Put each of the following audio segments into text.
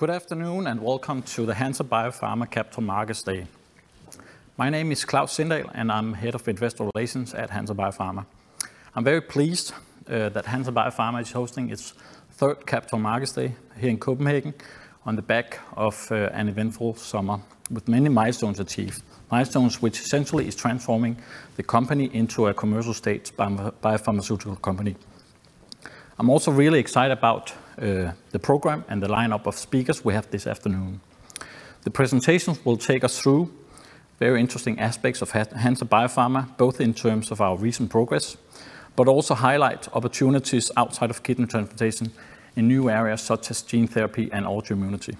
Good afternoon, and welcome to the Hansa Biopharma Capital Markets Day. My name is Klaus Sindahl, and I'm Head of Investor Relations at Hansa Biopharma. I'm very pleased that Hansa Biopharma is hosting its third Capital Markets Day here in Copenhagen on the back of an eventful summer with many milestones achieved. Milestones which essentially is transforming the company into a commercial-stage biopharmaceutical company. I'm also really excited about the program and the lineup of speakers we have this afternoon. The presentations will take us through very interesting aspects of Hansa Biopharma, both in terms of our recent progress, but also highlight opportunities outside of kidney transplantation in new areas such as gene therapy and autoimmunity.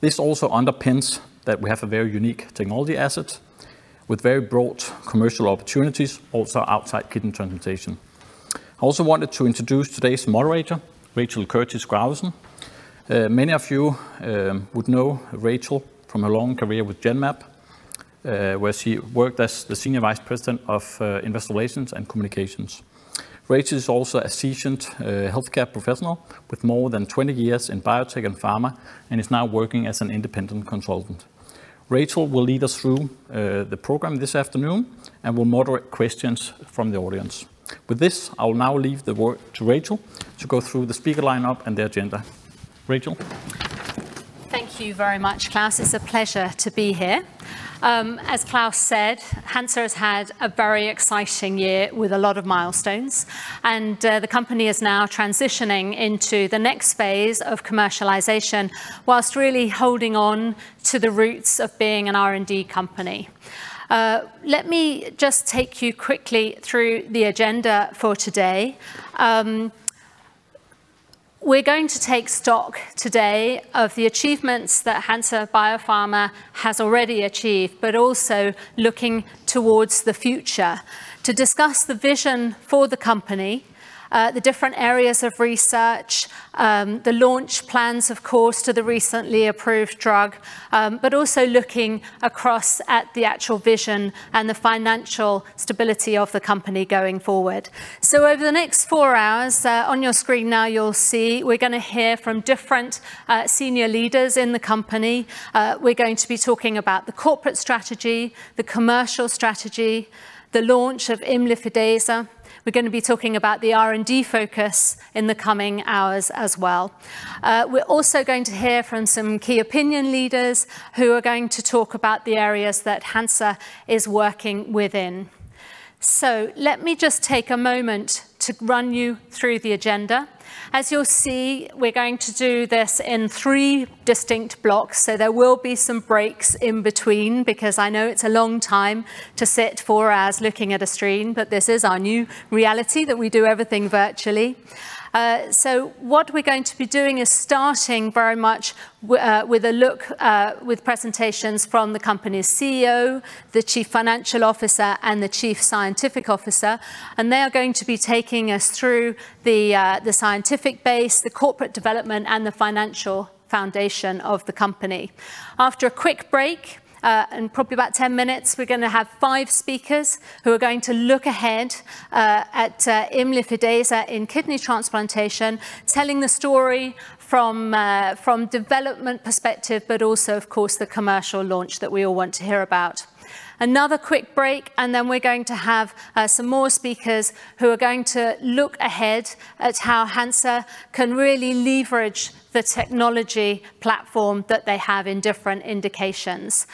This also underpins that we have a very unique technology asset with very broad commercial opportunities, also outside kidney transplantation. I also wanted to introduce today's moderator, Rachel Curtis Gravesen. Many of you would know Rachel from her long career with Genmab, where she worked as the senior vice president of Investor Relations and Communications. Rachel is also a seasoned healthcare professional with more than 20 years in biotech and pharma, and is now working as an independent consultant. Rachel will lead us through the program this afternoon and will moderate questions from the audience. With this, I will now leave the work to Rachel to go through the speaker lineup and the agenda. Rachel. Thank you very much, Klaus. It's a pleasure to be here. As Klaus said, Hansa has had a very exciting year with a lot of milestones. The company is now transitioning into the next phase of commercialization, whilst really holding on to the roots of being an R&D company. Let me just take you quickly through the agenda for today. We're going to take stock today of the achievements that Hansa Biopharma has already achieved, also looking towards the future to discuss the vision for the company, the different areas of research, the launch plans, of course, to the recently approved drug, but also looking across at the actual vision and the financial stability of the company going forward. Over the next four hours, on your screen now you'll see we're going to hear from different senior leaders in the company. We're going to be talking about the corporate strategy, the commercial strategy, the launch of imlifidase. We're going to be talking about the R&D focus in the coming hours as well. We're also going to hear from some key opinion leaders who are going to talk about the areas that Hansa is working within. Let me just take a moment to run you through the agenda. As you'll see, we're going to do this in three distinct blocks, so there will be some breaks in between, because I know it's a long time to sit four hours looking at a screen, but this is our new reality, that we do everything virtually. What we're going to be doing is starting very much with a look with presentations from the company's CEO, the Chief Financial Officer, and the Chief Scientific Officer, and they are going to be taking us through the scientific base, the corporate development, and the financial foundation of the company. After a quick break, in probably about 10 minutes, we're going to have five speakers who are going to look ahead at imlifidase in kidney transplantation, telling the story from a development perspective, but also, of course, the commercial launch that we all want to hear about. Another quick break, and then we're going to have some more speakers who are going to look ahead at how Hansa can really leverage the technology platform that they have in different indications.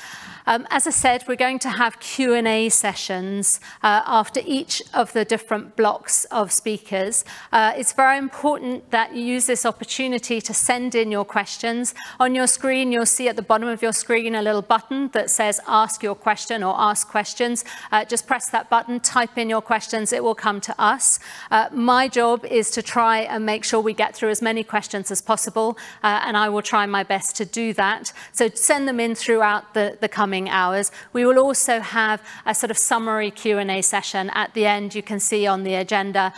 As I said, we're going to have Q&A sessions after each of the different blocks of speakers. It's very important that you use this opportunity to send in your questions. On your screen, you'll see at the bottom of your screen a little button that says Ask Your Question or Ask Questions. Just press that button, type in your questions. It will come to us. My job is to try and make sure we get through as many questions as possible. I will try my best to do that. Send them in throughout the coming hours. We will also have a sort of summary Q&A session at the end. You can see on the agenda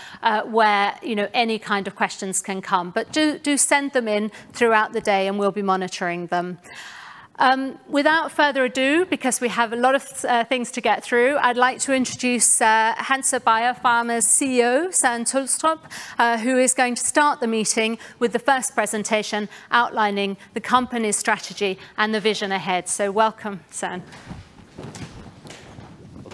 where any kind of questions can come. Do send them in throughout the day, and we'll be monitoring them. Without further ado, because we have a lot of things to get through, I'd like to introduce Hansa Biopharma's CEO, Søren Tulstrup, who is going to start the meeting with the first presentation outlining the company's strategy and the vision ahead. Welcome, Søren.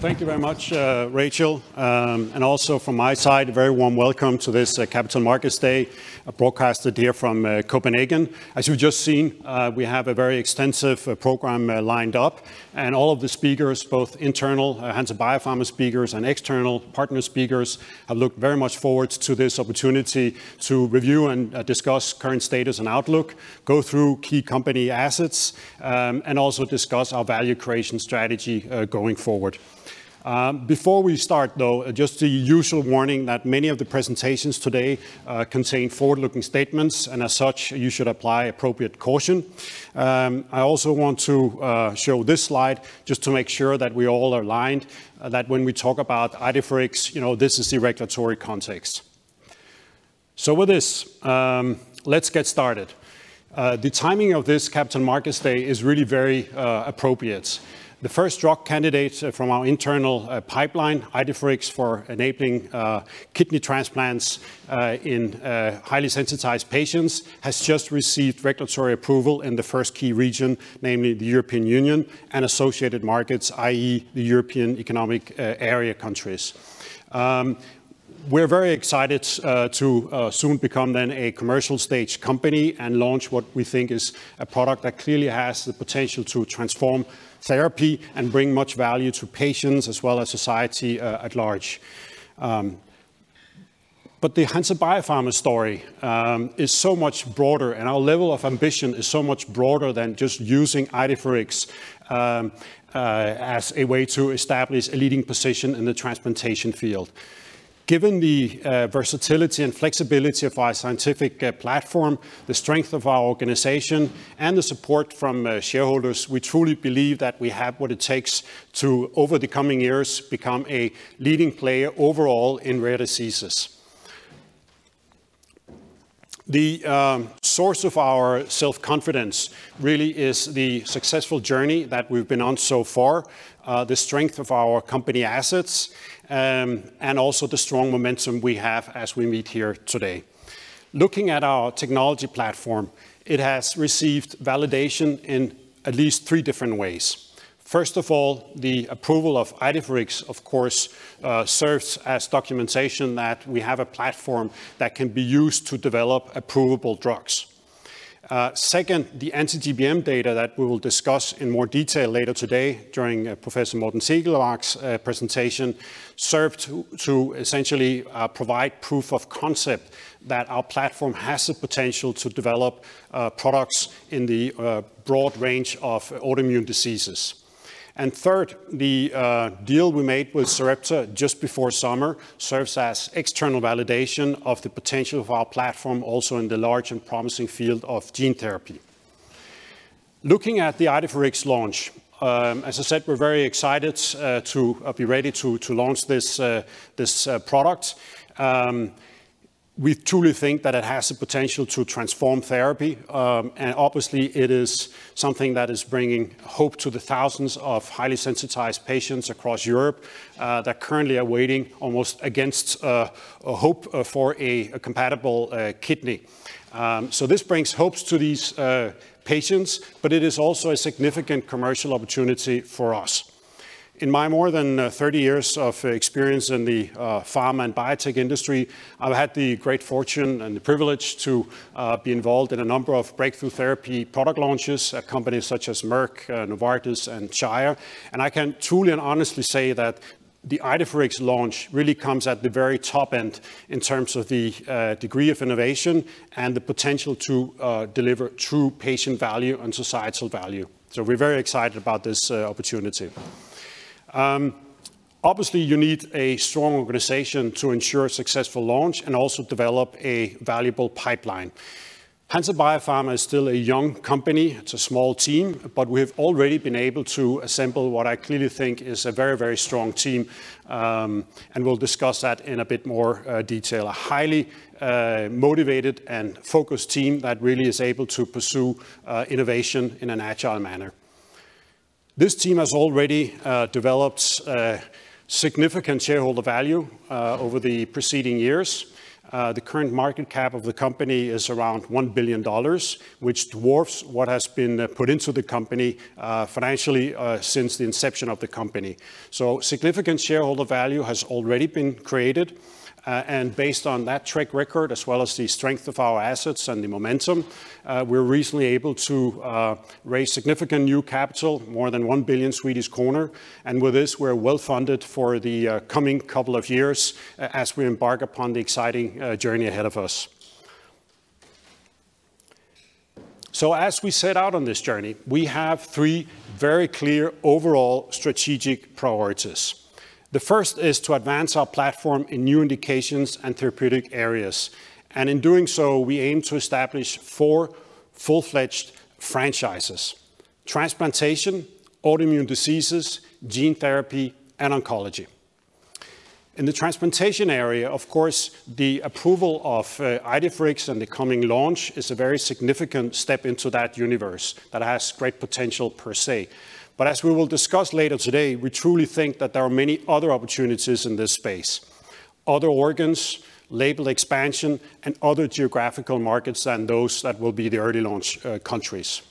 Thank you very much, Rachel, and also from my side, a very warm welcome to this Capital Markets Day broadcast here from Copenhagen. As you've just seen, we have a very extensive program lined up, and all of the speakers, both internal Hansa Biopharma speakers and external partner speakers, look very much forward to this opportunity to review and discuss current status and outlook, go through key company assets, and also discuss our value creation strategy going forward. Before we start, though, just the usual warning that many of the presentations today contain forward-looking statements, and as such, you should apply appropriate caution. I also want to show this slide just to make sure that we all are aligned, that when we talk about IDEFIRIX, this is the regulatory context. With this, let's get started. The timing of this Capital Markets Day is really very appropriate. The first drug candidate from our internal pipeline, IDEFIRIX, for enabling kidney transplants in highly sensitized patients, has just received regulatory approval in the first key region, namely the European Union and associated markets, i.e., the European Economic Area countries. We are very excited to soon become a commercial-stage company and launch what we think is a product that clearly has the potential to transform therapy and bring much value to patients as well as society at large. The Hansa Biopharma story is so much broader, and our level of ambition is so much broader than just using IDEFIRIX as a way to establish a leading position in the transplantation field. Given the versatility and flexibility of our scientific platform, the strength of our organization, and the support from shareholders, we truly believe that we have what it takes to, over the coming years, become a leading player overall in rare diseases. The source of our self-confidence really is the successful journey that we've been on so far, the strength of our company assets, and also the strong momentum we have as we meet here today. Looking at our technology platform, it has received validation in at least three different ways. First of all, the approval of IDEFIRIX, of course, serves as documentation that we have a platform that can be used to develop approvable drugs. Second, the anti-GBM data that we will discuss in more detail later today during Professor Mårten Segelmark's presentation served to essentially provide proof of concept that our platform has the potential to develop products in the broad range of autoimmune diseases. Third, the deal we made with Sarepta just before summer serves as external validation of the potential of our platform also in the large and promising field of gene therapy. Looking at the IDEFIRIX launch, as I said, we're very excited to be ready to launch this product. We truly think that it has the potential to transform therapy. Obviously it is something that is bringing hope to the thousands of highly sensitized patients across Europe that currently are waiting almost against hope for a compatible kidney. This brings hopes to these patients, but it is also a significant commercial opportunity for us. In my more than 30 years of experience in the pharma and biotech industry, I've had the great fortune and the privilege to be involved in a number of breakthrough therapy product launches at companies such as Merck, Novartis, and Shire. I can truly and honestly say that the IDEFIRIX launch really comes at the very top end in terms of the degree of innovation and the potential to deliver true patient value and societal value. We're very excited about this opportunity. Obviously, you need a strong organization to ensure a successful launch and also develop a valuable pipeline. Hansa Biopharma is still a young company. It's a small team, but we have already been able to assemble what I clearly think is a very strong team. We'll discuss that in a bit more detail. A highly motivated and focused team that really is able to pursue innovation in an agile manner. This team has already developed significant shareholder value over the preceding years. The current market cap of the company is around $1 billion, which dwarfs what has been put into the company financially since the inception of the company. Significant shareholder value has already been created. Based on that track record, as well as the strength of our assets and the momentum, we were recently able to raise significant new capital, more than 1 billion. With this, we're well-funded for the coming couple of years as we embark upon the exciting journey ahead of us. As we set out on this journey, we have three very clear overall strategic priorities. The first is to advance our platform in new indications and therapeutic areas. In doing so, we aim to establish four full-fledged franchises: transplantation, autoimmune diseases, gene therapy, and oncology. In the transplantation area, of course, the approval of IDEFIRIX and the coming launch is a very significant step into that universe that has great potential per se. As we will discuss later today, we truly think that there are many other opportunities in this space. Other organs, label expansion, and other geographical markets than those that will be the early launch countries.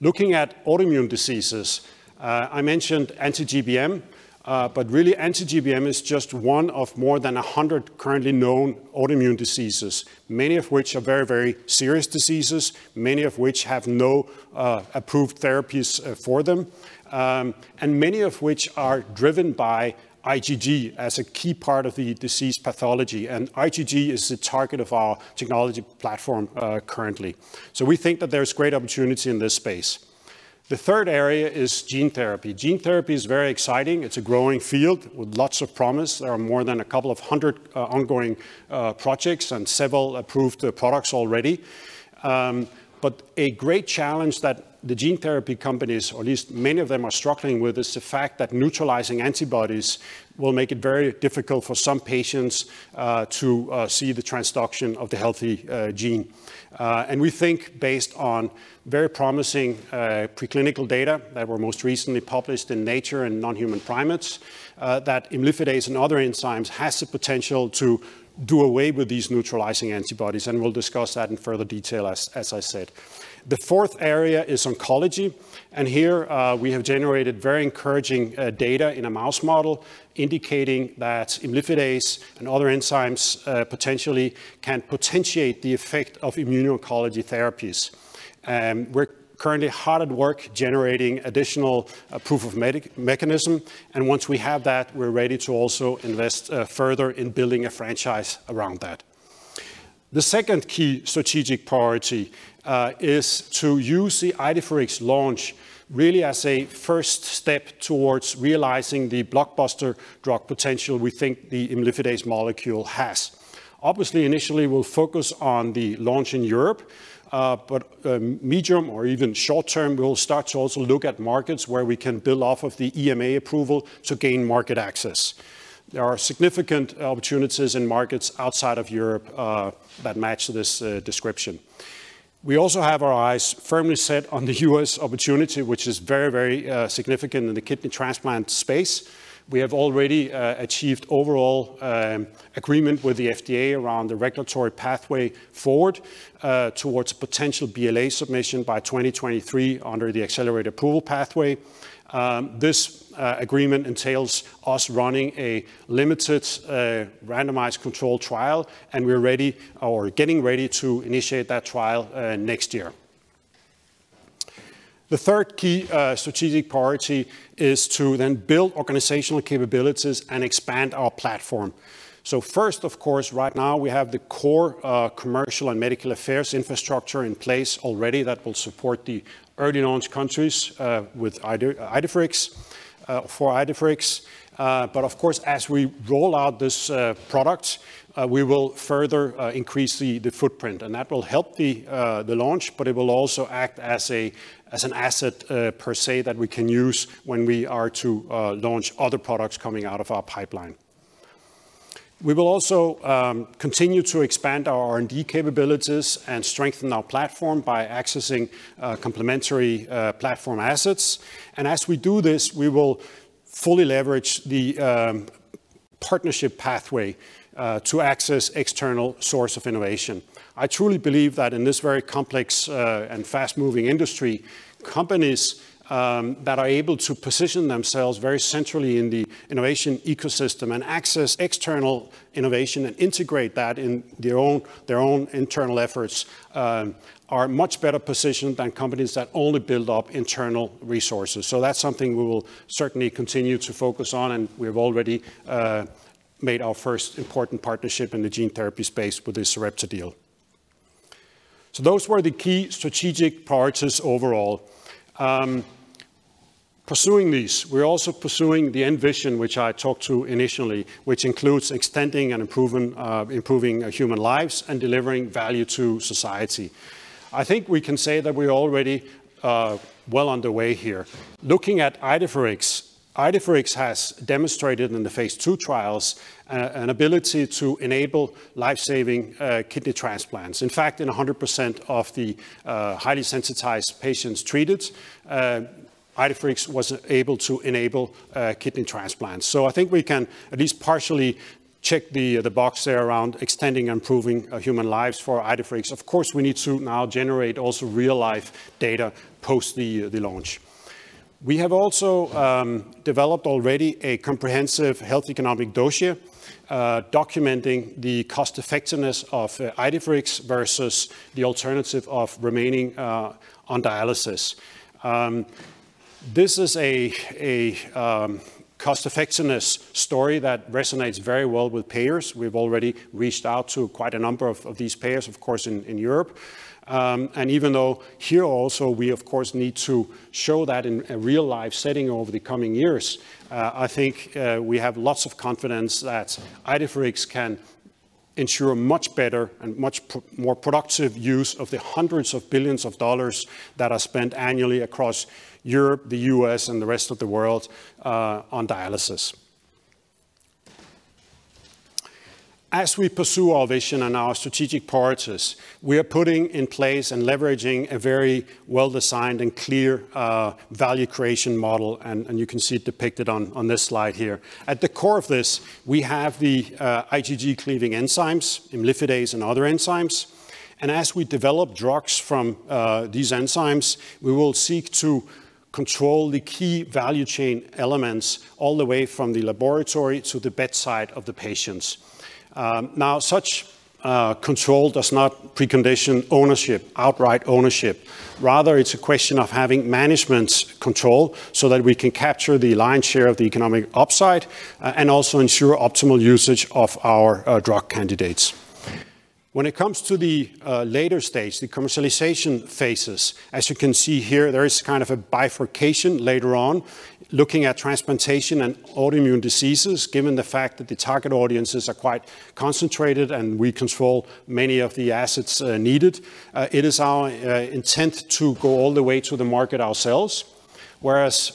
Looking at autoimmune diseases, I mentioned anti-GBM, but really anti-GBM is just one of more than 100 currently known autoimmune diseases, many of which are very serious diseases, many of which have no approved therapies for them, and many of which are driven by IgG as a key part of the disease pathology, and IgG is the target of our technology platform currently. We think that there's great opportunity in this space. The third area is gene therapy. Gene therapy is very exciting. It's a growing field with lots of promise. There are more than a couple of 100 ongoing projects and several approved products already. A great challenge that the gene therapy companies or at least many of them are struggling with, is the fact that neutralizing antibodies will make it very difficult for some patients to see the transduction of the healthy gene. We think based on very promising preclinical data that were most recently published in Nature and non-human primates, that imlifidase and other enzymes has the potential to do away with these neutralizing antibodies, and we'll discuss that in further detail as I said. The fourth area is oncology, and here we have generated very encouraging data in a mouse model, indicating that imlifidase and other enzymes potentially can potentiate the effect of immuno-oncology therapies. We're currently hard at work generating additional proof of mechanism, and once we have that, we're ready to also invest further in building a franchise around that. The second key strategic priority is to use the IDEFIRIX launch really as a first step towards realizing the blockbuster drug potential we think the imlifidase molecule has. Initially, we'll focus on the launch in Europe. Medium or even short-term, we'll start to also look at markets where we can build off of the EMA approval to gain market access. There are significant opportunities in markets outside of Europe that match this description. We also have our eyes firmly set on the U.S. opportunity, which is very, very significant in the kidney transplant space. We have already achieved overall agreement with the FDA around the regulatory pathway forward towards potential BLA submission by 2023 under the accelerated approval pathway. This agreement entails us running a limited randomized control trial, we're getting ready to initiate that trial next year. The third key strategic priority is to build organizational capabilities and expand our platform. First, of course, right now we have the core commercial and medical affairs infrastructure in place already that will support the early launch countries for IDEFIRIX. Of course, as we roll out this product, we will further increase the footprint, and that will help the launch, but it will also act as an asset, per se, that we can use when we are to launch other products coming out of our pipeline. We will also continue to expand our R&D capabilities and strengthen our platform by accessing complementary platform assets. As we do this, we will fully leverage the partnership pathway to access external source of innovation. I truly believe that in this very complex and fast-moving industry, companies that are able to position themselves very centrally in the innovation ecosystem and access external innovation and integrate that in their own internal efforts are much better positioned than companies that only build up internal resources. That's something we will certainly continue to focus on, and we've already made our first important partnership in the gene therapy space with this Sarepta deal. Those were the key strategic priorities overall. Pursuing these, we're also pursuing the end vision, which I talked to initially, which includes extending and improving human lives and delivering value to society. I think we can say that we are already well underway here. Looking at IDEFIRIX has demonstrated in the phase II trials an ability to enable life-saving kidney transplants. In fact, in 100% of the highly sensitized patients treated, IDEFIRIX was able to enable kidney transplants. I think we can at least partially check the box there around extending and improving human lives for IDEFIRIX. Of course, we need to now generate also real-life data post the launch. We have also developed already a comprehensive health economic dossier documenting the cost-effectiveness of IDEFIRIX versus the alternative of remaining on dialysis. This is a cost-effectiveness story that resonates very well with payers. We've already reached out to quite a number of these payers, of course, in Europe. Even though here also we of course need to show that in a real-life setting over the coming years, I think we have lots of confidence that IDEFIRIX can ensure much better and much more productive use of the hundreds of billions of dollars that are spent annually across Europe, the U.S., and the rest of the world on dialysis. As we pursue our vision and our strategic priorities, we are putting in place and leveraging a very well-designed and clear value creation model, and you can see it depicted on this slide here. At the core of this, we have the IgG-cleaving enzymes, imlifidase and other enzymes. As we develop drugs from these enzymes, we will seek to control the key value chain elements all the way from the laboratory to the bedside of the patients. Now, such control does not precondition ownership, outright ownership. Rather, it's a question of having management control so that we can capture the lion's share of the economic upside and also ensure optimal usage of our drug candidates. When it comes to the later stage, the commercialization phases, as you can see here, there is kind of a bifurcation later on looking at transplantation and autoimmune diseases, given the fact that the target audiences are quite concentrated and we control many of the assets needed. It is our intent to go all the way to the market ourselves.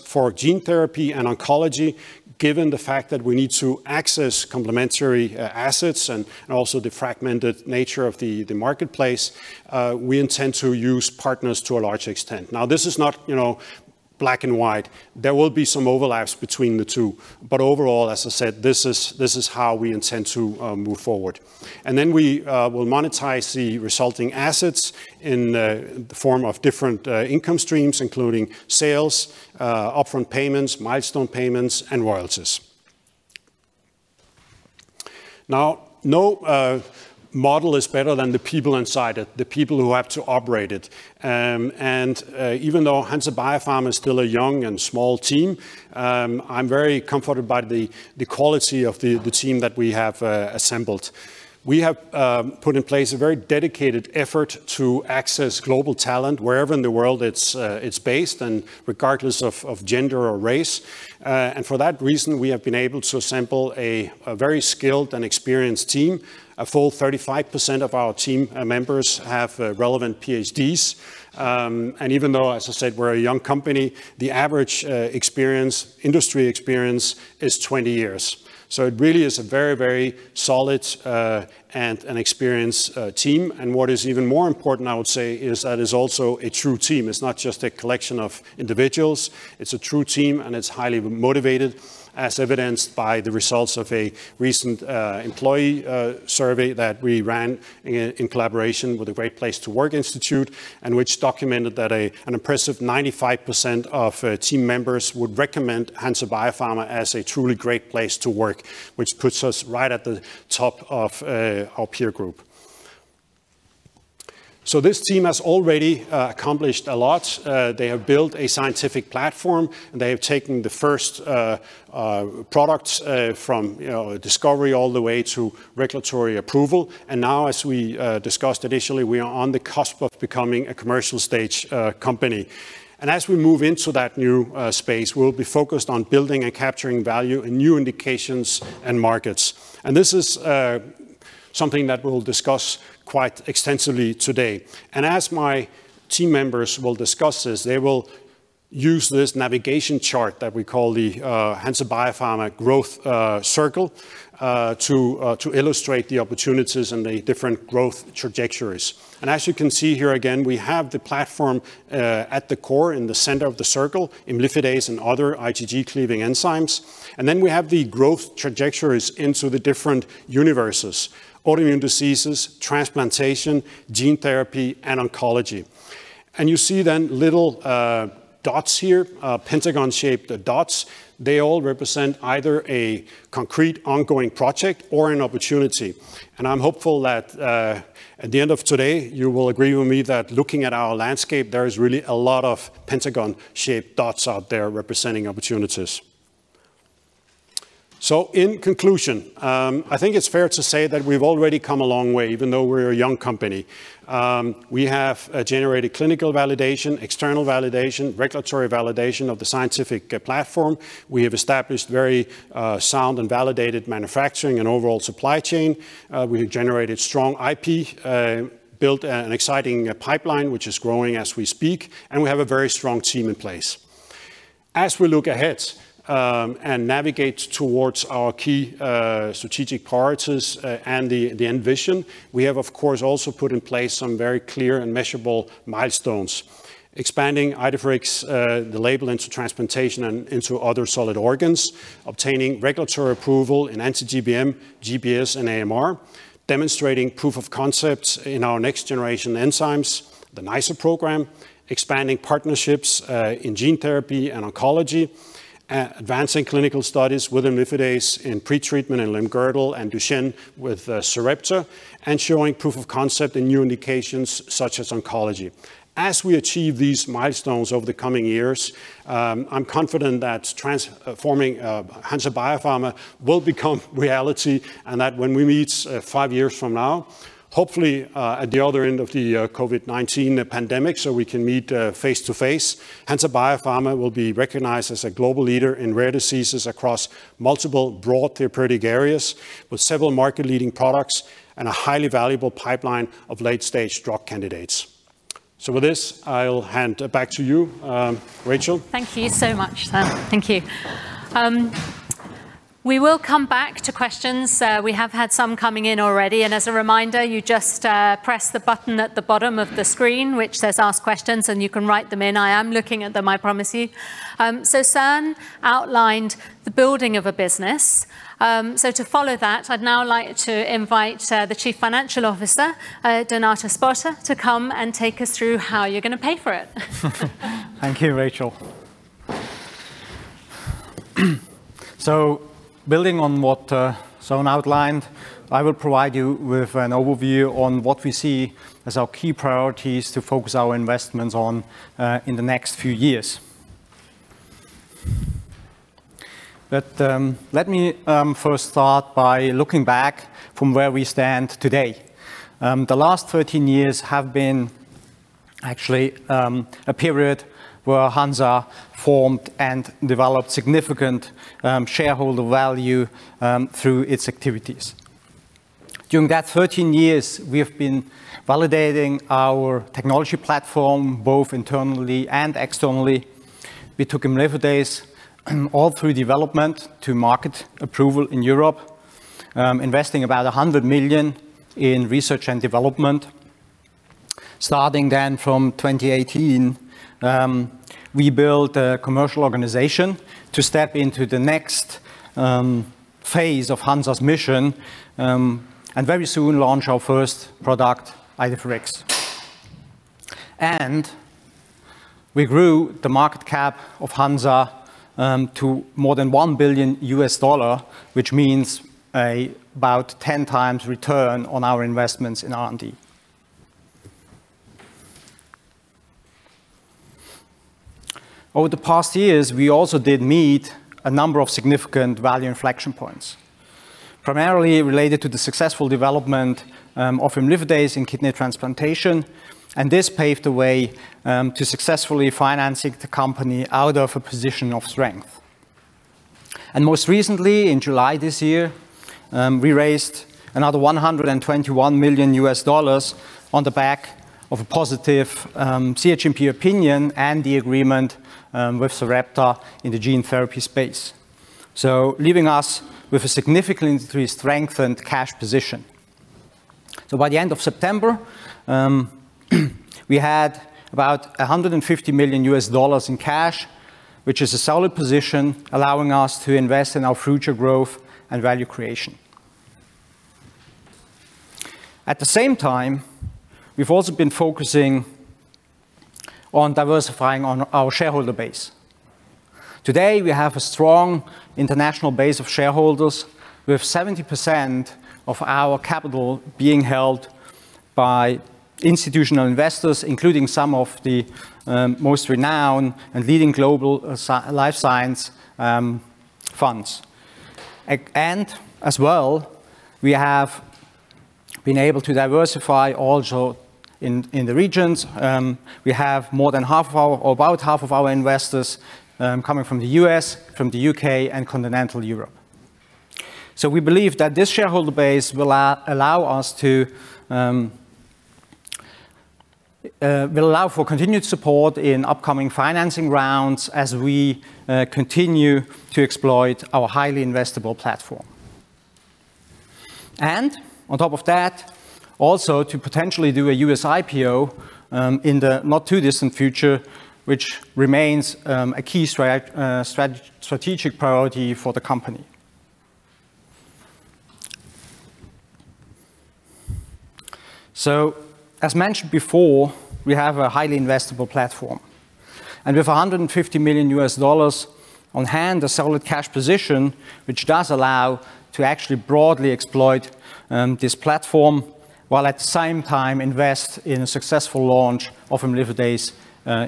For gene therapy and oncology, given the fact that we need to access complementary assets and also the fragmented nature of the marketplace, we intend to use partners to a large extent. This is not black and white. There will be some overlaps between the two, but overall, as I said, this is how we intend to move forward. Then we will monetize the resulting assets in the form of different income streams, including sales, upfront payments, milestone payments, and royalties. No model is better than the people inside it, the people who have to operate it. Even though Hansa Biopharma is still a young and small team, I'm very comforted by the quality of the team that we have assembled. We have put in place a very dedicated effort to access global talent wherever in the world it's based and regardless of gender or race. For that reason, we have been able to assemble a very skilled and experienced team. A full 35% of our team members have relevant PhDs. Even though, as I said, we're a young company, the average industry experience is 20 years. It really is a very solid and an experienced team. What is even more important, I would say, is that it is also a true team. It's not just a collection of individuals. It's a true team, and it's highly motivated, as evidenced by the results of a recent employee survey that we ran in collaboration with the Great Place To Work Institute, and which documented that an impressive 95% of team members would recommend Hansa Biopharma as a truly great place to work, which puts us right at the top of our peer group. This team has already accomplished a lot. They have built a scientific platform, they have taken the first products from discovery all the way to regulatory approval. Now, as we discussed initially, we are on the cusp of becoming a commercial stage company. As we move into that new space, we'll be focused on building and capturing value in new indications and markets. This is something that we'll discuss quite extensively today. As my team members will discuss this, they will use this navigation chart that we call the Hansa Biopharma Growth Circle to illustrate the opportunities and the different growth trajectories. As you can see here again, we have the platform at the core in the center of the circle, imlifidase and other IgG-cleaving enzymes. We have the growth trajectories into the different universes, autoimmune diseases, transplantation, gene therapy, and oncology. You see then little dots here, pentagon-shaped dots. They all represent either a concrete ongoing project or an opportunity. I'm hopeful that at the end of today you will agree with me that looking at our landscape, there is really a lot of pentagon-shaped dots out there representing opportunities. In conclusion, I think it's fair to say that we've already come a long way, even though we're a young company. We have generated clinical validation, external validation, regulatory validation of the scientific platform. We have established very sound and validated manufacturing and overall supply chain. We have generated strong IP, built an exciting pipeline, which is growing as we speak, and we have a very strong team in place. As we look ahead and navigate towards our key strategic priorities and the end vision, we have, of course, also put in place some very clear and measurable milestones. Expanding IDEFIRIX, the label into transplantation and into other solid organs, obtaining regulatory approval in anti-GBM, GBS, and AMR, demonstrating proof of concepts in our next-generation enzymes, the NiceR program, expanding partnerships in gene therapy and oncology, advancing clinical studies with imlifidase in pretreatment in limb-girdle and Duchenne with Sarepta, and showing proof of concept in new indications such as oncology. As we achieve these milestones over the coming years, I'm confident that transforming Hansa Biopharma will become reality, and that when we meet five years from now, hopefully, at the other end of the COVID-19 pandemic, so we can meet face-to-face, Hansa Biopharma will be recognized as a global leader in rare diseases across multiple broad therapeutic areas with several market-leading products and a highly valuable pipeline of late-stage drug candidates. With this, I'll hand back to you, Rachel. Thank you so much, Søren. Thank you. We will come back to questions. We have had some coming in already, and as a reminder, you just press the button at the bottom of the screen, which says Ask Questions, and you can write them in. I am looking at them, I promise you. Søren outlined the building of a business. To follow that, I'd now like to invite the Chief Financial Officer, Donato Spota, to come and take us through how you're going to pay for it. Thank you, Rachel. Building on what Søren outlined, I will provide you with an overview on what we see as our key priorities to focus our investments on in the next few years. Let me first start by looking back from where we stand today. The last 13 years have been actually a period where Hansa formed and developed significant shareholder value through its activities. During that 13 years, we have been validating our technology platform, both internally and externally. We took imlifidase all through development to market approval in Europe, investing about $100 million in research and development. Starting then from 2018, we built a commercial organization to step into the next phase of Hansa's mission, and very soon launch our first product, IDEFIRIX. We grew the market cap of Hansa to more than $1 billion, which means about 10x return on our investments in R&D. Over the past years, we also did meet a number of significant value inflection points, primarily related to the successful development of imlifidase in kidney transplantation, and this paved the way to successfully financing the company out of a position of strength. Most recently, in July this year, we raised another $121 million on the back of a positive CHMP opinion and the agreement with Sarepta in the gene therapy space. Leaving us with a significantly strengthened cash position. By the end of September we had about $150 million in cash, which is a solid position, allowing us to invest in our future growth and value creation. At the same time, we've also been focusing on diversifying our shareholder base. Today, we have a strong international base of shareholders, with 70% of our capital being held by institutional investors, including some of the most renowned and leading global life science funds. As well, we have been able to diversify also in the regions. We have more than half of our, or about half of our investors coming from the U.S., from the U.K., and continental Europe. We believe that this shareholder base will allow for continued support in upcoming financing rounds as we continue to exploit our highly investable platform. On top of that, also to potentially do a U.S. IPO in the not too distant future, which remains a key strategic priority for the company. As mentioned before, we have a highly investable platform, and we have $150 million on-hand, a solid cash position, which does allow to actually broadly exploit this platform, while at the same time invest in a successful launch of imlifidase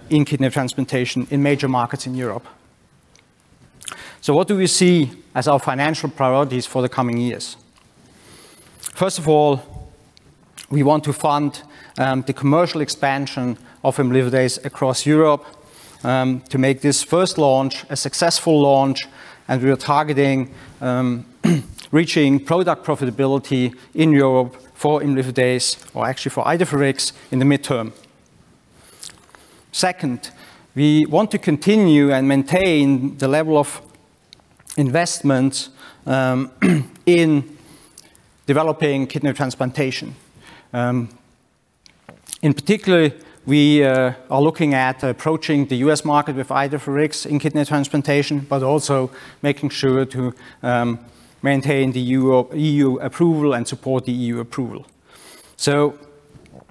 in kidney transplantation in major markets in Europe. What do we see as our financial priorities for the coming years? First of all, we want to fund the commercial expansion of imlifidase across Europe, to make this first launch a successful launch, and we are targeting reaching product profitability in Europe for imlifidase, or actually for IDEFIRIX, in the midterm. Second, we want to continue and maintain the level of investment in developing kidney transplantation. In particular, we are looking at approaching the U.S. market with IDEFIRIX in kidney transplantation, but also making sure to maintain the Europe EU approval and support the EU approval.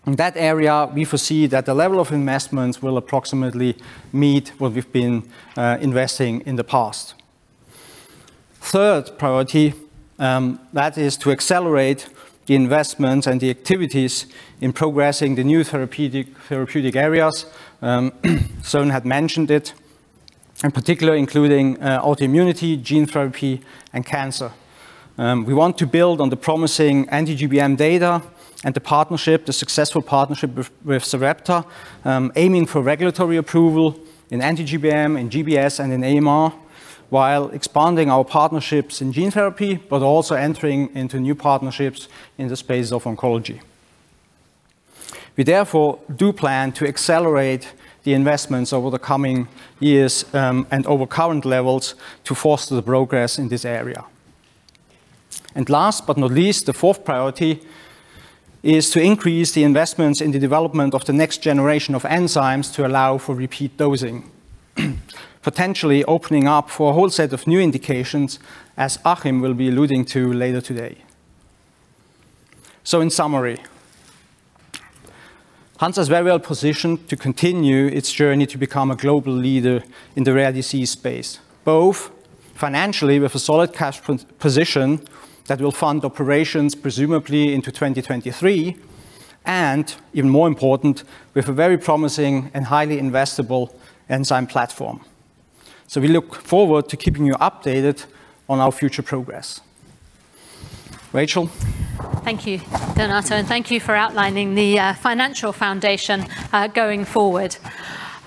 In that area, we foresee that the level of investments will approximately meet what we've been investing in the past. Third priority, that is to accelerate the investments and the activities in progressing the new therapeutic areas, Søren had mentioned it, in particular, including autoimmunity, gene therapy, and cancer. We want to build on the promising anti-GBM data and the partnership, the successful partnership with Sarepta, aiming for regulatory approval in anti-GBM, in GBS, and in AMR, while expanding our partnerships in gene therapy, but also entering into new partnerships in the space of oncology. We therefore do plan to accelerate the investments over the coming years, and over current levels to foster the progress in this area. Last but not least, the fourth priority is to increase the investments in the development of the next generation of enzymes to allow for repeat dosing, potentially opening up for a whole set of new indications, as Achim will be alluding to later today. In summary, Hansa is very well positioned to continue its journey to become a global leader in the rare disease space, both financially with a solid cash position that will fund operations presumably into 2023, and even more important, with a very promising and highly investable enzyme platform. We look forward to keeping you updated on our future progress. Rachel? Thank you, Donato, and thank you for outlining the financial foundation going forward.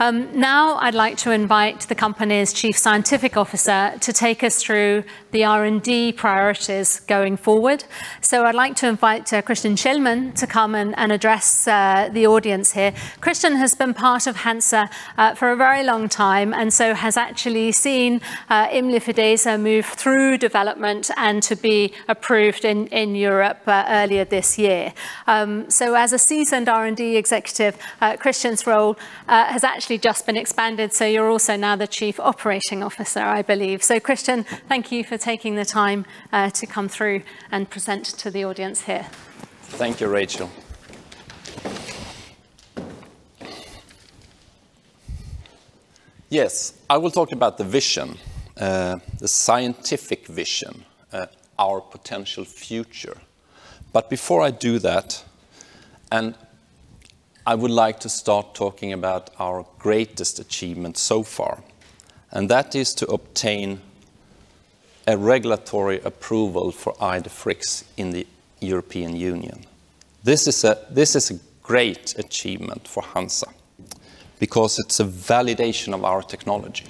Now I'd like to invite the company's Chief Scientific Officer to take us through the R&D priorities going forward. I'd like to invite Christian Kjellman to come and address the audience here. Christian has been part of Hansa for a very long time, and so has actually seen imlifidase move through development and to be approved in Europe earlier this year. As a seasoned R&D executive, Christian's role has actually just been expanded, so you're also now the Chief Operating Officer, I believe. Christian, thank you for taking the time to come through and present to the audience here. Thank you, Rachel. Yes, I will talk about the vision, the scientific vision, our potential future. Before I do that, I would like to start talking about our greatest achievement so far, that is to obtain a regulatory approval for IDEFIRIX in the European Union. This is a great achievement for Hansa because it's a validation of our technology.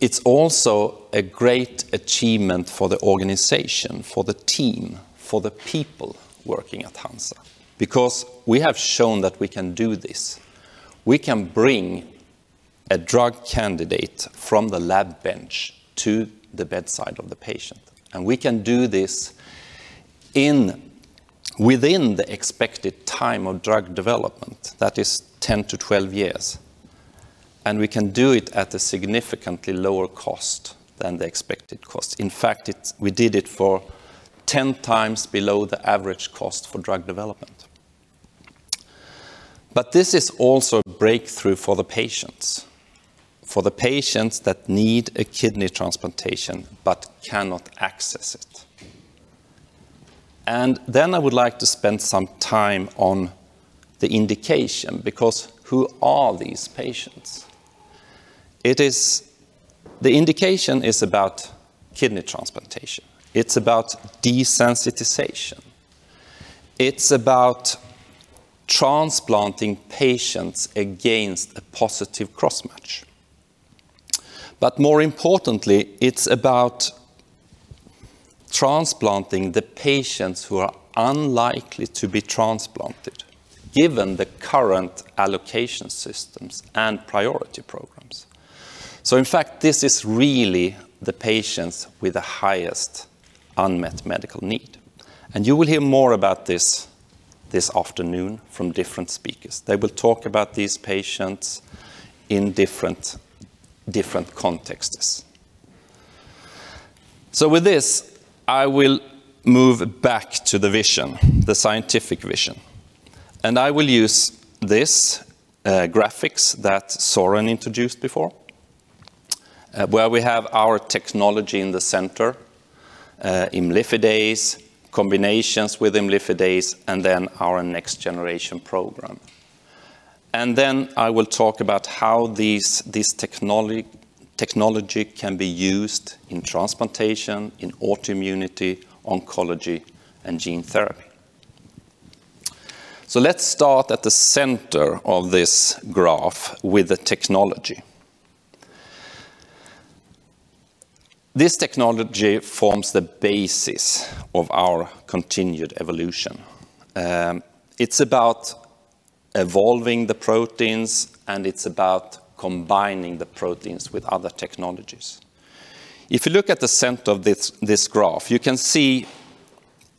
It's also a great achievement for the organization, for the team, for the people working at Hansa, because we have shown that we can do this. We can bring a drug candidate from the lab bench to the bedside of the patient, we can do this within the expected time of drug development, that is 10-12 years. We can do it at a significantly lower cost than the expected cost. In fact, we did it for 10 times below the average cost for drug development. This is also a breakthrough for the patients, for the patients that need a kidney transplantation but cannot access it. Then I would like to spend some time on the indication, because who are these patients? The indication is about kidney transplantation. It's about desensitization. It's about transplanting patients against a positive cross-match. More importantly, it's about transplanting the patients who are unlikely to be transplanted given the current allocation systems and priority programs. In fact, this is really the patients with the highest unmet medical need. You will hear more about this this afternoon from different speakers. They will talk about these patients in different contexts. With this, I will move back to the vision, the scientific vision. I will use this graphic that Søren introduced before, where we have our technology in the center, imlifidase, combinations with imlifidase, and then our next-generation program. I will talk about how this technology can be used in transplantation, in autoimmunity, oncology, and gene therapy. Let's start at the center of this graph with the technology. This technology forms the basis of our continued evolution. It's about evolving the proteins, and it's about combining the proteins with other technologies. If you look at the center of this graph, you can see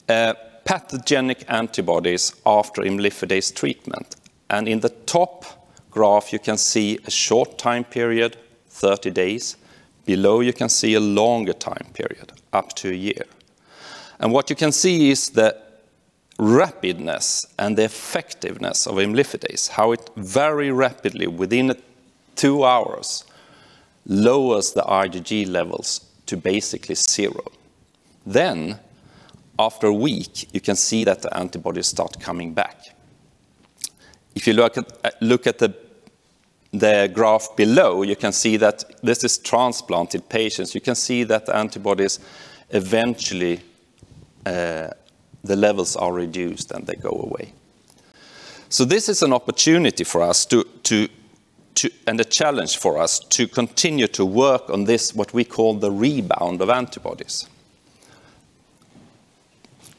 pathogenic antibodies after imlifidase treatment. In the top graph, you can see a short time period, 30 days. Below, you can see a longer time period, up to a year. What you can see is the rapidness and the effectiveness of imlifidase, how it very rapidly within two hours lowers the IgG levels to basically zero. After a week, you can see that the antibodies start coming back. If you look at the graph below, you can see that this is transplanted patients. You can see that the antibodies, eventually, the levels are reduced, and they go away. This is an opportunity for us and a challenge for us to continue to work on this, what we call the rebound of antibodies,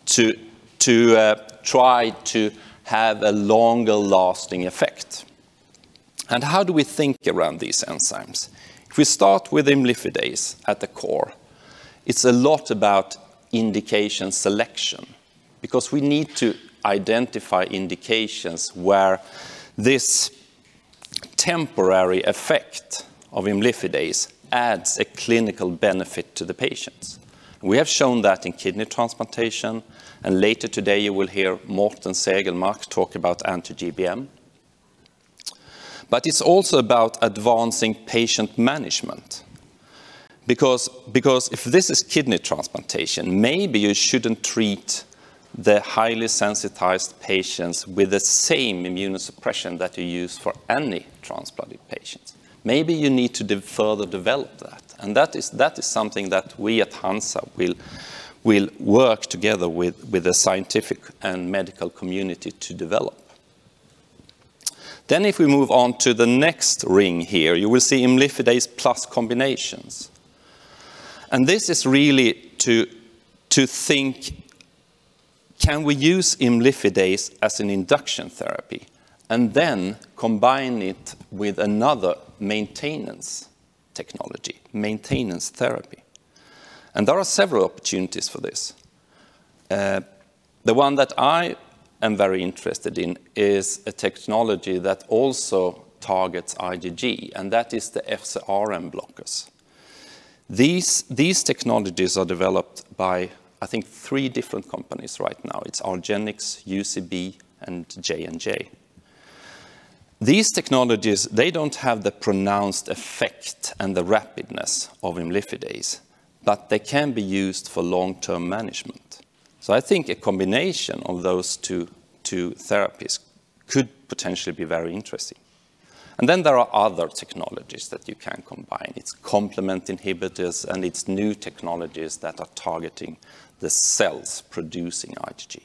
to try to have a longer lasting effect. How do we think around these enzymes? If we start with imlifidase at the core, it's a lot about indication selection because we need to identify indications where this temporary effect of imlifidase adds a clinical benefit to the patients. We have shown that in kidney transplantation, later today you will hear Mårten Segelmark talk about anti-GBM. It's also about advancing patient management. If this is kidney transplantation, maybe you shouldn't treat the highly sensitized patients with the same immunosuppression that you use for any transplanted patients. Maybe you need to further develop that. That is something that we at Hansa will work together with the scientific and medical community to develop. If we move on to the next ring here, you will see imlifidase plus combinations. This is really to think, can we use imlifidase as an induction therapy and then combine it with another maintenance technology, maintenance therapy? There are several opportunities for this. The one that I am very interested in is a technology that also targets IgG. That is the FcRn blockers. These technologies are developed by, I think, three different companies right now. It's argenx, UCB, and J&J. These technologies, they don't have the pronounced effect and the rapidness of imlifidase, but they can be used for long-term management. I think a combination of those two therapies could potentially be very interesting. There are other technologies that you can combine. It's complement inhibitors, and it's new technologies that are targeting the cells producing IgG.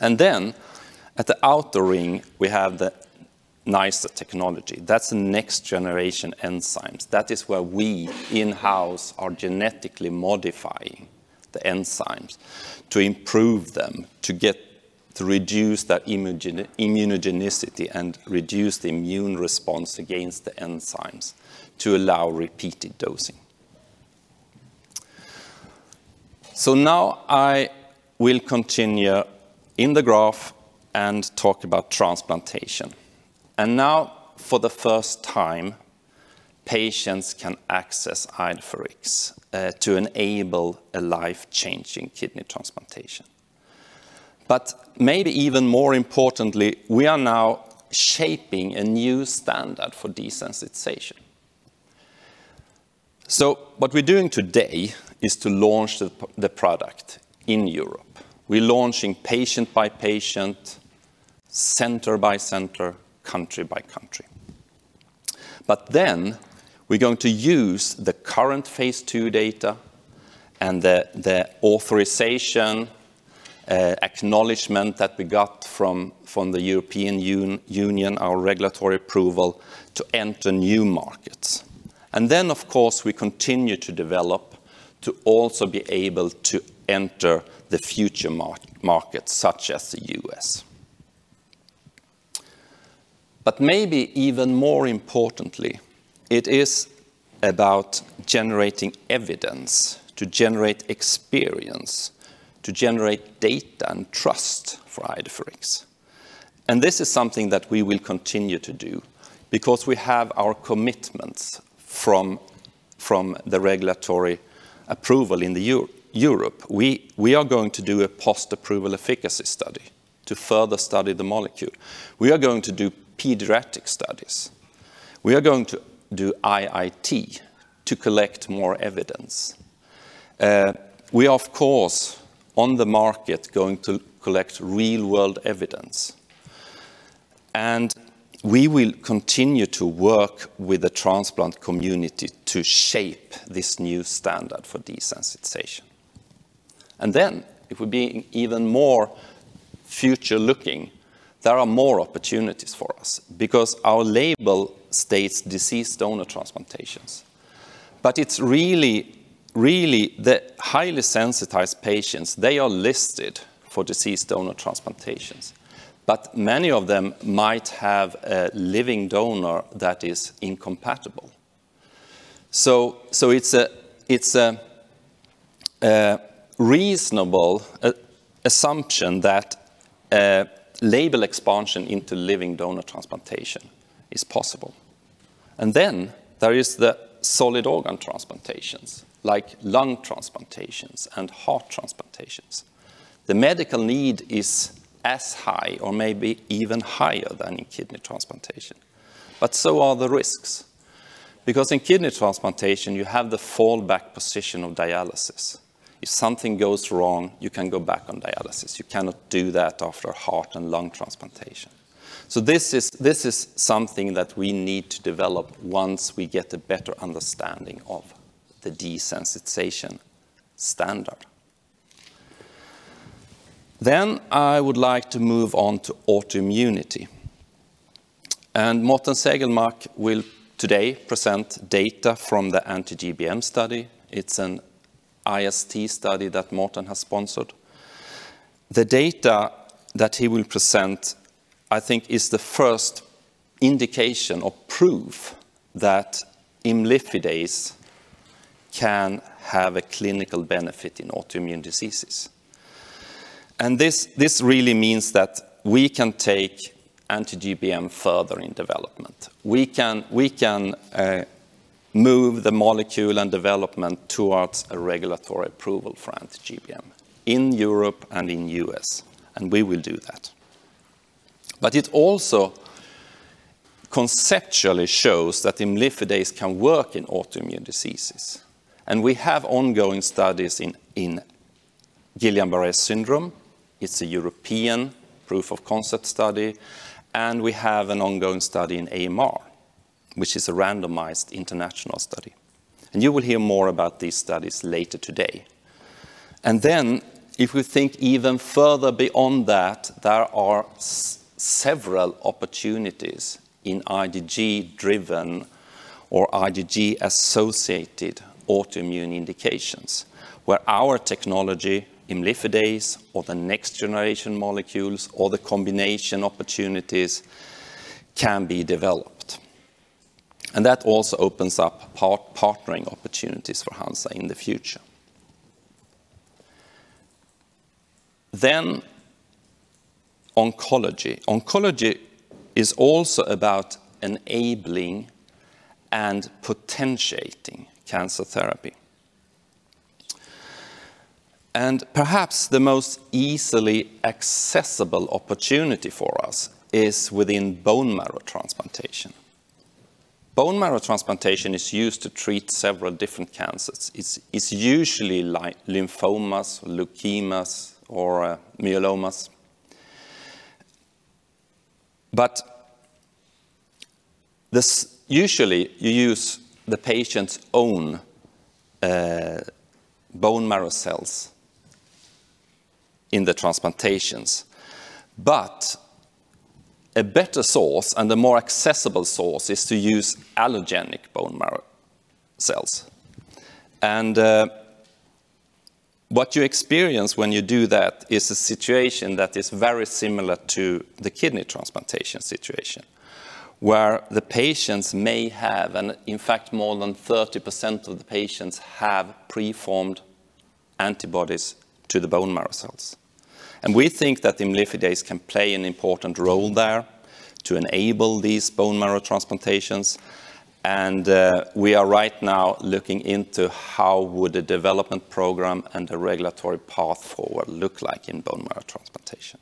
And then, the outer ring, we have the NiceR technology. That's the next generation enzymes. That is where we in-house are genetically modifying the enzymes to improve them, to reduce that immunogenicity and reduce the immune response against the enzymes to allow repeated dosing. So, now I will continue in the graph and talk about transplantation. Now, for the first time, patients can access IDEFIRIX to enable a life-changing kidney transplantation. Maybe even more importantly, we are now shaping a new standard for desensitization. What we're doing today is to launch the product in Europe. We're launching patient by patient, center by center, country by country. But then, we're going to use the current phase II data and the authorization, acknowledgement that we got from the European Union, our regulatory approval to enter new markets. Of course, we continue to develop to also be able to enter the future markets, such as the U.S. Maybe even more importantly, it is about generating evidence to generate experience, to generate data and trust for IDEFIRIX. This is something that we will continue to do because we have our commitments from the regulatory approval in Europe. We are going to do a post-approval efficacy study to further study the molecule. We are going to do pediatric studies. We are going to do IIT to collect more evidence. We, of course, on the market, going to collect real-world evidence. We will continue to work with the transplant community to shape this new standard for desensitization. If we're being even more future-looking, there are more opportunities for us because our label states deceased donor transplantations. It's really the highly sensitized patients, they are listed for deceased donor transplantations. Many of them might have a living donor that is incompatible. It's a reasonable assumption that label expansion into living donor transplantation is possible. There is the solid organ transplantations, like lung transplantations and heart transplantations. The medical need is as high or maybe even higher than in kidney transplantation, but so are the risks. In kidney transplantation, you have the fallback position of dialysis. If something goes wrong, you can go back on dialysis. You cannot do that after heart and lung transplantation. This is something that we need to develop once we get a better understanding of the desensitization standard. Then I would like to move on to autoimmunity. Mårten Segelmark will today present data from the anti-GBM study. It is an IST study that Mårten has sponsored. The data that he will present, I think, is the first indication or proof that imlifidase can have a clinical benefit in autoimmune diseases. This really means that we can take anti-GBM further in development. We can move the molecule and development towards a regulatory approval for anti-GBM in Europe and in U.S., and we will do that. It also conceptually shows that imlifidase can work in autoimmune diseases. We have ongoing studies in Guillain-Barré Syndrome. It's a European proof of concept study. We have an ongoing study in AMR, which is a randomized international study. You will hear more about these studies later today. If we think even further beyond that, there are several opportunities in IgG driven or IgG associated autoimmune indications where our technology, imlifidase or the next generation molecules or the combination opportunities can be developed. That also opens up partnering opportunities for Hansa in the future. Then oncology. Oncology is also about enabling and potentiating cancer therapy. Perhaps the most easily accessible opportunity for us is within bone marrow transplantation. Bone marrow transplantation is used to treat several different cancers. It is usually lymphomas, leukemias, or myelomas. Usually, you use the patient's own bone marrow cells in the transplantations, but a better source and a more accessible source is to use allogenic bone marrow cells. What you experience when you do that is a situation that is very similar to the kidney transplantation situation, where the patients may have, and in fact, more than 30% of the patients have preformed antibodies to the bone marrow cells. We think that imlifidase can play an important role there to enable these bone marrow transplantations, and we are right now looking into how would the development program and the regulatory path forward look like in bone marrow transplantation.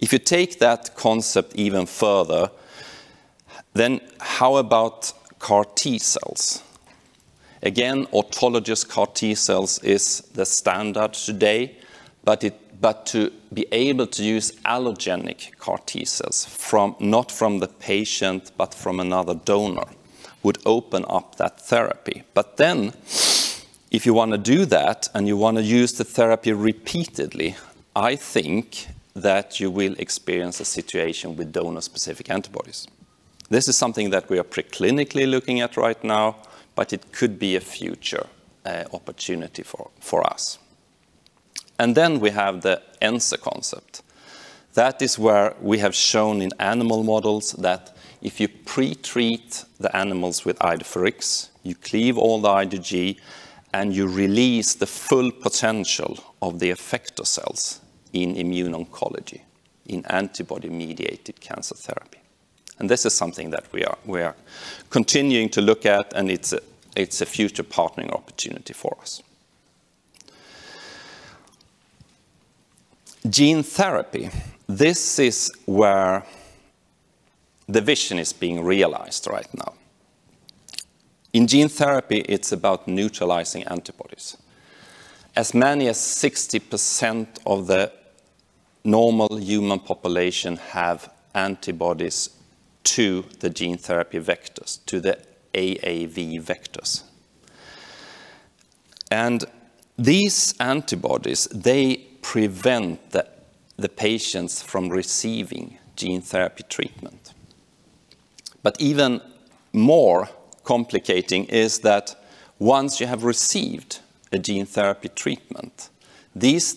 If you take that concept even further, then how about CAR T-cells? Again, autologous CAR T-cells is the standard today. To be able to use allogenic CAR T-cells, not from the patient but from another donor, would open up that therapy. If you want to do that and you want to use the therapy repeatedly, I think that you will experience a situation with donor-specific antibodies. This is something that we are pre-clinically looking at right now, but it could be a future opportunity for us. We have the ENSA concept. That is where we have shown in animal models that if you pre-treat the animals with IDEFIRIX, you cleave all the IgG, and you release the full potential of the effector cells in immune oncology, in antibody-mediated cancer therapy. This is something that we are continuing to look at, and it's a future partnering opportunity for us. Gene therapy. This is where the vision is being realized right now. In gene therapy, it's about neutralizing antibodies. As many as 60% of the normal human population have antibodies to the gene therapy vectors, to the AAV vectors. These antibodies, they prevent the patients from receiving gene therapy treatment. Even more complicating is that once you have received a gene therapy treatment, these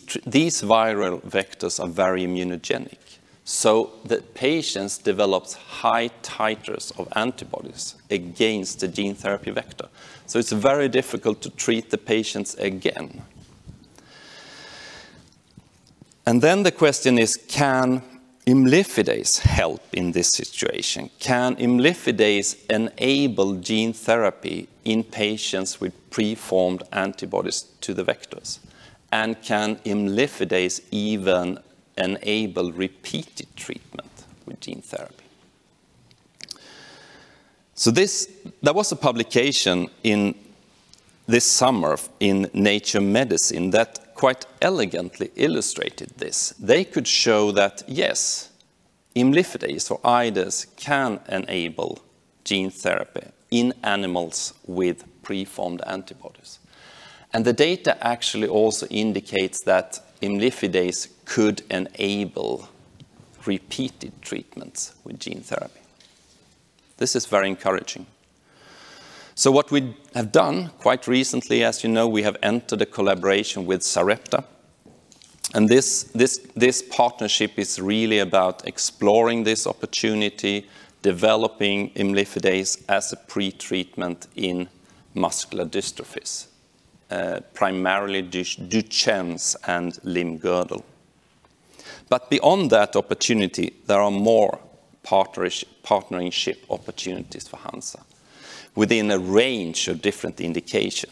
viral vectors are very immunogenic, so the patients develop high titers of antibodies against the gene therapy vector. It's very difficult to treat the patients again. Then the question is, can imlifidase help in this situation? Can imlifidase enable gene therapy in patients with preformed antibodies to the vectors? Can imlifidase even enable repeated treatment with gene therapy? There was a publication this summer in Nature Medicine that quite elegantly illustrated this. They could show that, yes, imlifidase or IdeS can enable gene therapy in animals with preformed antibodies. The data actually also indicates that imlifidase could enable repeated treatments with gene therapy. This is very encouraging. What we have done quite recently, as you know, we have entered a collaboration with Sarepta. This partnership is really about exploring this opportunity, developing imlifidase as a pre-treatment in muscular dystrophies, primarily Duchenne and limb-girdle. Beyond that opportunity, there are more partnership opportunities for Hansa within a range of different indication,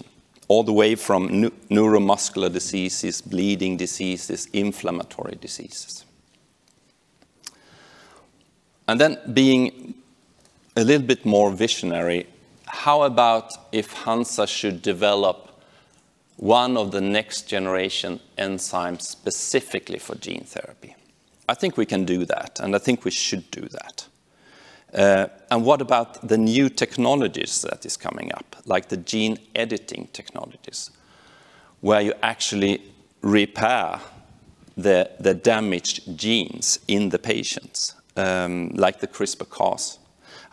all the way from neuromuscular diseases, bleeding diseases, inflammatory diseases. Being a little bit more visionary, how about if Hansa should develop one of the next generation enzymes specifically for gene therapy? I think we can do that, and I think we should do that. What about the new technologies that is coming up, like the gene editing technologies, where you actually repair the damaged genes in the patients, like the CRISPR-Cas?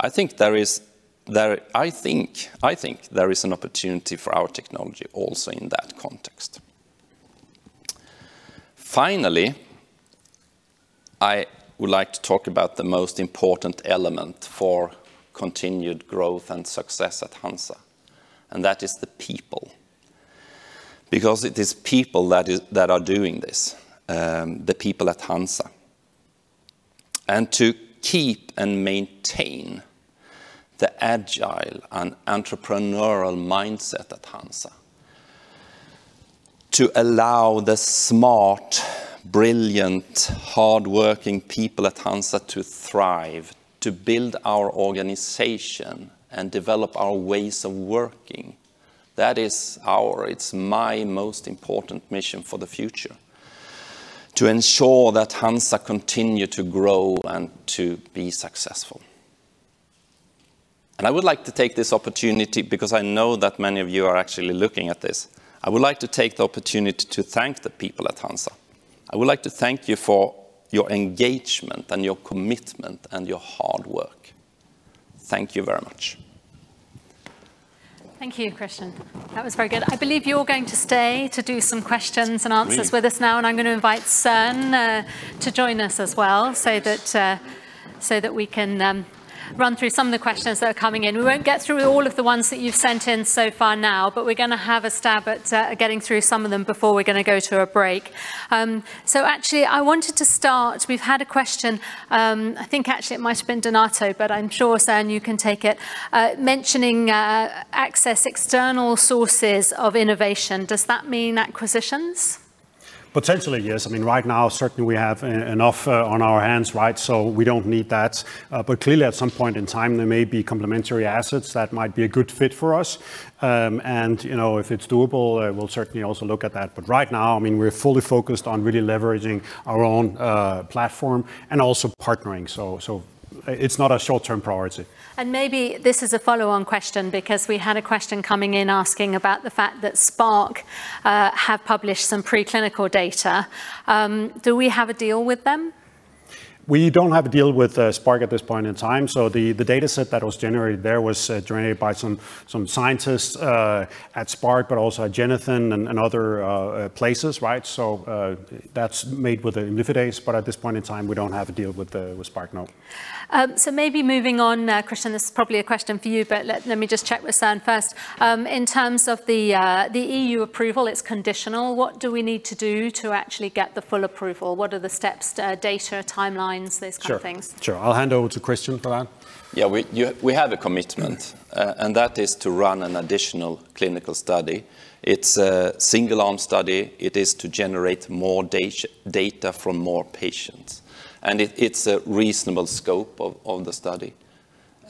I think there is an opportunity for our technology also in that context. Finally, I would like to talk about the most important element for continued growth and success at Hansa, and that is the people. It is people that are doing this, the people at Hansa. To keep and maintain the agile and entrepreneurial mindset at Hansa, to allow the smart, brilliant, hardworking people at Hansa to thrive, to build our organization and develop our ways of working. That is my most important mission for the future, to ensure that Hansa continue to grow and to be successful. I would like to take this opportunity, because I know that many of you are actually looking at this, I would like to take the opportunity to thank the people at Hansa. I would like to thank you for your engagement and your commitment and your hard work. Thank you very much. Thank you, Christian. That was very good. I believe you're going to stay to do some questions and answers with us now. I'm going to invite Søren to join us as well, so that we can run through some of the questions that are coming in. We won't get through all of the ones that you've sent in so far now. We're going to have a stab at getting through some of them before we're going to go to a break. Actually, I wanted to start. We've had a question, I think actually it might have been Donato. I'm sure, Søren, you can take it. Mentioning access external sources of innovation, does that mean acquisitions? Potentially, yes. Right now, certainly we have enough on our hands. We don't need that. Clearly, at some point in time, there may be complementary assets that might be a good fit for us. If it's doable, we'll certainly also look at that. Right now, we're fully focused on really leveraging our own platform and also partnering. It's not a short-term priority. Maybe this is a follow-on question because we had a question coming in asking about the fact that Spark have published some preclinical data. Do we have a deal with them? We don't have a deal with Spark at this point in time. The dataset that was generated there was generated by some scientists at Spark, but also at Genethon and other places. That's made with imlifidase, at this point in time, we don't have a deal with Spark, no. Maybe moving on, Christian, this is probably a question for you, but let me just check with Søren first. In terms of the EU approval, it is conditional. What do we need to do to actually get the full approval? What are the steps, data, timelines, those kind of things? Sure. I'll hand over to Christian for that. Yeah. We have a commitment, and that is to run an additional clinical study. It's a single-arm study. It is to generate more data from more patients, and it's a reasonable scope of the study.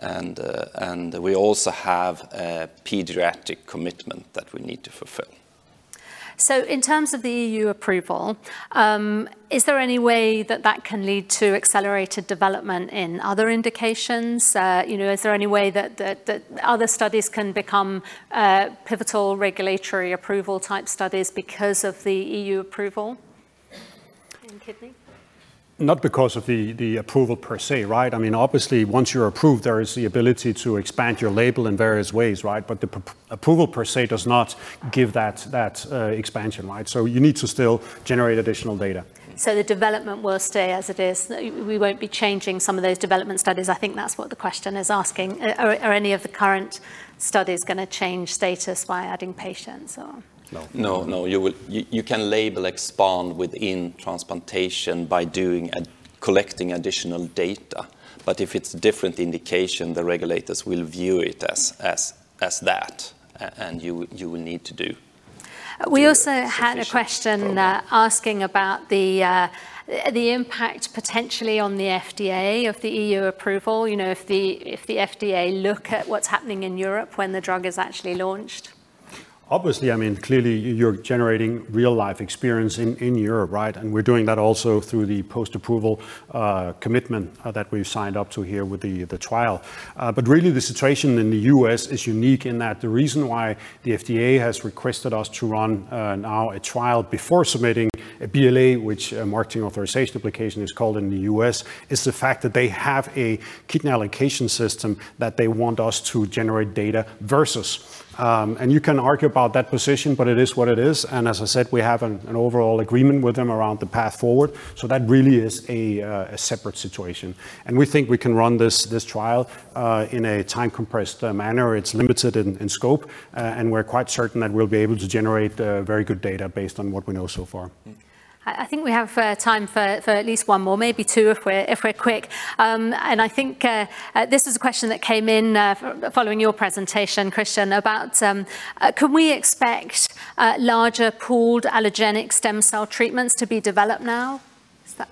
We also have a pediatric commitment that we need to fulfill. In terms of the EU approval, is there any way that that can lead to accelerated development in other indications? Is there any way that other studies can become pivotal regulatory approval type studies because of the EU approval in kidney? Not because of the approval per se. Obviously, once you're approved, there is the ability to expand your label in various ways. The approval per se does not give that expansion. You need to still generate additional data. The development will stay as it is. We won't be changing some of those development studies. I think that's what the question is asking. Are any of the current studies going to change status by adding patients or? No. No. You can label expand within transplantation by collecting additional data. If it's different indication, the regulators will view it as that, and you will need to do sufficient program. We also had a question asking about the impact potentially on the FDA of the EU approval, if the FDA look at what's happening in Europe when the drug is actually launched. Obviously, clearly, you're generating real-life experience in Europe. We're doing that also through the post-approval commitment that we've signed up to here with the trial. Really, the situation in the U.S. is unique in that the reason why the FDA has requested us to run now a trial before submitting a BLA, which a marketing authorization application is called in the U.S., is the fact that they have a kidney allocation system that they want us to generate data versus. You can argue about that position, but it is what it is. As I said, we have an overall agreement with them around the path forward. That really is a separate situation. We think we can run this trial in a time-compressed manner. It's limited in scope. We're quite certain that we'll be able to generate very good data based on what we know so far. I think we have time for at least one more, maybe two, if we're quick. I think this is a question that came in following your presentation, Christian, about can we expect larger pooled allogeneic stem cell treatments to be developed now, is that?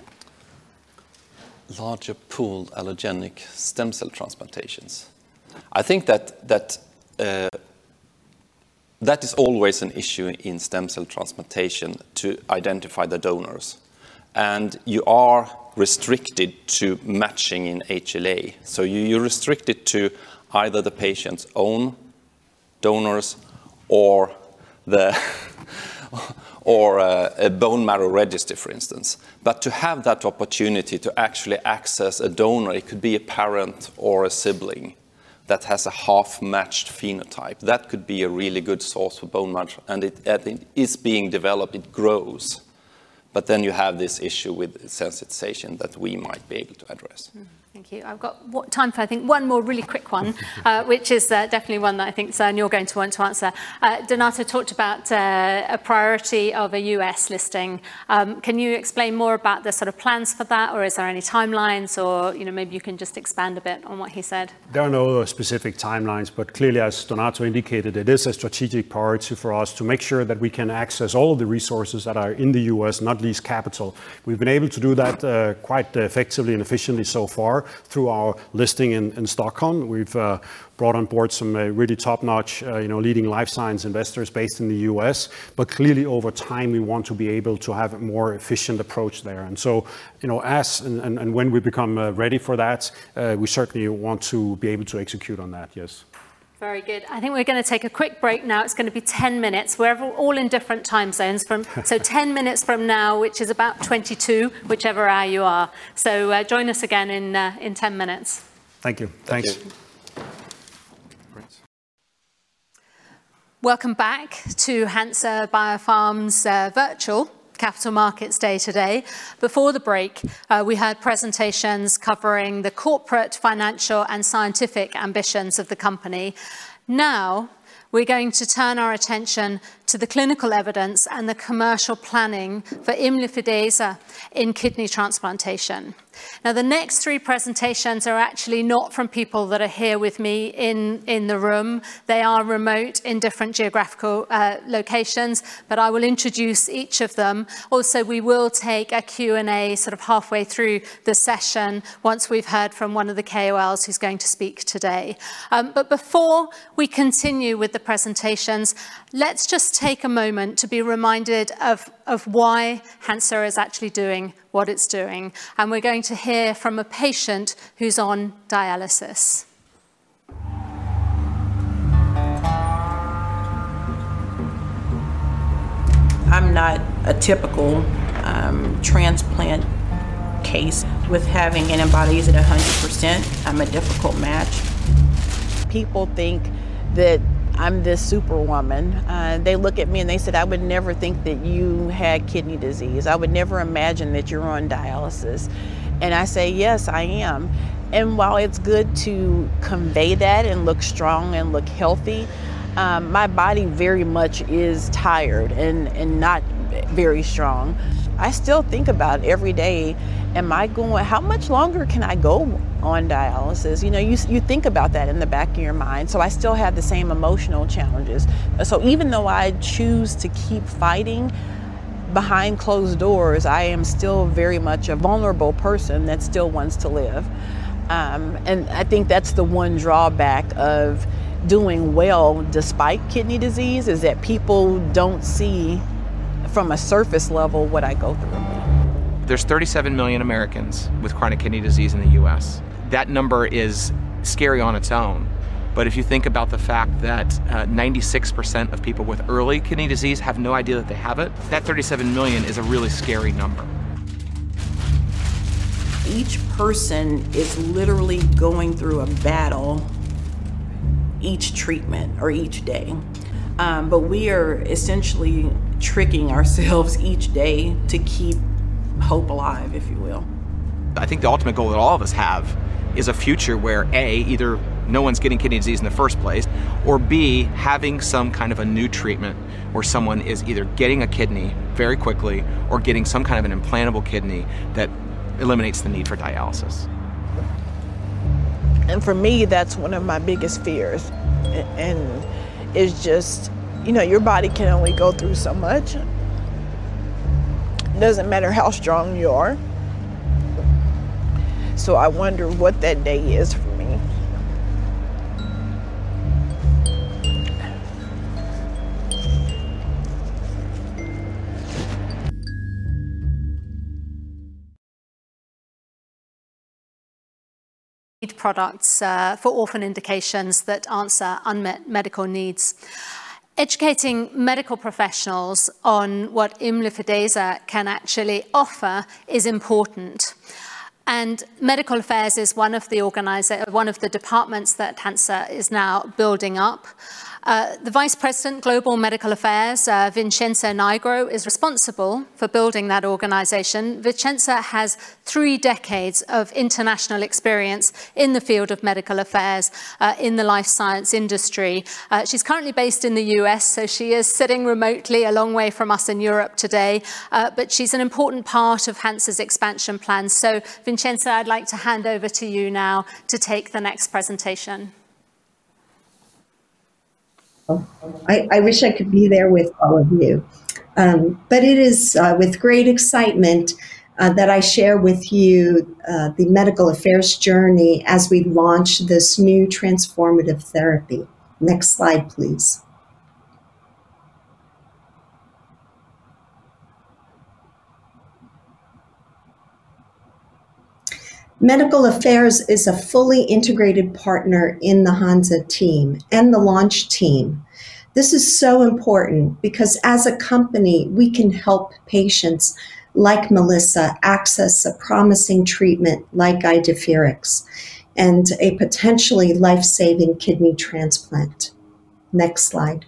Larger pooled allogeneic stem cell transplantations. I think that is always an issue in stem cell transplantation to identify the donors, and you are restricted to matching in HLA. You're restricted to either the patient's own donors or a bone marrow registry, for instance. To have that opportunity to actually access a donor, it could be a parent or a sibling that has a half-matched phenotype, that could be a really good source for bone marrow, and it is being developed, it grows You have this issue with sensitization that we might be able to address. Thank you. I've got time for, I think, one more really quick one, which is definitely one that I think, Søren, you're going to want to answer. Donato talked about a priority of a U.S. listing. Can you explain more about the plans for that, or are there any timelines, or maybe you can just expand a bit on what he said? There are no specific timelines. Clearly, as Donato indicated, it is a strategic priority for us to make sure that we can access all of the resources that are in the U.S., not least capital. We've been able to do that quite effectively and efficiently so far through our listing in Stockholm. We've brought on board some really top-notch leading life science investors based in the U.S. Clearly, over time, we want to be able to have a more efficient approach there. As and when we become ready for that, we certainly want to be able to execute on that. Yes. Very good. I think we're going to take a quick break now. It's going to be 10 minutes. We're all in different time zones. 10 minutes from now, which is about 22, whichever hour you are. Join us again in 10 minutes. Thank you. Thanks. Welcome back to Hansa Biopharma's Virtual Capital Markets Day today. Before the break, we had presentations covering the corporate, financial, and scientific ambitions of the company. We're going to turn our attention to the clinical evidence and the commercial planning for imlifidase in kidney transplantation. The next three presentations are actually not from people that are here with me in the room. They are remote in different geographical locations. I will introduce each of them. We will take a Q&A halfway through the session once we've heard from one of the KOLs who's going to speak today. Before we continue with the presentations, let's just take a moment to be reminded of why Hansa is actually doing what it's doing. We're going to hear from a patient who's on dialysis. I'm not a typical transplant case. With having antibodies at 100%, I'm a difficult match. People think that I'm this superwoman. They look at me and they said, "I would never think that you had kidney disease. I would never imagine that you're on dialysis." I say, "Yes, I am." While it's good to convey that and look strong and look healthy, my body very much is tired and not very strong. I still think about every day, how much longer can I go on dialysis? You think about that in the back of your mind. I still have the same emotional challenges. Even though I choose to keep fighting, behind closed doors, I am still very much a vulnerable person that still wants to live. I think that's the one drawback of doing well despite kidney disease, is that people don't see from a surface level what I go through. There's 37 million Americans with chronic kidney disease in the U.S. That number is scary on its own. If you think about the fact that 96% of people with early kidney disease have no idea that they have it, that 37 million is a really scary number. Each person is literally going through a battle each treatment or each day. We are essentially tricking ourselves each day to keep hope alive, if you will. I think the ultimate goal that all of us have is a future where, A, either no one's getting kidney disease in the first place, or B, having some kind of a new treatment where someone is either getting a kidney very quickly or getting some kind of an implantable kidney that eliminates the need for dialysis. For me, that's one of my biggest fears. It's just your body can only go through so much. It doesn't matter how strong you are. I wonder what that day is for me. Need products for orphan indications that answer unmet medical needs. Educating medical professionals on what imlifidase can actually offer is important, and medical affairs is one of the departments that Hansa is now building up. The Vice President, Global Medical Affairs, Vincenza Nigro, is responsible for building that organization. Vincenza has three decades of international experience in the field of medical affairs in the life science industry. She's currently based in the U.S., so she is sitting remotely a long way from us in Europe today. She's an important part of Hansa's expansion plans. Vincenza, I'd like to hand over to you now to take the next presentation. It is with great excitement that I share with you the medical affairs journey as we launch this new transformative therapy. Next slide, please. Medical affairs is a fully integrated partner in the Hansa team and the launch team. This is so important because as a company, we can help patients like Melissa access a promising treatment like IDEFIRIX and a potentially life-saving kidney transplant. Next slide.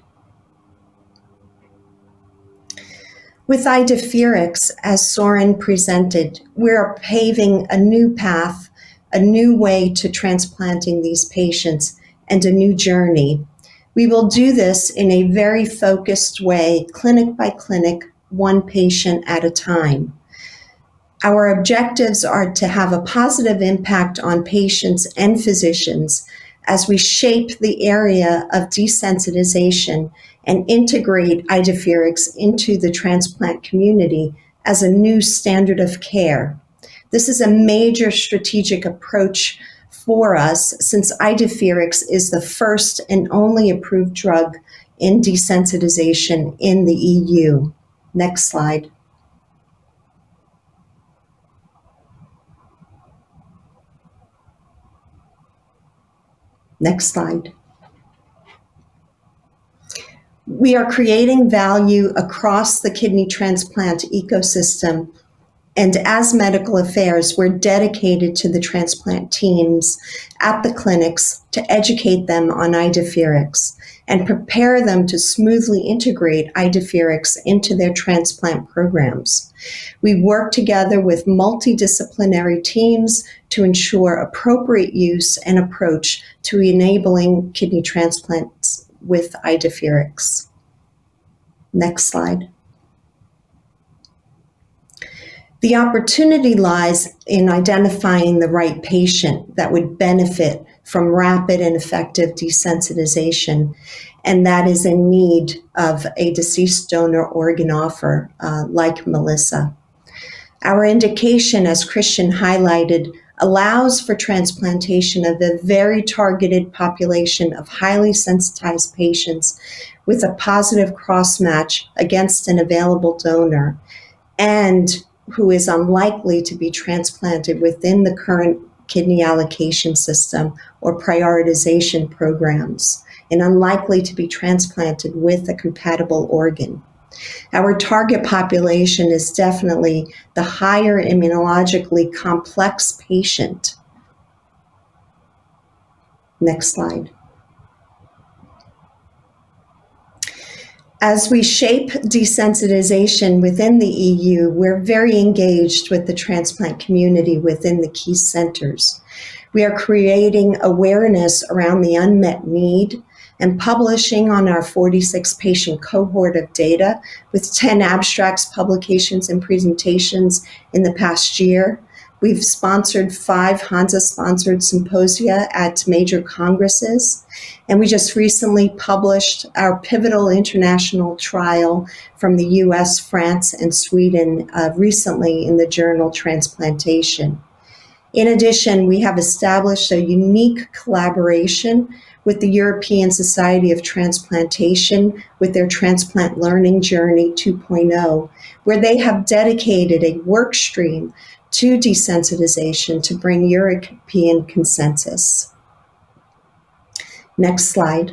With IDEFIRIX, as Søren presented, we are paving a new path, a new way to transplanting these patients, and a new journey. We will do this in a very focused way, clinic by clinic, one patient at a time. Our objectives are to have a positive impact on patients and physicians as we shape the area of desensitization and integrate IDEFIRIX into the transplant community as a new standard of care. This is a major strategic approach for us since IDEFIRIX is the first and only approved drug in desensitization in the EU. Next slide. Next slide. We are creating value across the kidney transplant ecosystem, and as medical affairs, we're dedicated to the transplant teams at the clinics to educate them on IDEFIRIX and prepare them to smoothly integrate IDEFIRIX into their transplant programs. We work together with multidisciplinary teams to ensure appropriate use and approach to enabling kidney transplants with IDEFIRIX. Next slide. The opportunity lies in identifying the right patient that would benefit from rapid and effective desensitization, and that is in need of a deceased donor organ offer, like Melissa. Our indication, as Christian highlighted, allows for transplantation of the very targeted population of highly sensitized patients with a positive cross-match against an available donor, and who is unlikely to be transplanted within the current kidney allocation system or prioritization programs, and unlikely to be transplanted with a compatible organ. Our target population is definitely the higher immunologically complex patient. Next slide. As we shape desensitization within the EU, we're very engaged with the transplant community within the key centers. We are creating awareness around the unmet need and publishing on our 46-patient cohort of data with 10 abstracts, publications, and presentations in the past year. We've sponsored five Hansa-sponsored symposia at major congresses, and we just recently published our pivotal international trial from the U.S., France, and Sweden recently in the journal Transplantation. In addition, we have established a unique collaboration with the European Society of Transplantation with their Transplant Learning Journey 2.0, where they have dedicated a work stream to desensitization to bring European consensus. Next slide.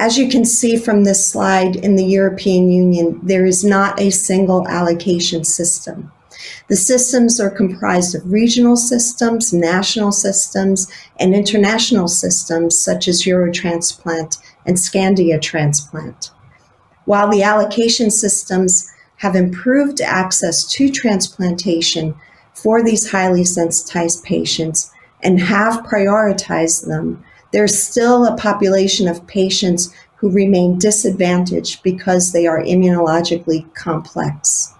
As you can see from this slide, in the European Union, there is not a single allocation system. The systems are comprised of regional systems, national systems, and international systems, such as Eurotransplant and Scandiatransplant. While the allocation systems have improved access to transplantation for these highly sensitized patients and have prioritized them, there's still a population of patients who remain disadvantaged because they are immunologically complex.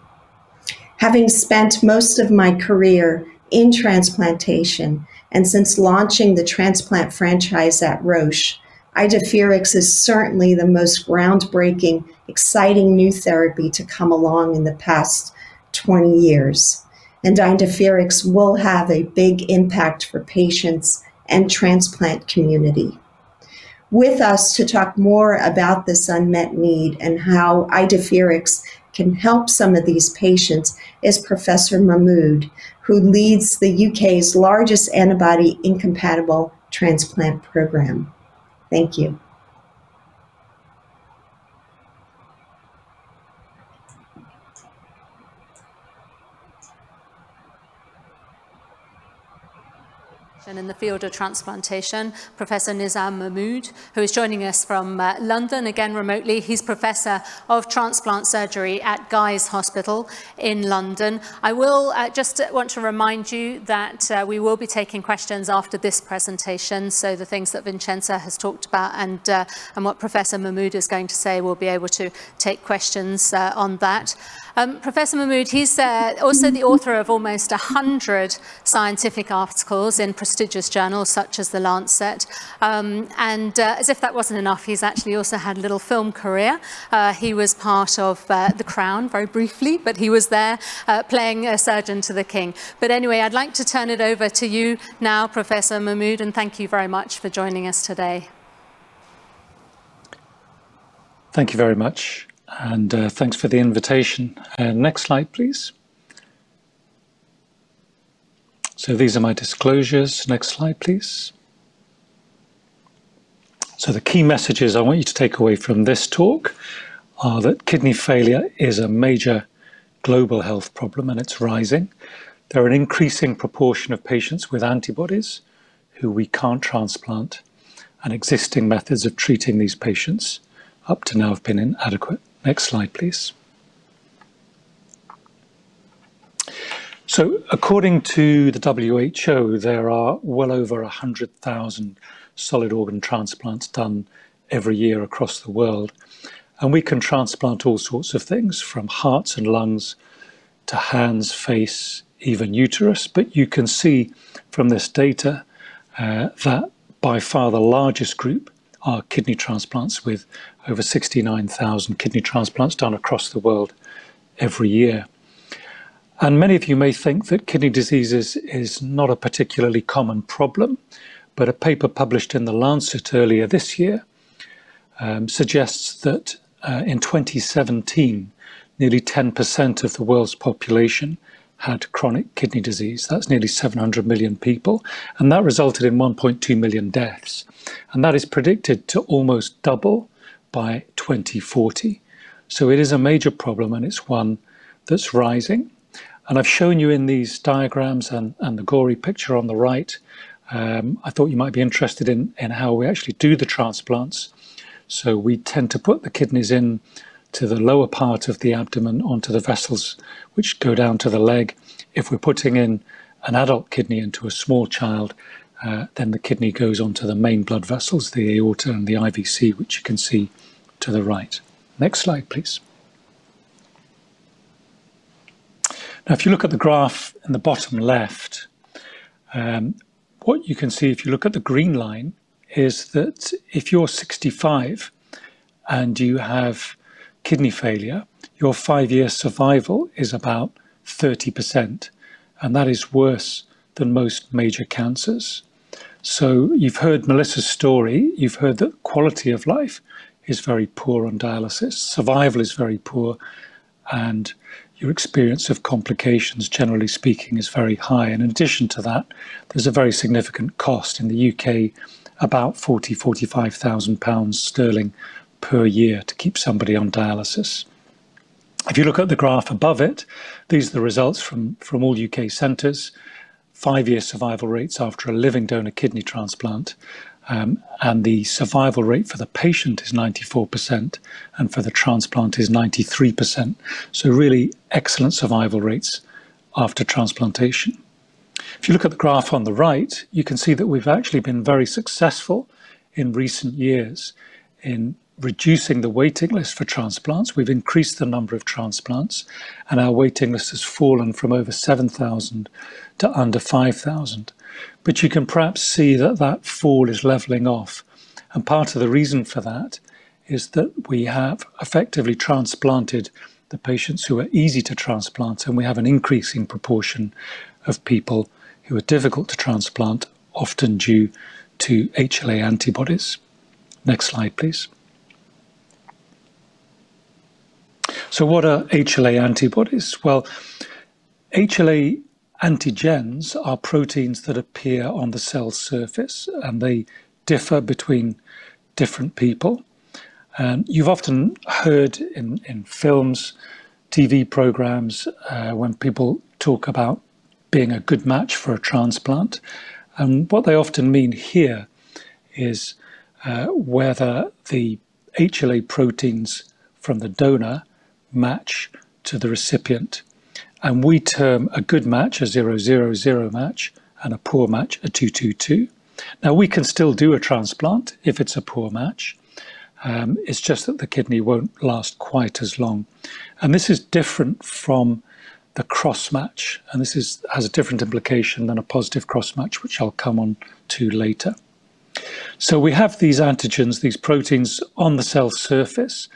Having spent most of my career in transplantation and since launching the transplant franchise at Roche, IDEFIRIX is certainly the most groundbreaking, exciting new therapy to come along in the past 20 years, and IDEFIRIX will have a big impact for patients and transplant community. With us to talk more about this unmet need and how IDEFIRIX can help some of these patients is Professor Mamode, who leads the U.K.'s largest antibody incompatible transplant program. Thank you. In the field of transplantation, Professor Nizam Mamode, who is joining us from London, again, remotely. He's professor of transplant surgery at Guy's Hospital in London. I just want to remind you that we will be taking questions after this presentation. The things that Vincenza has talked about and what Professor Mamode is going to say, we'll be able to take questions on that. Professor Mamode, he's also the author of almost 100 scientific articles in prestigious journals such as The Lancet. As if that wasn't enough, he's actually also had a little film career. He was part of "The Crown" very briefly. He was there playing a surgeon to the king. Anyway, I'd like to turn it over to you now, Professor Mamode. Thank you very much for joining us today. Thank you very much, and thanks for the invitation. Next slide, please. These are my disclosures. Next slide, please. The key messages I want you to take away from this talk are that kidney failure is a major global health problem, and it's rising. There are an increasing proportion of patients with antibodies who we can't transplant, and existing methods of treating these patients up to now have been inadequate. Next slide, please. According to the WHO, there are well over 100,000 solid organ transplants done every year across the world. We can transplant all sorts of things from hearts and lungs to hands, face, even uterus. You can see from this data that by far the largest group are kidney transplants, with over 69,000 kidney transplants done across the world every year. Many of you may think that kidney diseases is not a particularly common problem, but a paper published in The Lancet earlier this year suggests that in 2017, nearly 10% of the world's population had chronic kidney disease. That is nearly 700 million people, and that resulted in 1.2 million deaths. That is predicted to almost double by 2040. It is a major problem, and it is one that is rising. I have shown you in these diagrams and the gory picture on the right, I thought you might be interested in how we actually do the transplants. We tend to put the kidneys in to the lower part of the abdomen onto the vessels, which go down to the leg. If we're putting in an adult kidney into a small child, then the kidney goes onto the main blood vessels, the aorta and the IVC, which you can see to the right. Next slide, please. Now, if you look at the graph in the bottom left, what you can see if you look at the green line is that if you're 65 and you have kidney failure, your five-year survival is about 30%, and that is worse than most major cancers. You've heard Melissa's story. You've heard that quality of life is very poor on dialysis. Survival is very poor, and your experience of complications, generally speaking, is very high. In addition to that, there's a very significant cost in the U.K., about 40,000-45,000 pounds per year to keep somebody on dialysis. If you look at the graph above it, these are the results from all U.K. centers, five-year survival rates after a living donor kidney transplant. The survival rate for the patient is 94%, and for the transplant is 93%. Really excellent survival rates after transplantation. If you look at the graph on the right, you can see that we've actually been very successful in recent years in reducing the waiting list for transplants. We've increased the number of transplants, our waiting list has fallen from over 7,000 to under 5,000. You can perhaps see that that fall is leveling off. Part of the reason for that is that we have effectively transplanted the patients who are easy to transplant, and we have an increasing proportion of people who are difficult to transplant, often due to HLA antibodies. Next slide, please. What are HLA antibodies? Well, HLA antigens are proteins that appear on the cell surface, and they differ between different people. You've often heard in films, TV programs, when people talk about being a good match for a transplant. What they often mean here is whether the HLA proteins from the donor match to the recipient. We term a good match a zero-zero-zero match and a poor match a two-two-two. Now, we can still do a transplant if it's a poor match. It's just that the kidney won't last quite as long. This is different from the cross-match, and this has a different implication than a positive cross-match, which I'll come on to later. We have these antigens, these proteins on the cell surface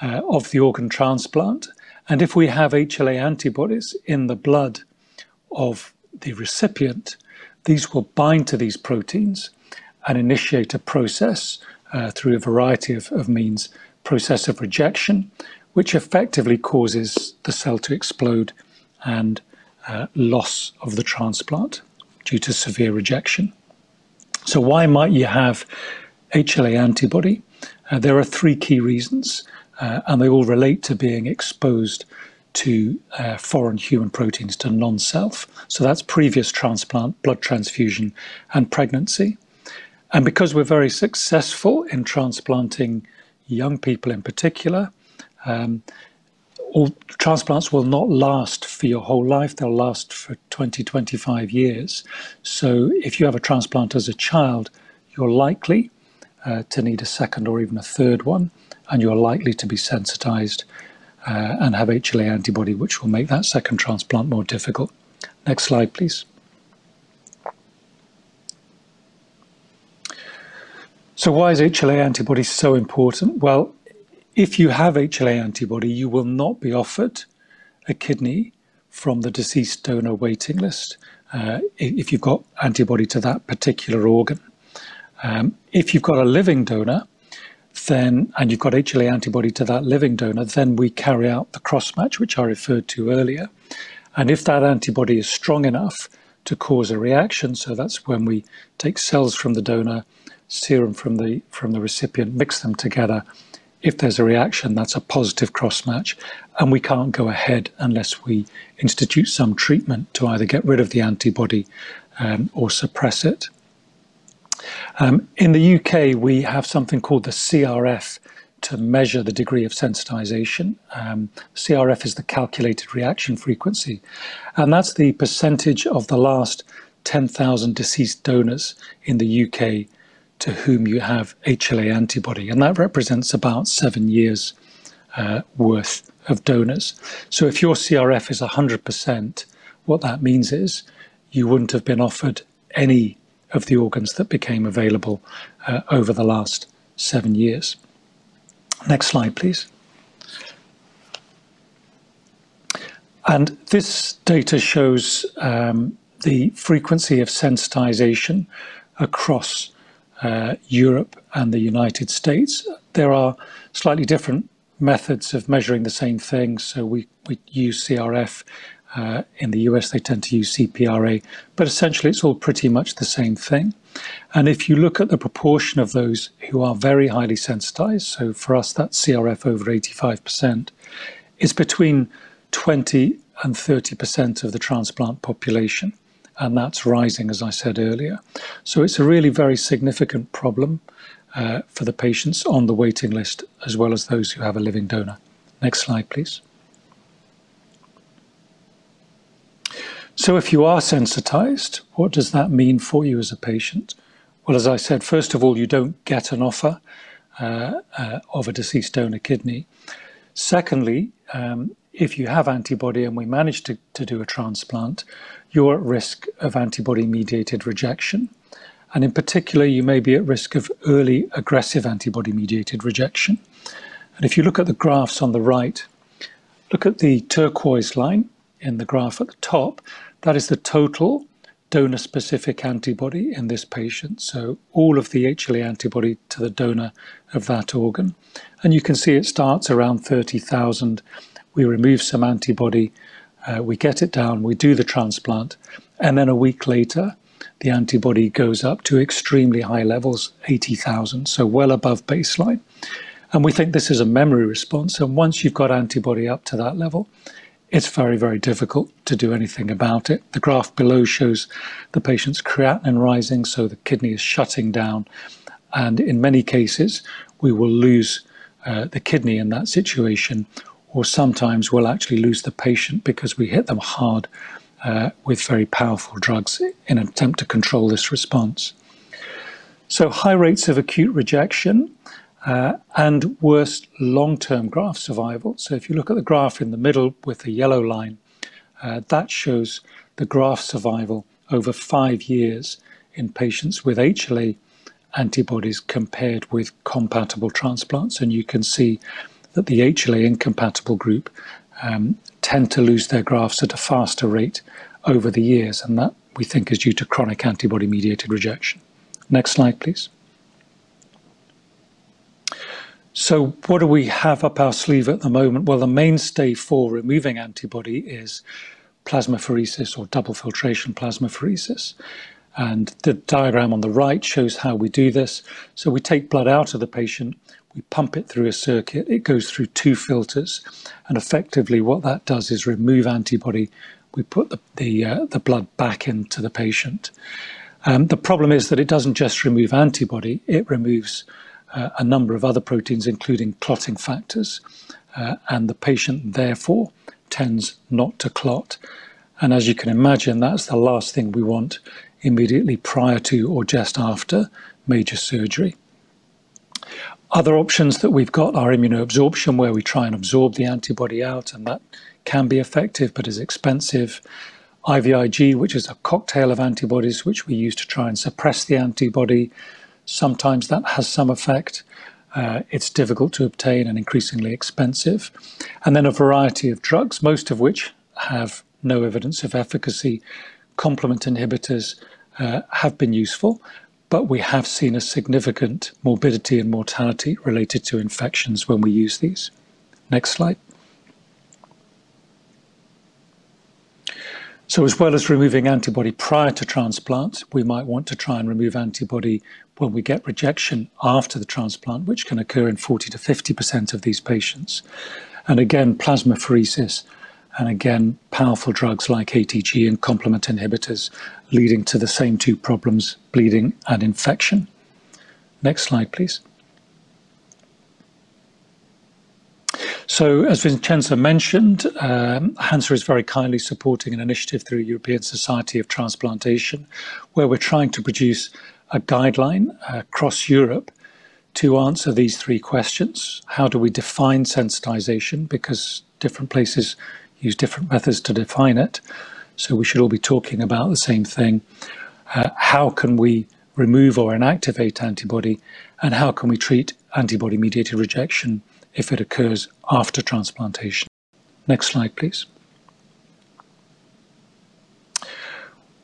of the organ transplant, and if we have HLA antibodies in the blood of the recipient, these will bind to these proteins and initiate a process through a variety of means, process of rejection, which effectively causes the cell to explode and loss of the transplant due to severe rejection. Why might you have HLA antibody? There are three key reasons, and they all relate to being exposed to foreign human proteins, to non-self. That's previous transplant, blood transfusion, and pregnancy. Because we're very successful in transplanting young people in particular, transplants will not last for your whole life. They'll last for 20-25 years. If you have a transplant as a child, you're likely to need a second or even a third one, and you're likely to be sensitized and have HLA antibody, which will make that second transplant more difficult. Next slide, please. Why is HLA antibody so important? Well, if you have HLA antibody, you will not be offered a kidney from the deceased donor waiting list, if you've got antibody to that particular organ. If you've got a living donor and you've got HLA antibody to that living donor, then we carry out the cross-match, which I referred to earlier. If that antibody is strong enough to cause a reaction, so that's when we take cells from the donor, serum from the recipient, mix them together. If there's a reaction, that's a positive cross-match, and we can't go ahead unless we institute some treatment to either get rid of the antibody or suppress it. In the U.K., we have something called the CRF to measure the degree of sensitization. CRF is the Calculated Reaction Frequency, that's the percentage of the last 10,000 deceased donors in the U.K. to whom you have HLA antibody. That represents about seven years' worth of donors. If your CRF is 100%, what that means is you wouldn't have been offered any of the organs that became available over the last seven years. Next slide, please. This data shows the frequency of sensitization across Europe and the United States. There are slightly different methods of measuring the same thing. We use CRF. In the U.S., they tend to use CPRA. Essentially, it's all pretty much the same thing. If you look at the proportion of those who are very highly sensitized, so for us, that's CPRA over 85%, it's between 20%-30% of the transplant population, and that's rising, as I said earlier. It's a really very significant problem for the patients on the waiting list, as well as those who have a living donor. Next slide, please. If you are sensitized, what does that mean for you as a patient? Well, as I said, first of all, you don't get an offer of a deceased donor kidney. Secondly, if you have antibody and we manage to do a transplant, you're at risk of antibody-mediated rejection. In particular, you may be at risk of early aggressive antibody-mediated rejection. If you look at the graphs on the right, look at the turquoise line in the graph at the top. That is the total donor-specific antibody in this patient, so all of the HLA antibody to the donor of that organ. You can see it starts around 30,000. We remove some antibody, we get it down, we do the transplant, and then a week later, the antibody goes up to extremely high levels, 80,000, so well above baseline. We think this is a memory response, and once you've got antibody up to that level, it's very, very difficult to do anything about it. The graph below shows the patient's creatinine rising, so the kidney is shutting down. In many cases, we will lose the kidney in that situation, or sometimes we'll actually lose the patient because we hit them hard with very powerful drugs in an attempt to control this response. High rates of acute rejection and worse long-term graft survival. If you look at the graph in the middle with the yellow line, that shows the graft survival over five years in patients with HLA antibodies compared with compatible transplants. You can see that the HLA incompatible group tend to lose their grafts at a faster rate over the years. That, we think, is due to chronic antibody-mediated rejection. Next slide, please. What do we have up our sleeve at the moment? Well, the mainstay for removing antibody is plasmapheresis or double filtration plasmapheresis. The diagram on the right shows how we do this. We take blood out of the patient, we pump it through a circuit, it goes through two filters. Effectively what that does is remove antibody. We put the blood back into the patient. The problem is that it doesn't just remove antibody. It removes a number of other proteins, including clotting factors, and the patient, therefore, tends not to clot. As you can imagine, that's the last thing we want immediately prior to or just after major surgery. Other options that we've got are immunoadsorption, where we try and absorb the antibody out, and that can be effective but is expensive. IVIG, which is a cocktail of antibodies which we use to try and suppress the antibody. Sometimes that has some effect. It's difficult to obtain and increasingly expensive. Then a variety of drugs, most of which have no evidence of efficacy. Complement inhibitors have been useful, but we have seen a significant morbidity and mortality related to infections when we use these. Next slide. As well as removing antibody prior to transplant, we might want to try and remove antibody when we get rejection after the transplant, which can occur in 40%-50% of these patients. Again, plasmapheresis and again, powerful drugs like ATG and complement inhibitors leading to the same two problems, bleeding and infection. Next slide, please. As Vincenza mentioned, Hansa is very kindly supporting an initiative through European Society of Transplantation, where we're trying to produce a guideline across Europe to answer these three questions. How do we define sensitization? Different places use different methods to define it, we should all be talking about the same thing. How can we remove or inactivate antibody? How can we treat antibody-mediated rejection if it occurs after transplantation? Next slide, please.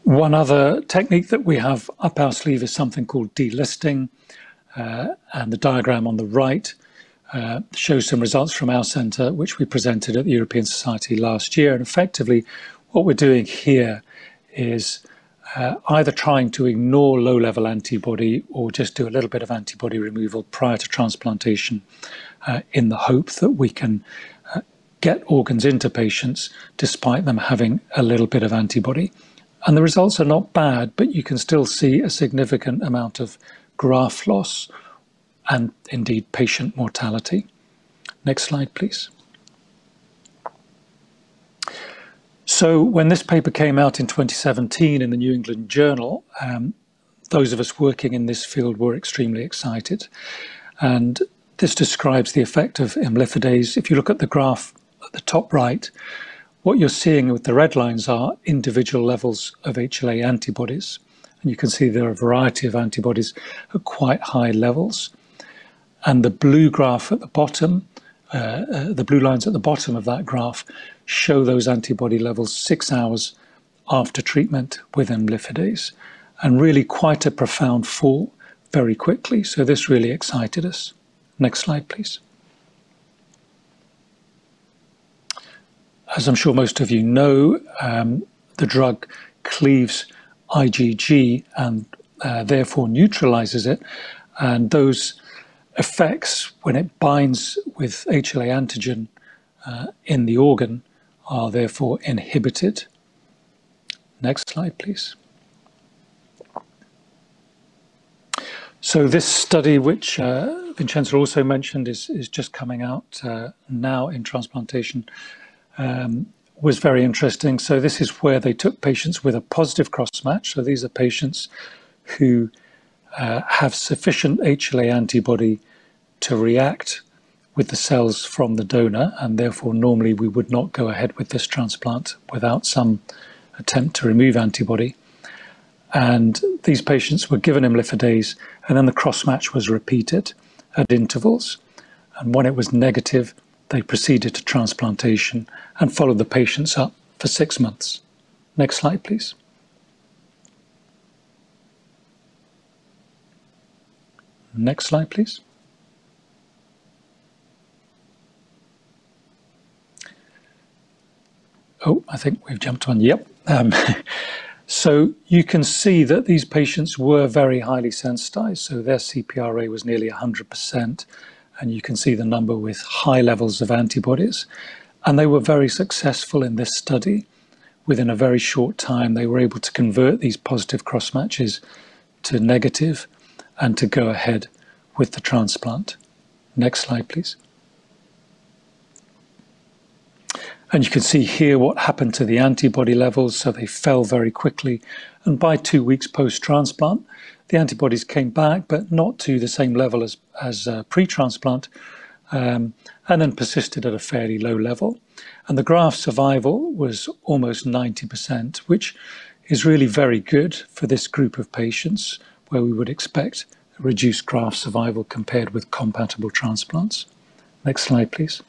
One other technique that we have up our sleeve is something called delisting. The diagram on the right shows some results from our center, which we presented at the European Society last year. Effectively, what we're doing here is either trying to ignore low-level antibody or just do a little bit of antibody removal prior to transplantation in the hope that we can get organs into patients despite them having a little bit of antibody. The results are not bad. You can still see a significant amount of graft loss and indeed patient mortality. Next slide, please. When this paper came out in 2017 in the New England Journal, those of us working in this field were extremely excited. This describes the effect of imlifidase. If you look at the graph at the top right, what you're seeing with the red lines are individual levels of HLA antibodies. You can see there are a variety of antibodies at quite high levels. The blue graph at the bottom, the blue lines at the bottom of that graph show those antibody levels six hours after treatment with imlifidase, really quite a profound fall very quickly. This really excited us. Next slide, please. As I'm sure most of you know, the drug cleaves IgG and therefore neutralizes it, those effects, when it binds with HLA antigen in the organ, are therefore inhibited. Next slide, please. This study, which Vincenza also mentioned, is just coming out now in Transplantation, was very interesting. This is where they took patients with a positive cross-match. These are patients who have sufficient HLA antibody to react with the cells from the donor, and therefore normally we would not go ahead with this transplant without some attempt to remove antibody. These patients were given imlifidase, and then the cross-match was repeated at intervals. When it was negative, they proceeded to transplantation and followed the patients up for six months. Next slide, please. Next slide, please. Oh, I think we've jumped one. Yep. You can see that these patients were very highly sensitized, so their CPRA was nearly 100%, and you can see the number with high levels of antibodies. They were very successful in this study. Within a very short time, they were able to convert these positive cross-matches to negative and to go ahead with the transplant. Next slide, please. You can see here what happened to the antibody levels. They fell very quickly, and by two weeks post-transplant, the antibodies came back, but not to the same level as pre-transplant, and then persisted at a fairly low level. The graft survival was almost 90%, which is really very good for this group of patients, where we would expect reduced graft survival compared with compatible transplants. Next slide, please.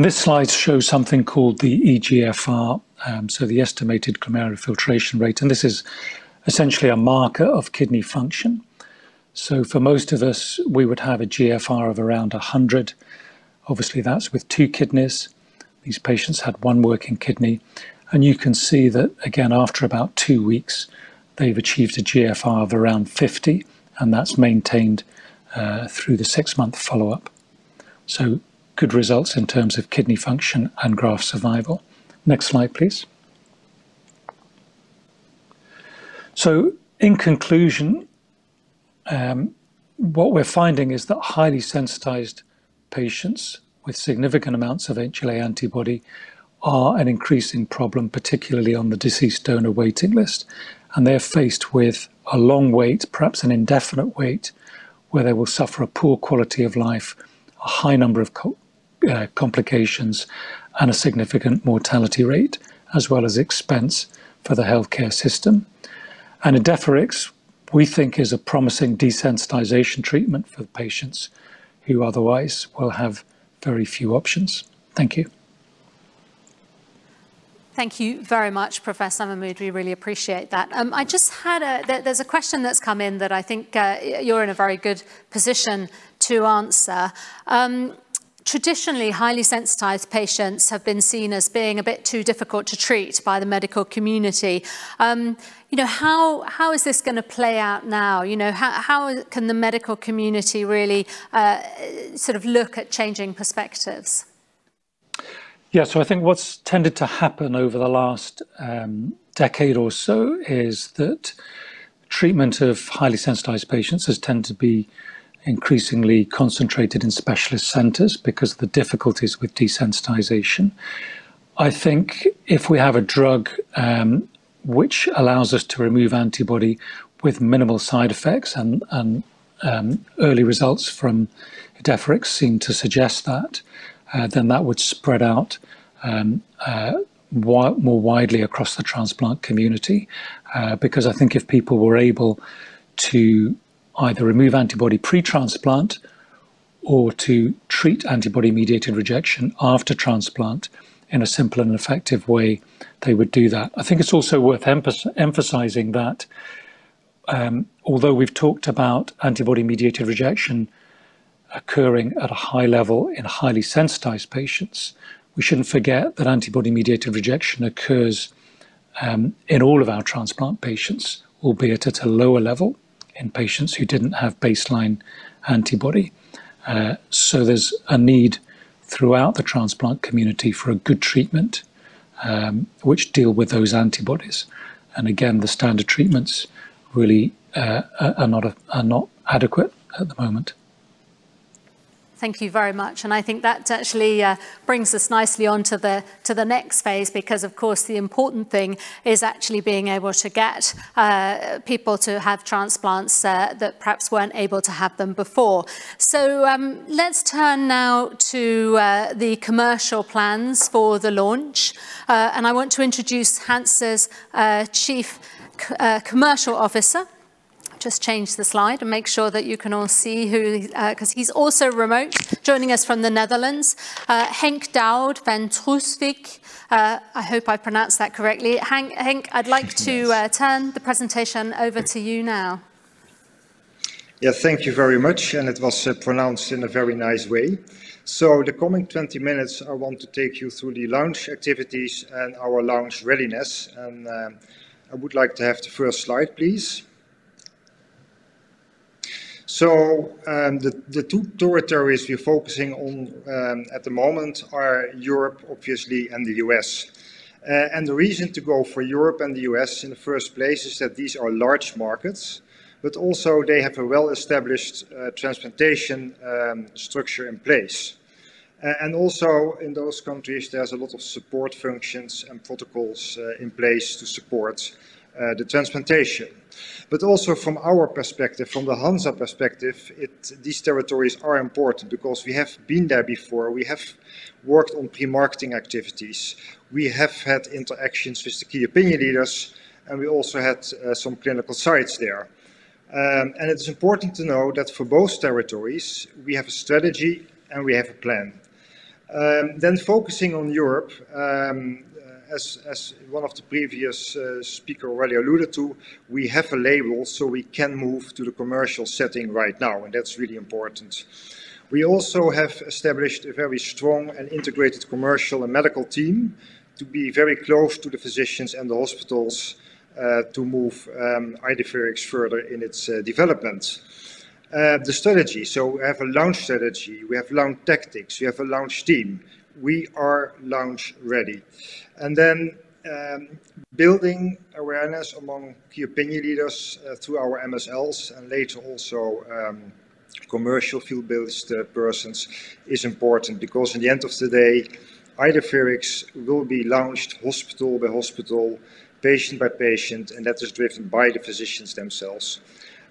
This slide shows something called the eGFR, so the estimated glomerular filtration rate, and this is essentially a marker of kidney function. For most of us, we would have a GFR of around 100. Obviously, that's with two kidneys. These patients had one working kidney. You can see that again, after about two weeks, they've achieved a GFR of around 50, and that's maintained through the six-month follow-up. Good results in terms of kidney function and graft survival. Next slide, please. In conclusion, what we're finding is that highly sensitized patients with significant amounts of HLA antibody are an increasing problem, particularly on the deceased donor waiting list, and they're faced with a long wait, perhaps an indefinite wait, where they will suffer a poor quality of life, a high number of complications, and a significant mortality rate, as well as expense for the healthcare system. IDEFIRIX, we think, is a promising desensitization treatment for patients who otherwise will have very few options. Thank you. Thank you very much, Professor Mamode. We really appreciate that. There's a question that's come in that I think you're in a very good position to answer. Traditionally, highly sensitized patients have been seen as being a bit too difficult to treat by the medical community. How is this going to play out now? How can the medical community really sort of look at changing perspectives? Yeah. I think what's tended to happen over the last decade or so is that treatment of highly sensitized patients has tended to be increasingly concentrated in specialist centers because of the difficulties with desensitization. I think if we have a drug which allows us to remove antibody with minimal side effects, and early results from IDEFIRIX seem to suggest that would spread out more widely across the transplant community. I think if people were able to either remove antibody pre-transplant or to treat antibody-mediated rejection after transplant in a simple and effective way, they would do that. I think it's also worth emphasizing that although we've talked about antibody-mediated rejection occurring at a high level in highly sensitized patients, we shouldn't forget that antibody-mediated rejection occurs in all of our transplant patients, albeit at a lower level in patients who didn't have baseline antibody. There's a need throughout the transplant community for a good treatment, which deal with those antibodies. Again, the standard treatments really are not adequate at the moment. Thank you very much. I think that actually brings us nicely on to the next phase, because of course, the important thing is actually being able to get people to have transplants that perhaps weren't able to have them before. Let's turn now to the commercial plans for the launch. I want to introduce Hansa's Chief Commercial Officer. Just change the slide and make sure that you can all see who, because he's also remote, joining us from the Netherlands, Henk Doude van Troostwijk. I hope I pronounced that correctly. Henk. I'd like to turn the presentation over to you now. Yeah. Thank you very much, and it was pronounced in a very nice way. The coming 20 minutes, I want to take you through the launch activities and our launch readiness, and I would like to have the first slide, please. The two territories we're focusing on at the moment are Europe, obviously, and the U.S. The reason to go for Europe and the U.S. in the first place is that these are large markets, but also they have a well-established transplantation structure in place. In those countries, there's a lot of support functions and protocols in place to support the transplantation. From our perspective, from the Hansa perspective, these territories are important because we have been there before. We have worked on pre-marketing activities. We have had interactions with the key opinion leaders, and we also had some clinical sites there. It is important to know that for both territories, we have a strategy and we have a plan. Focusing on Europe, as one of the previous speaker already alluded to, we have a label, so we can move to the commercial setting right now, and that's really important. We also have established a very strong and integrated commercial and medical team to be very close to the physicians and the hospitals, to move IDEFIRIX further in its development. We have a launch strategy. We have launch tactics. We have a launch team. We are launch-ready. Building awareness among key opinion leaders through our MSLs and later also commercial field-based persons is important because at the end of the day, IDEFIRIX will be launched hospital by hospital, patient by patient, and that is driven by the physicians themselves.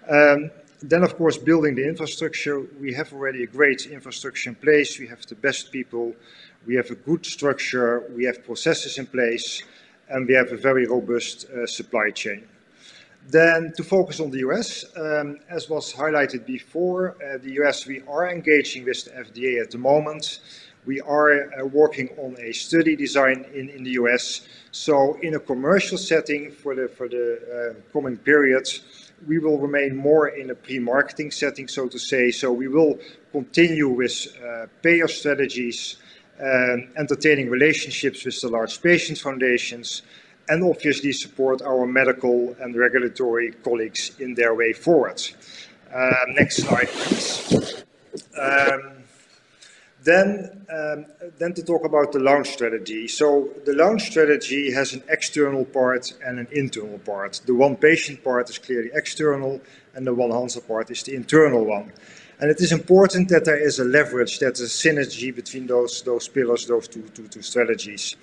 Of course, building the infrastructure, we have already a great infrastructure in place. We have the best people. We have a good structure. We have processes in place, and we have a very robust supply chain. To focus on the U.S., as was highlighted before, the U.S., we are engaging with the FDA at the moment. We are working on a study design in the U.S. In a commercial setting for the coming periods, we will remain more in a pre-marketing setting, so to say. We will continue with payer strategies, entertaining relationships with the large patient foundations, and obviously support our medical and regulatory colleagues in their way forward. Next slide, please. To talk about the launch strategy. The launch strategy has an external part and an internal part. The OnePatient part is clearly external, and the OneHansa part is the internal one. It is important that there is a leverage, there's a synergy between those pillars, those two strategies.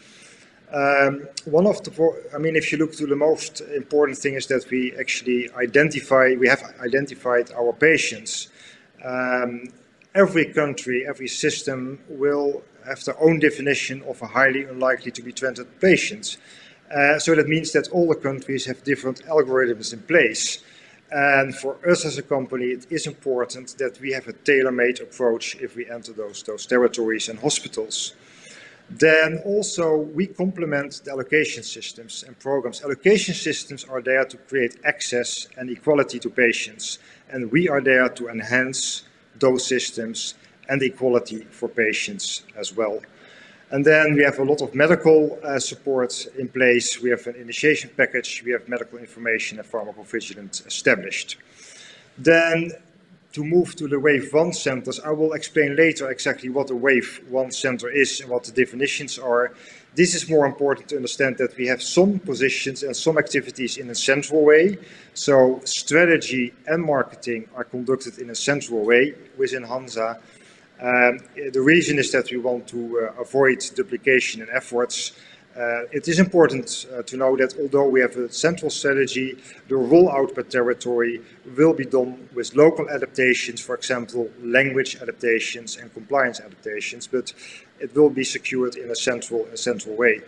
If you look to the most important thing is that we have identified our patients. Every country, every system will have their own definition of a highly unlikely to be transplanted patients. That means that all the countries have different algorithms in place. For us as a company, it is important that we have a tailor-made approach if we enter those territories and hospitals. Also, we complement the allocation systems and programs. Allocation systems are there to create access and equality to patients, and we are there to enhance those systems and equality for patients as well. We have a lot of medical support in place. We have an initiation package. We have medical information and pharmacovigilance established. To move to the wave one center, I will explain later exactly what a wave one center is and what the definitions are. This is more important to understand that we have some positions and some activities in a central way. Strategy and marketing are conducted in a central way within Hansa. The reason is that we want to avoid duplication in efforts. It is important to know that although we have a central strategy, the rollout per territory will be done with local adaptations, for example, language adaptations and compliance adaptations, but it will be secured in a central way.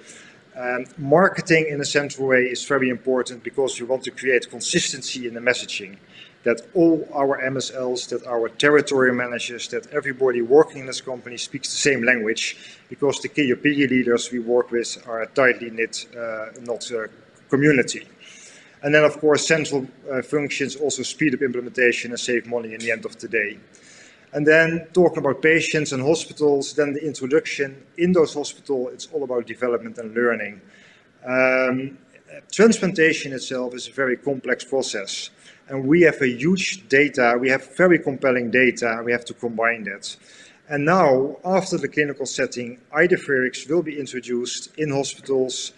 Marketing in a central way is very important because you want to create consistency in the messaging that all our MSLs, that our territory managers, that everybody working in this company speaks the same language because the key opinion leaders we work with are a tightly knit community. Of course, central functions also speed up implementation and save money in the end of the day. Talking about patients and hospitals, the introduction in those hospitals, it's all about development and learning. Transplantation itself is a very complex process. We have a huge data. We have very compelling data. We have to combine it. After the clinical setting, IDEFIRIX will be introduced in hospitals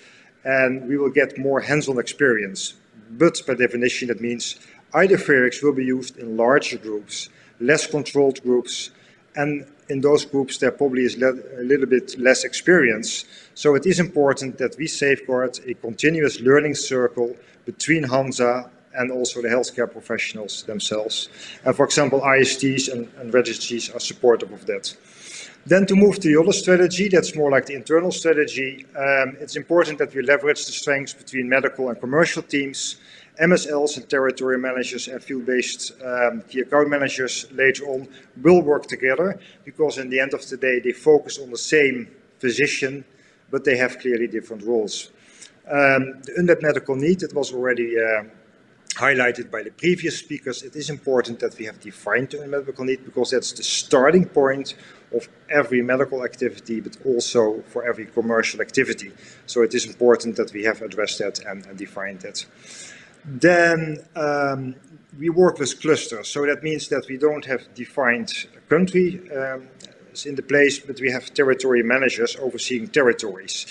and we will get more hands-on experience. By definition, that means IDEFIRIX will be used in larger groups, less controlled groups, and in those groups there probably is a little bit less experience. It is important that we safeguard a continuous learning circle between Hansa and also the healthcare professionals themselves. For example, ISTs and registries are supportive of that. To move to the other strategy, that's more like the internal strategy. It's important that we leverage the strengths between medical and commercial teams, MSLs and territory managers and field-based key account managers later on will work together because in the end of the day, they focus on the same physician, but they have clearly different roles. The unmet medical need, it was already highlighted by the previous speakers. It is important that we have defined the unmet medical need because that's the starting point of every medical activity, but also for every commercial activity. It is important that we have addressed that and defined it. We work with clusters, so that means that we don't have defined countries in the place, but we have territory managers overseeing territories.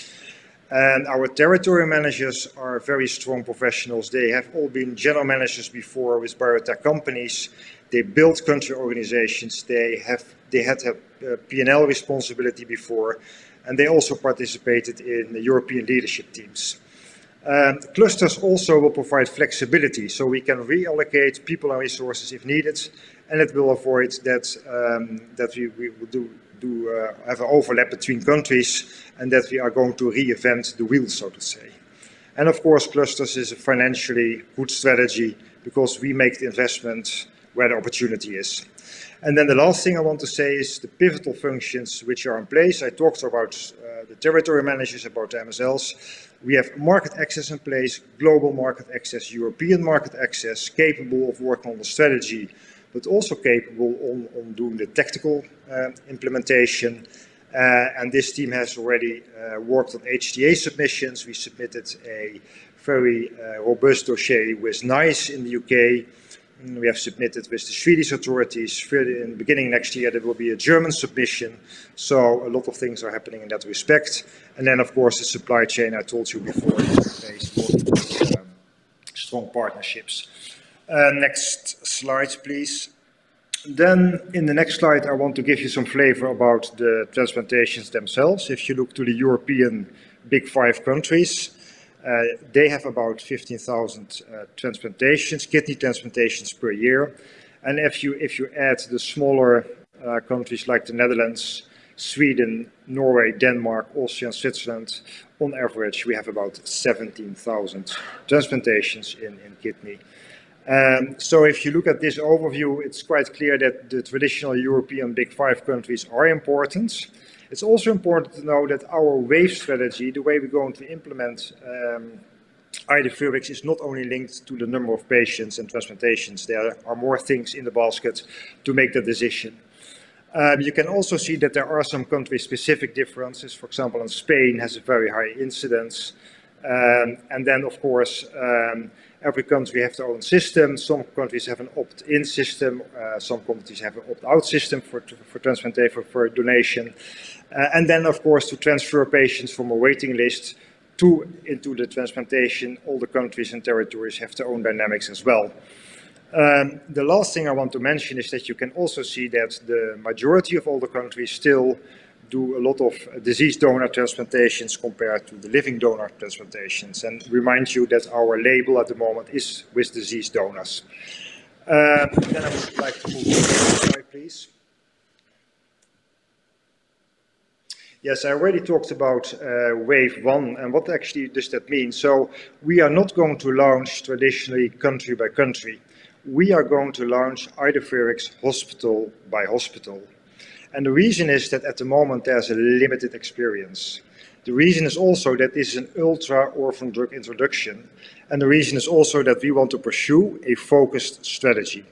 Our territory managers are very strong professionals. They have all been general managers before with biotech companies. They built country organizations. They had to have P&L responsibility before, and they also participated in the European leadership teams. Clusters will also provide flexibility so we can reallocate people and resources if needed, and it will avoid that we will have an overlap between countries and that we are going to reinvent the wheel, so to say. Of course, clusters is a financially good strategy because we make the investment where the opportunity is. The last thing I want to say is the pivotal functions which are in place. I talked about the territory managers, about MSLs. We have market access in place, global market access, European market access, capable of working on the strategy, but also capable on doing the tactical implementation. This team has already worked on HTA submissions. We submitted a very robust dossier with NICE in the U.K., and we have submitted with the Swedish authorities. In the beginning of next year, there will be a German submission. A lot of things are happening in that respect. Of course, the supply chain I told you before is in place for these strong partnerships. Next slide, please. In the next slide, I want to give you some flavor about the transplantations themselves. If you look to the European big five countries, they have about 15,000 kidney transplantations per year. If you add the smaller countries like the Netherlands, Sweden, Norway, Denmark, Austria, and Switzerland, on average, we have about 17,000 transplantations in kidney. If you look at this overview, it's quite clear that the traditional European big five countries are important. It's also important to know that our wave strategy, the way we're going to implement IDEFIRIX, is not only linked to the number of patients and transplantations. There are more things in the basket to make the decision. You can also see that there are some country-specific differences. For example, in Spain has a very high incidence. Of course, every country have their own system. Some countries have an opt-in system, some countries have an opt-out system for donation. Of course, to transfer patients from a waiting list into the transplantation, all the countries and territories have their own dynamics as well. The last thing I want to mention is that you can also see that the majority of all the countries still do a lot of deceased donor transplantations compared to the living donor transplantations and remind you that our label at the moment is with deceased donors. I would like to move to the next slide, please. Yes, I already talked about wave one and what actually does that mean. We are not going to launch traditionally country by country. We are going to launch IDEFIRIX hospital by hospital. The reason is that at the moment, there's a limited experience. The reason is also that this is an ultra-orphan drug introduction, the reason is also that we want to pursue a focused strategy.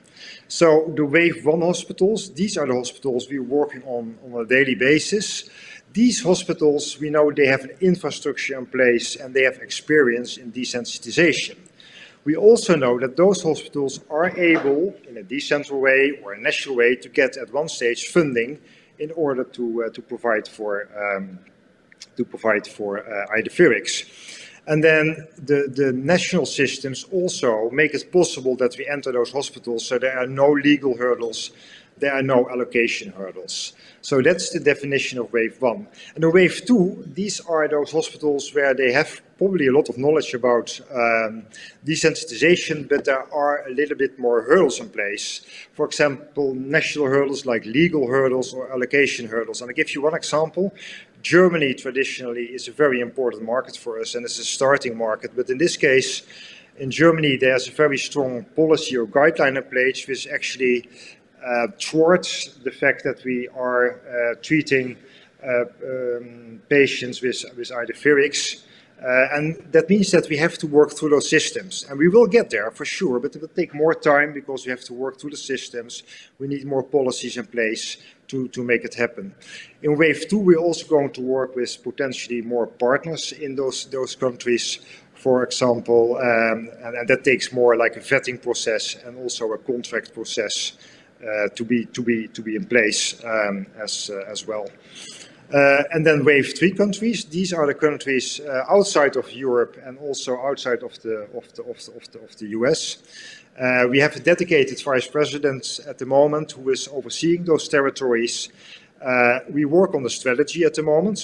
The wave one hospitals, these are the hospitals we are working on a daily basis. These hospitals, we know they have infrastructure in place and they have experience in desensitization. We also know that those hospitals are able, in a decentral way or a national way, to get advanced stage funding in order to provide for IDEFIRIX. The national systems also make it possible that we enter those hospitals, there are no legal hurdles, there are no allocation hurdles. That's the definition of wave one. In wave two, these are those hospitals where they have probably a lot of knowledge about desensitization, there are a little bit more hurdles in place. For example, national hurdles like legal hurdles or allocation hurdles. I give you one example. Germany traditionally is a very important market for us, it's a starting market. In this case, in Germany, there's a very strong policy or guideline in place which actually thwarts the fact that we are treating patients with IDEFIRIX. That means that we have to work through those systems. We will get there for sure, it will take more time because we have to work through the systems. We need more policies in place to make it happen. In wave two, we're also going to work with potentially more partners in those countries, for example, that takes more like a vetting process and also a contract process to be in place as well. Wave three countries, these are the countries outside of Europe and also outside of the U.S. We have a dedicated vice president at the moment who is overseeing those territories. We work on the strategy at the moment,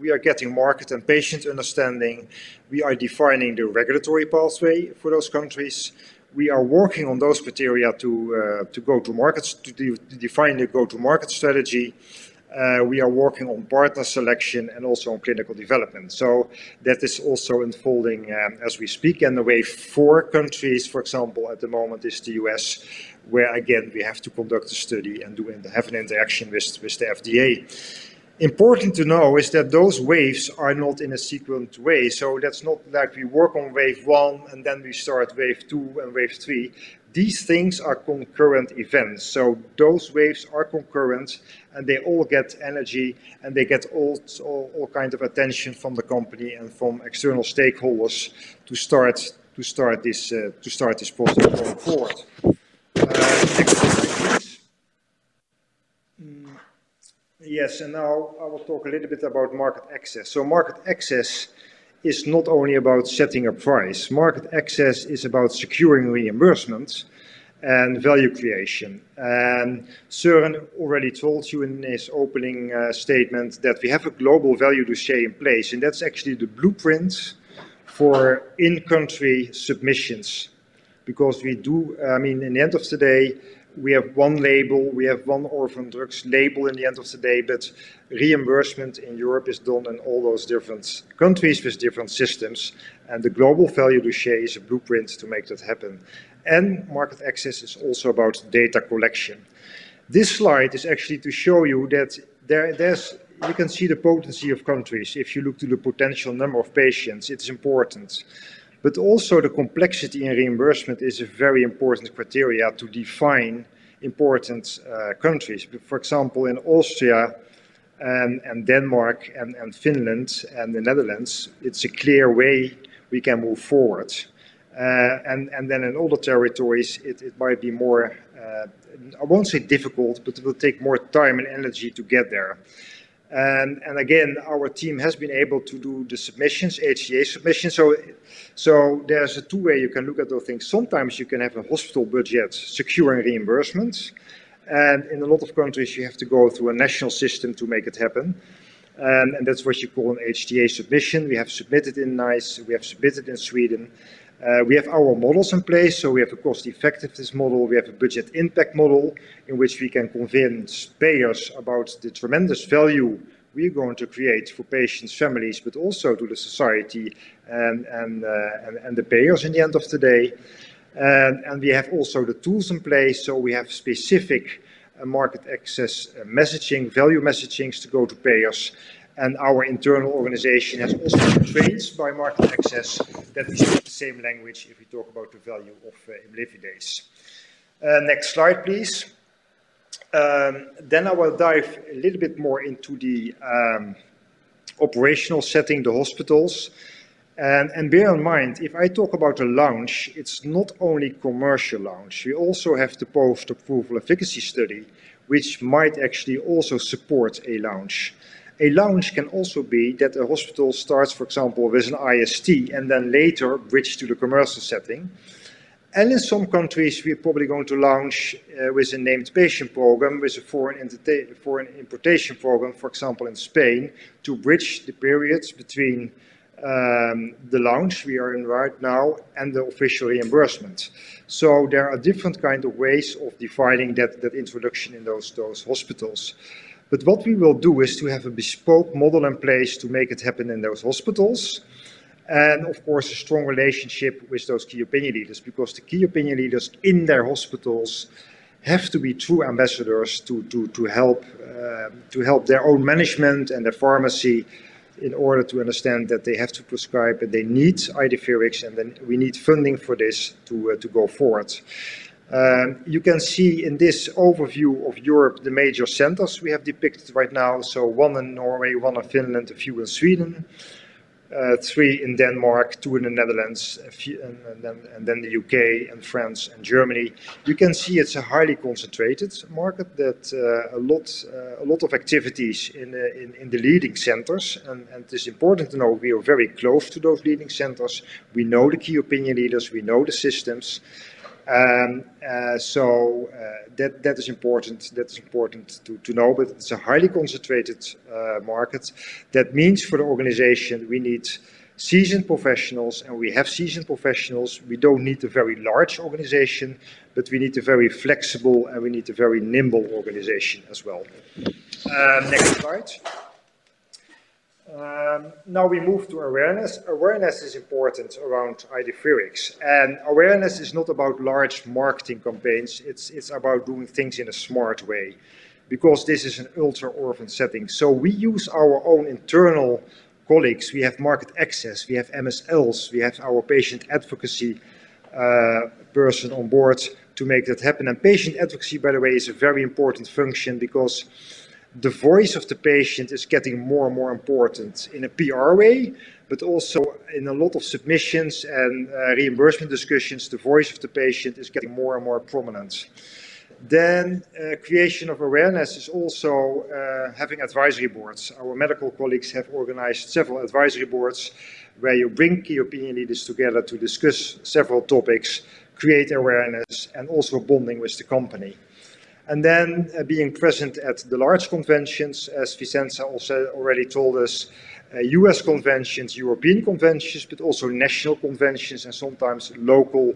we are getting market and patient understanding. We are defining the regulatory pathway for those countries. We are working on those criteria to go to markets, to define the go-to-market strategy. We are working on partner selection and also on clinical development. That is also unfolding as we speak. The wave four countries, for example, at the moment is the U.S., where again, we have to conduct a study and have an interaction with the FDA. Important to know is that those waves are not in a sequenced way. That's not like we work on wave one and then we start wave two and wave three. These things are concurrent events. Those waves are concurrent, and they all get energy, and they get all kind of attention from the company and from external stakeholders to start this process going forward. Next slide, please. Yes, now I will talk a little bit about market access. Market access is not only about setting a price. Market access is about securing reimbursement and value creation. Søren already told you in his opening statement that we have a global value dossier in place, and that's actually the blueprint for in-country submissions. In the end of the day, we have one label, we have one orphan drugs label in the end of the day, but reimbursement in Europe is done in all those different countries with different systems. The global value we share is a blueprint to make that happen. Market access is also about data collection. This slide is actually to show you that you can see the potency of countries. If you look to the potential number of patients, it's important. Also the complexity in reimbursement is a very important criteria to define important countries. For example, in Austria and Denmark and Finland and the Netherlands, it's a clear way we can move forward. Then in other territories, it might be more, I won't say difficult, but it will take more time and energy to get there. Again, our team has been able to do the submissions, HTA submissions. There's a two-way you can look at those things. Sometimes you can have a hospital budget securing reimbursements, and in a lot of countries, you have to go through a national system to make it happen. That's what you call an HTA submission. We have submitted in NICE, we have submitted in Sweden. We have our models in place, so we have a cost-effectiveness model, we have a budget impact model in which we can convince payers about the tremendous value we're going to create for patients, families, but also to the society and the payers in the end of the day. We have also the tools in place, so we have specific market access messaging, value messagings to go to payers. Our internal organization has also been trained by market access that we speak the same language if we talk about the value of IDEFIRIX. Next slide, please. I will dive a little bit more into the operational setting, the hospitals. Bear in mind, if I talk about a launch, it's not only commercial launch. We also have the post-approval efficacy study, which might actually also support a launch. A launch can also be that a hospital starts, for example, with an IST and then later bridge to the commercial setting. In some countries, we're probably going to launch with a named patient program, with a foreign importation program, for example, in Spain, to bridge the periods between the launch we are in right now and the official reimbursement. There are different kind of ways of defining that introduction in those hospitals. What we will do is to have a bespoke model in place to make it happen in those hospitals, and of course, a strong relationship with those key opinion leaders, because the key opinion leaders in their hospitals have to be true ambassadors to help their own management and their pharmacy in order to understand that they have to prescribe, and they need IDEFIRIX. We need funding for this to go forward. You can see in this overview of Europe, the major centers we have depicted right now. One in Norway, one in Finland, a few in Sweden. Three in Denmark, two in the Netherlands, the U.K. and France and Germany. You can see it's a highly concentrated market that a lot of activities in the leading centers, and it's important to know we are very close to those leading centers. We know the key opinion leaders, we know the systems. That is important. That's important to know. It's a highly concentrated market. That means for the organization, we need seasoned professionals, and we have seasoned professionals. We don't need a very large organization, but we need a very flexible, and we need a very nimble organization as well. Next slide. Now we move to awareness. Awareness is important around IDEFIRIX, and awareness is not about large marketing campaigns. It's about doing things in a smart way because this is an ultra-orphan setting. We use our own internal colleagues. We have market access, we have MSLs, we have our patient advocacy person on board to make that happen. Patient advocacy, by the way, is a very important function because the voice of the patient is getting more and more important in a PR way, but also in a lot of submissions and reimbursement discussions, the voice of the patient is getting more and more prominent. Creation of awareness is also having advisory boards. Our medical colleagues have organized several advisory boards where you bring key opinion leaders together to discuss several topics, create awareness, and also bonding with the company. Being present at the large conventions, as Vincenza also already told us, U.S. conventions, European conventions, but also national conventions and sometimes local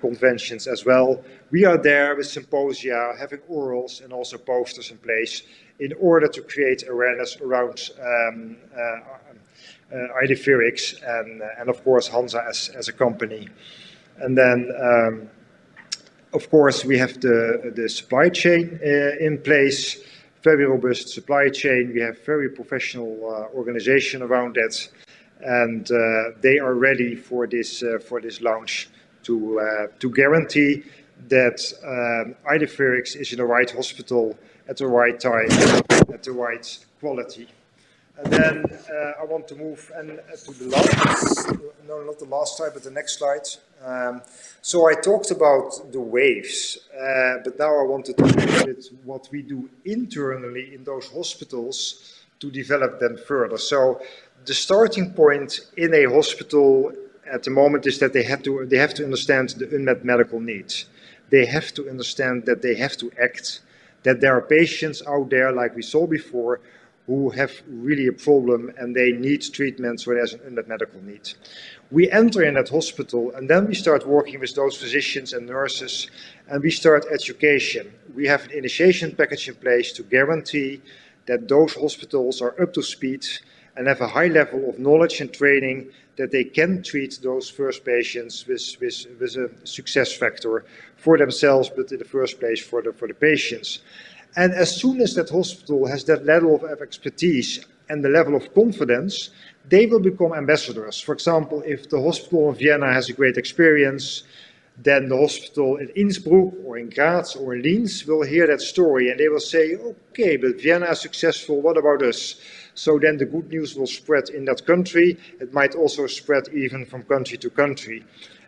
conventions as well. We are there with symposia, having orals and also posters in place in order to create awareness around IDEFIRIX and of course Hansa as a company. Of course, we have the supply chain in place, very robust supply chain. We have very professional organization around that, and they are ready for this launch to guarantee that IDEFIRIX is in the right hospital at the right time, at the right quality. I want to move on to the next slide. I talked about the waves, but now I want to talk a bit what we do internally in those hospitals to develop them further. The starting point in a hospital at the moment is that they have to understand the unmet medical needs. They have to understand that they have to act, that there are patients out there like we saw before, who have really a problem, and they need treatment for that unmet medical need. We enter in that hospital, and then we start working with those physicians and nurses, and we start education. We have an initiation package in place to guarantee that those hospitals are up to speed and have a high level of knowledge and training that they can treat those first patients with a success factor for themselves, but in the first place for the patients. As soon as that hospital has that level of expertise and the level of confidence, they will become ambassadors. For example, if the hospital of Vienna has a great experience, then the hospital in Innsbruck or in Graz or in Linz will hear that story and they will say, "Okay, but Vienna is successful. What about us?" The good news will spread in that country. It might also spread even from country to country.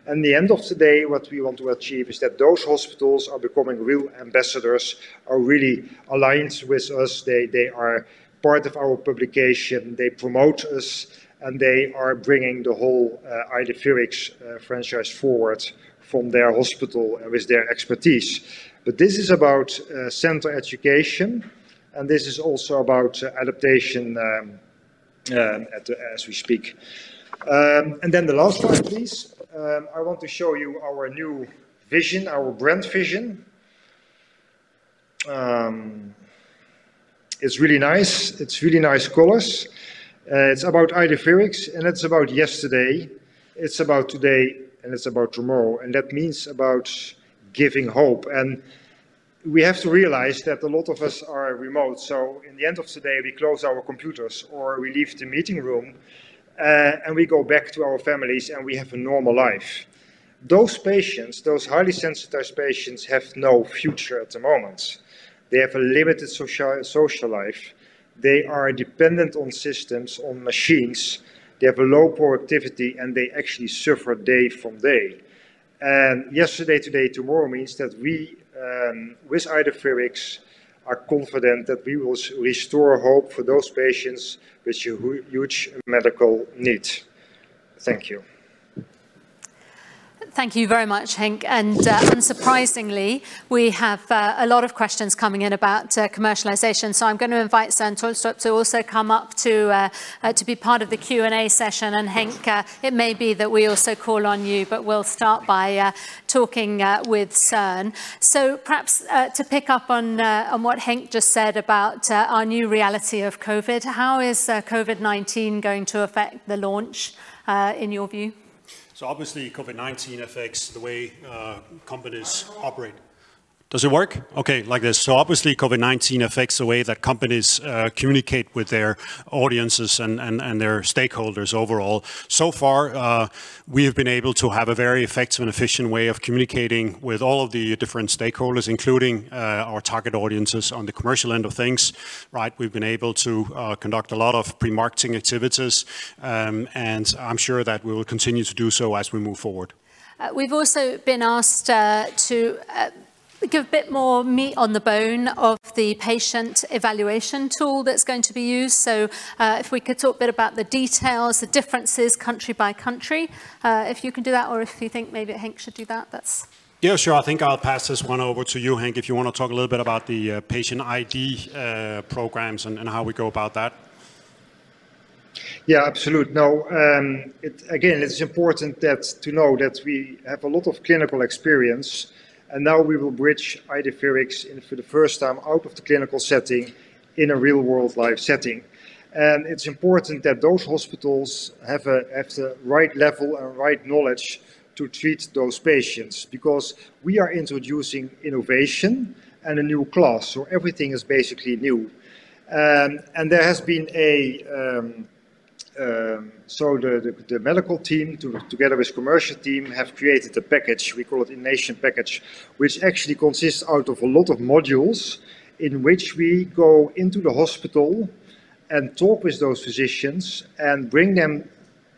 At the end of the day, what we want to achieve is that those hospitals are becoming real ambassadors, are really aligned with us. They are part of our publication, they promote us, and they are bringing the whole IDEFIRIX franchise forward from their hospital with their expertise. This is about center education, and this is also about adaptation as we speak. Then the last slide, please. I want to show you our new vision, our brand vision. It's really nice. It's really nice colors. It's about IDEFIRIX, and it's about yesterday, it's about today, and it's about tomorrow, and that means about giving hope. We have to realize that a lot of us are remote. In the end of the day, we close our computers or we leave the meeting room, and we go back to our families and we have a normal life. Those patients, those highly sensitized patients, have no future at the moment. They have a limited social life. They are dependent on systems, on machines. They have a low productivity, and they actually suffer day from day. Yesterday, today, tomorrow means that we, with IDEFIRIX, are confident that we will restore hope for those patients with huge medical needs. Thank you. Thank you very much, Henk. Unsurprisingly, we have a lot of questions coming in about commercialization. I'm going to invite Søren Tulstrup to also come up to be part of the Q&A session. Henk, it may be that we also call on you, but we'll start by talking with Søren. Perhaps, to pick up on what Henk just said about our new reality of COVID, how is COVID-19 going to affect the launch, in your view? Obviously, COVID-19 affects the way companies operate. Does it work? Okay, like this. Obviously, COVID-19 affects the way that companies communicate with their audiences and their stakeholders overall. So far, we have been able to have a very effective and efficient way of communicating with all of the different stakeholders, including our target audiences on the commercial end of things. We've been able to conduct a lot of pre-marketing activities, and I'm sure that we will continue to do so as we move forward. We've also been asked to give a bit more meat on the bone of the patient evaluation tool that's going to be used. If we could talk a bit about the details, the differences country by country. If you can do that, or if you think maybe Henk should do that. Yeah, sure. I think I'll pass this one over to you, Henk, if you want to talk a little bit about the patient ID programs and how we go about that. Yeah, absolutely. Now, again, it's important to know that we have a lot of clinical experience, and now we will bridge IDEFIRIX for the first time out of the clinical setting in a real-world live setting. It's important that those hospitals have the right level and right knowledge to treat those patients, because we are introducing innovation and a new class. Everything is basically new. The medical team, together with commercial team, have created a package, we call it initiation package, which actually consists out of a lot of modules in which we go into the hospital and talk with those physicians and bring them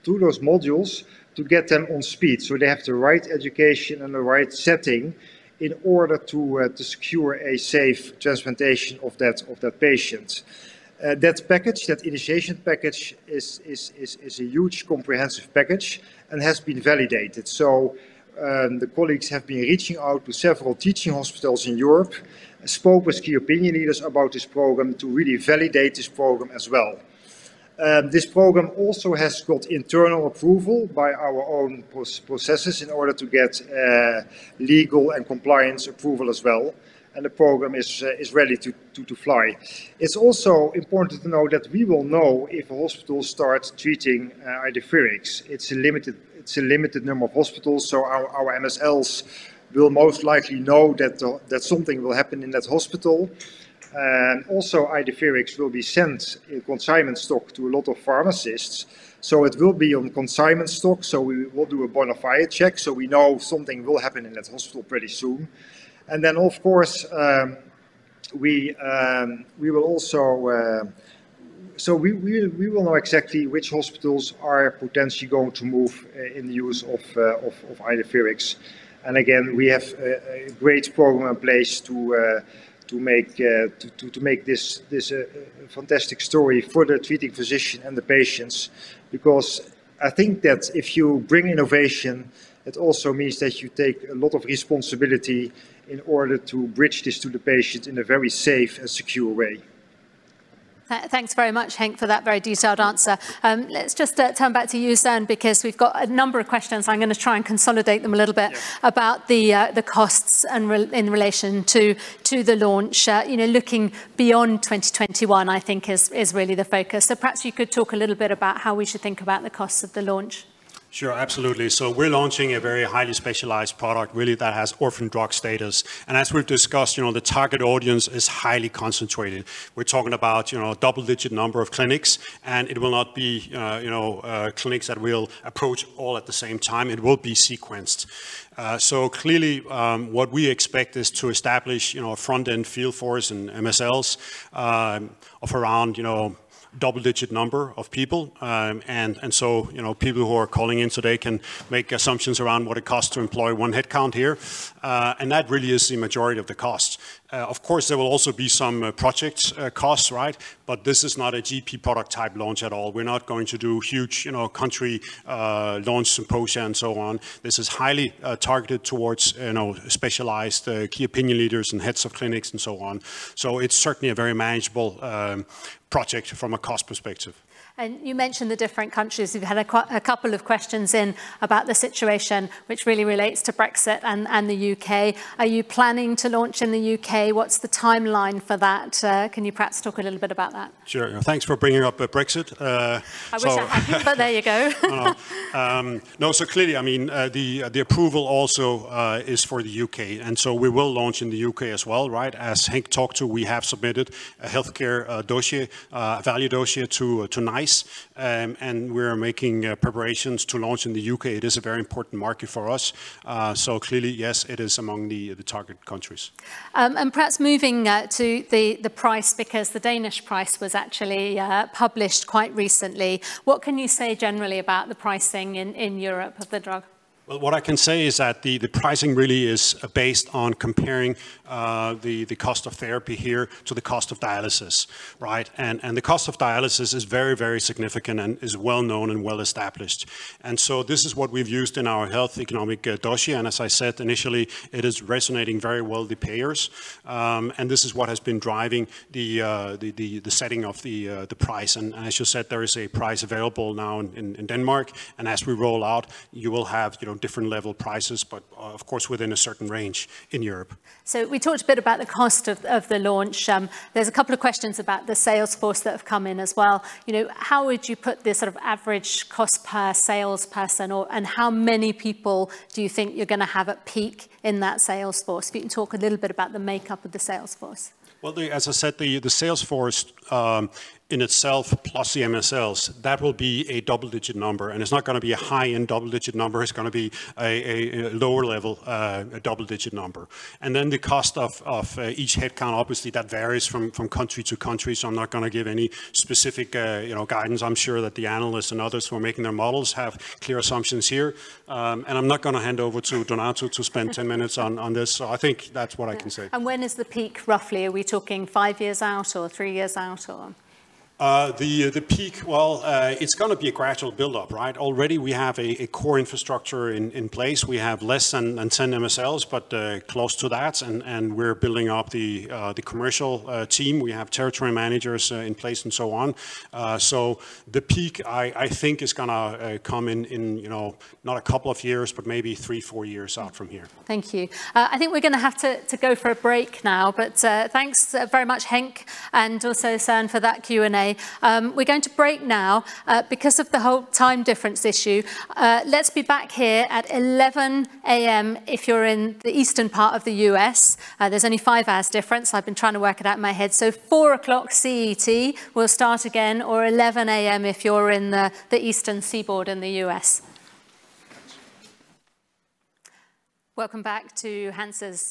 through those modules to get them on speed. They have the right education and the right setting in order to secure a safe transplantation of the patient. That package, that initiation package, is a huge comprehensive package and has been validated. The colleagues have been reaching out to several teaching hospitals in Europe, spoke with key opinion leaders about this program to really validate this program as well. This program also has got internal approval by our own processes in order to get legal and compliance approval as well, and the program is ready to fly. It is also important to know that we will know if a hospital starts treating IDEFIRIX. It is a limited number of hospitals, so our MSLs will most likely know that something will happen in that hospital. Also, IDEFIRIX will be sent in consignment stock to a lot of pharmacists. It will be on consignment stock, so we will do a bona fide check, so we know something will happen in that hospital pretty soon. We will know exactly which hospitals are potentially going to move in the use of IDEFIRIX. Again, we have a great program in place to make this a fantastic story for the treating physician and the patients. I think that if you bring innovation, it also means that you take a lot of responsibility in order to bridge this to the patient in a very safe and secure way. Thanks very much, Henk, for that very detailed answer. Let's just turn back to you, Søren, because we've got a number of questions. I'm going to try and consolidate them a little bit. Yeah. about the costs in relation to the launch. Looking beyond 2021, I think, is really the focus. Perhaps you could talk a little bit about how we should think about the costs of the launch. Sure, absolutely. We're launching a very highly specialized product, really, that has orphan drug status. As we've discussed, the target audience is highly concentrated. We're talking about a double-digit number of clinics, and it will not be clinics that we'll approach all at the same time. It will be sequenced. Clearly, what we expect is to establish a front-end field force in MSLs of around double-digit number of people. People who are calling in today can make assumptions around what it costs to employ one headcount here. That really is the majority of the cost. Of course, there will also be some project costs. This is not a GP product type launch at all. We're not going to do huge country launch symposia and so on. This is highly targeted towards specialized key opinion leaders and heads of clinics and so on. It's certainly a very manageable project from a cost perspective. You mentioned the different countries. We've had a couple of questions in about the situation, which really relates to Brexit and the U.K. Are you planning to launch in the U.K.? What's the timeline for that? Can you perhaps talk a little bit about that? Sure. Thanks for bringing up Brexit. I wish I hadn't, but there you go. No, so clearly, the approval also is for the U.K., we will launch in the U.K. as well. As Henk talked to, we have submitted a healthcare dossier, a value dossier, to NICE, and we're making preparations to launch in the U.K. It is a very important market for us. Clearly, yes, it is among the target countries. Perhaps moving to the price because the Danish price was actually published quite recently. What can you say generally about the pricing in Europe of the drug? Well, what I can say is that the pricing really is based on comparing the cost of therapy here to the cost of dialysis. The cost of dialysis is very significant and is well-known and well-established. This is what we've used in our health economic dossier, and as I said initially, it is resonating very well with the payers. This is what has been driving the setting of the price. As you said, there is a price available now in Denmark. As we roll out, you will have different level prices, but of course, within a certain range in Europe. We talked a bit about the cost of the launch. There's a couple of questions about the sales force that have come in as well. How would you put the average cost per sales person, and how many people do you think you're going to have at peak in that sales force? If you can talk a little bit about the makeup of the sales force. Well, as I said, the sales force in itself plus the MSLs, that will be a double-digit number. It's not going to be a high-end double-digit number. It's going to be a lower level double-digit number. The cost of each headcount, obviously that varies from country to country. I'm not going to give any specific guidance. I'm sure that the analysts and others who are making their models have clear assumptions here. I'm not going to hand over to Donato to spend 10 minutes on this. I think that's what I can say. When is the peak, roughly? Are we talking five years out or three years out or? The peak, well, it's going to be a gradual build-up, right? Already we have a core infrastructure in place. We have less than 10 MSLs, but close to that, and we're building up the commercial team. We have territory managers in place and so on. The peak, I think is going to come in not a couple of years, but maybe three, four years out from here. Thank you. I think we're going to have to go for a break now. Thanks very much, Henk, and also Søren for that Q&A. We're going to break now because of the whole time difference issue. Let's be back here at 11:00 A.M. if you're in the eastern part of the U.S. There's only five hours difference. I've been trying to work it out in my head. 4:00 CET we'll start again or 11:00 A.M. if you're in the eastern seaboard in the U.S. Welcome back to Hansa's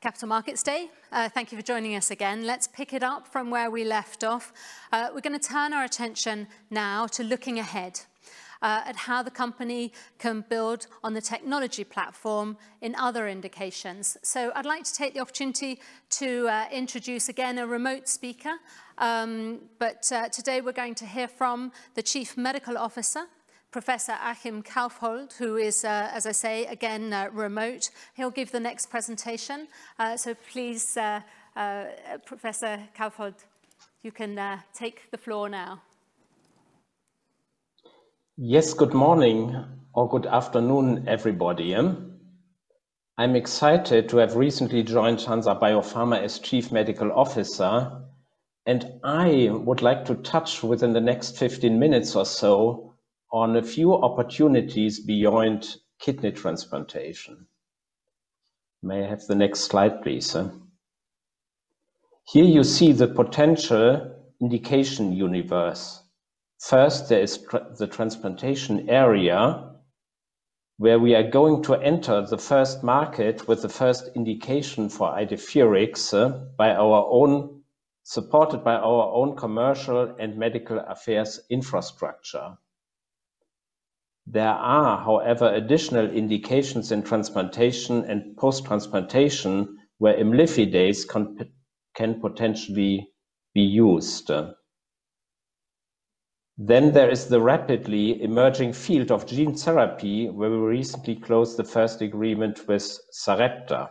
Capital Markets Day. Thank you for joining us again. Let's pick it up from where we left off. We're going to turn our attention now to looking ahead at how the company can build on the technology platform in other indications. I'd like to take the opportunity to introduce again a remote speaker. Today we're going to hear from the Chief Medical Officer, Professor Achim Kaufhold, who is, as I say, again, remote. He'll give the next presentation. Please, Professor Kaufhold, you can take the floor now. Yes, good morning or good afternoon, everybody. I'm excited to have recently joined Hansa Biopharma as Chief Medical Officer. I would like to touch within the next 15 minutes or so on a few opportunities beyond kidney transplantation. May I have the next slide, please? Here you see the potential indication universe. First, there is the transplantation area where we are going to enter the first market with the first indication for IDEFIRIX, supported by our own commercial and medical affairs infrastructure. There are, however, additional indications in transplantation and post-transplantation where imlifidase can potentially be used. There is the rapidly emerging field of gene therapy, where we recently closed the first agreement with Sarepta.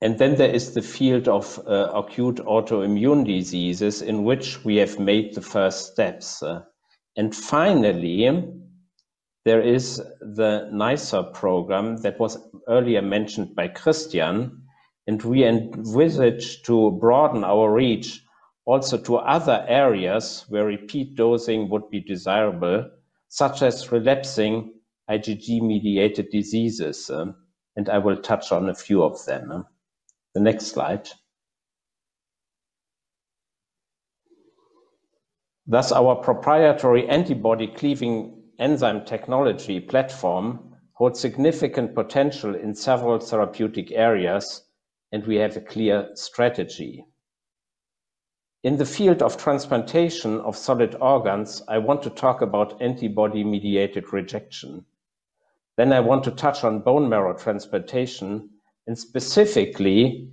There is the field of acute autoimmune diseases in which we have made the first steps. Finally, there is the NiceR program that was earlier mentioned by Christian. We envisage to broaden our reach also to other areas where repeat dosing would be desirable, such as relapsing IgG-mediated diseases. I will touch on a few of them. The next slide. Thus, our proprietary IgG-cleaving enzyme technology platform holds significant potential in several therapeutic areas. We have a clear strategy. In the field of transplantation of solid organs, I want to talk about antibody-mediated rejection. I want to touch on bone marrow transplantation and specifically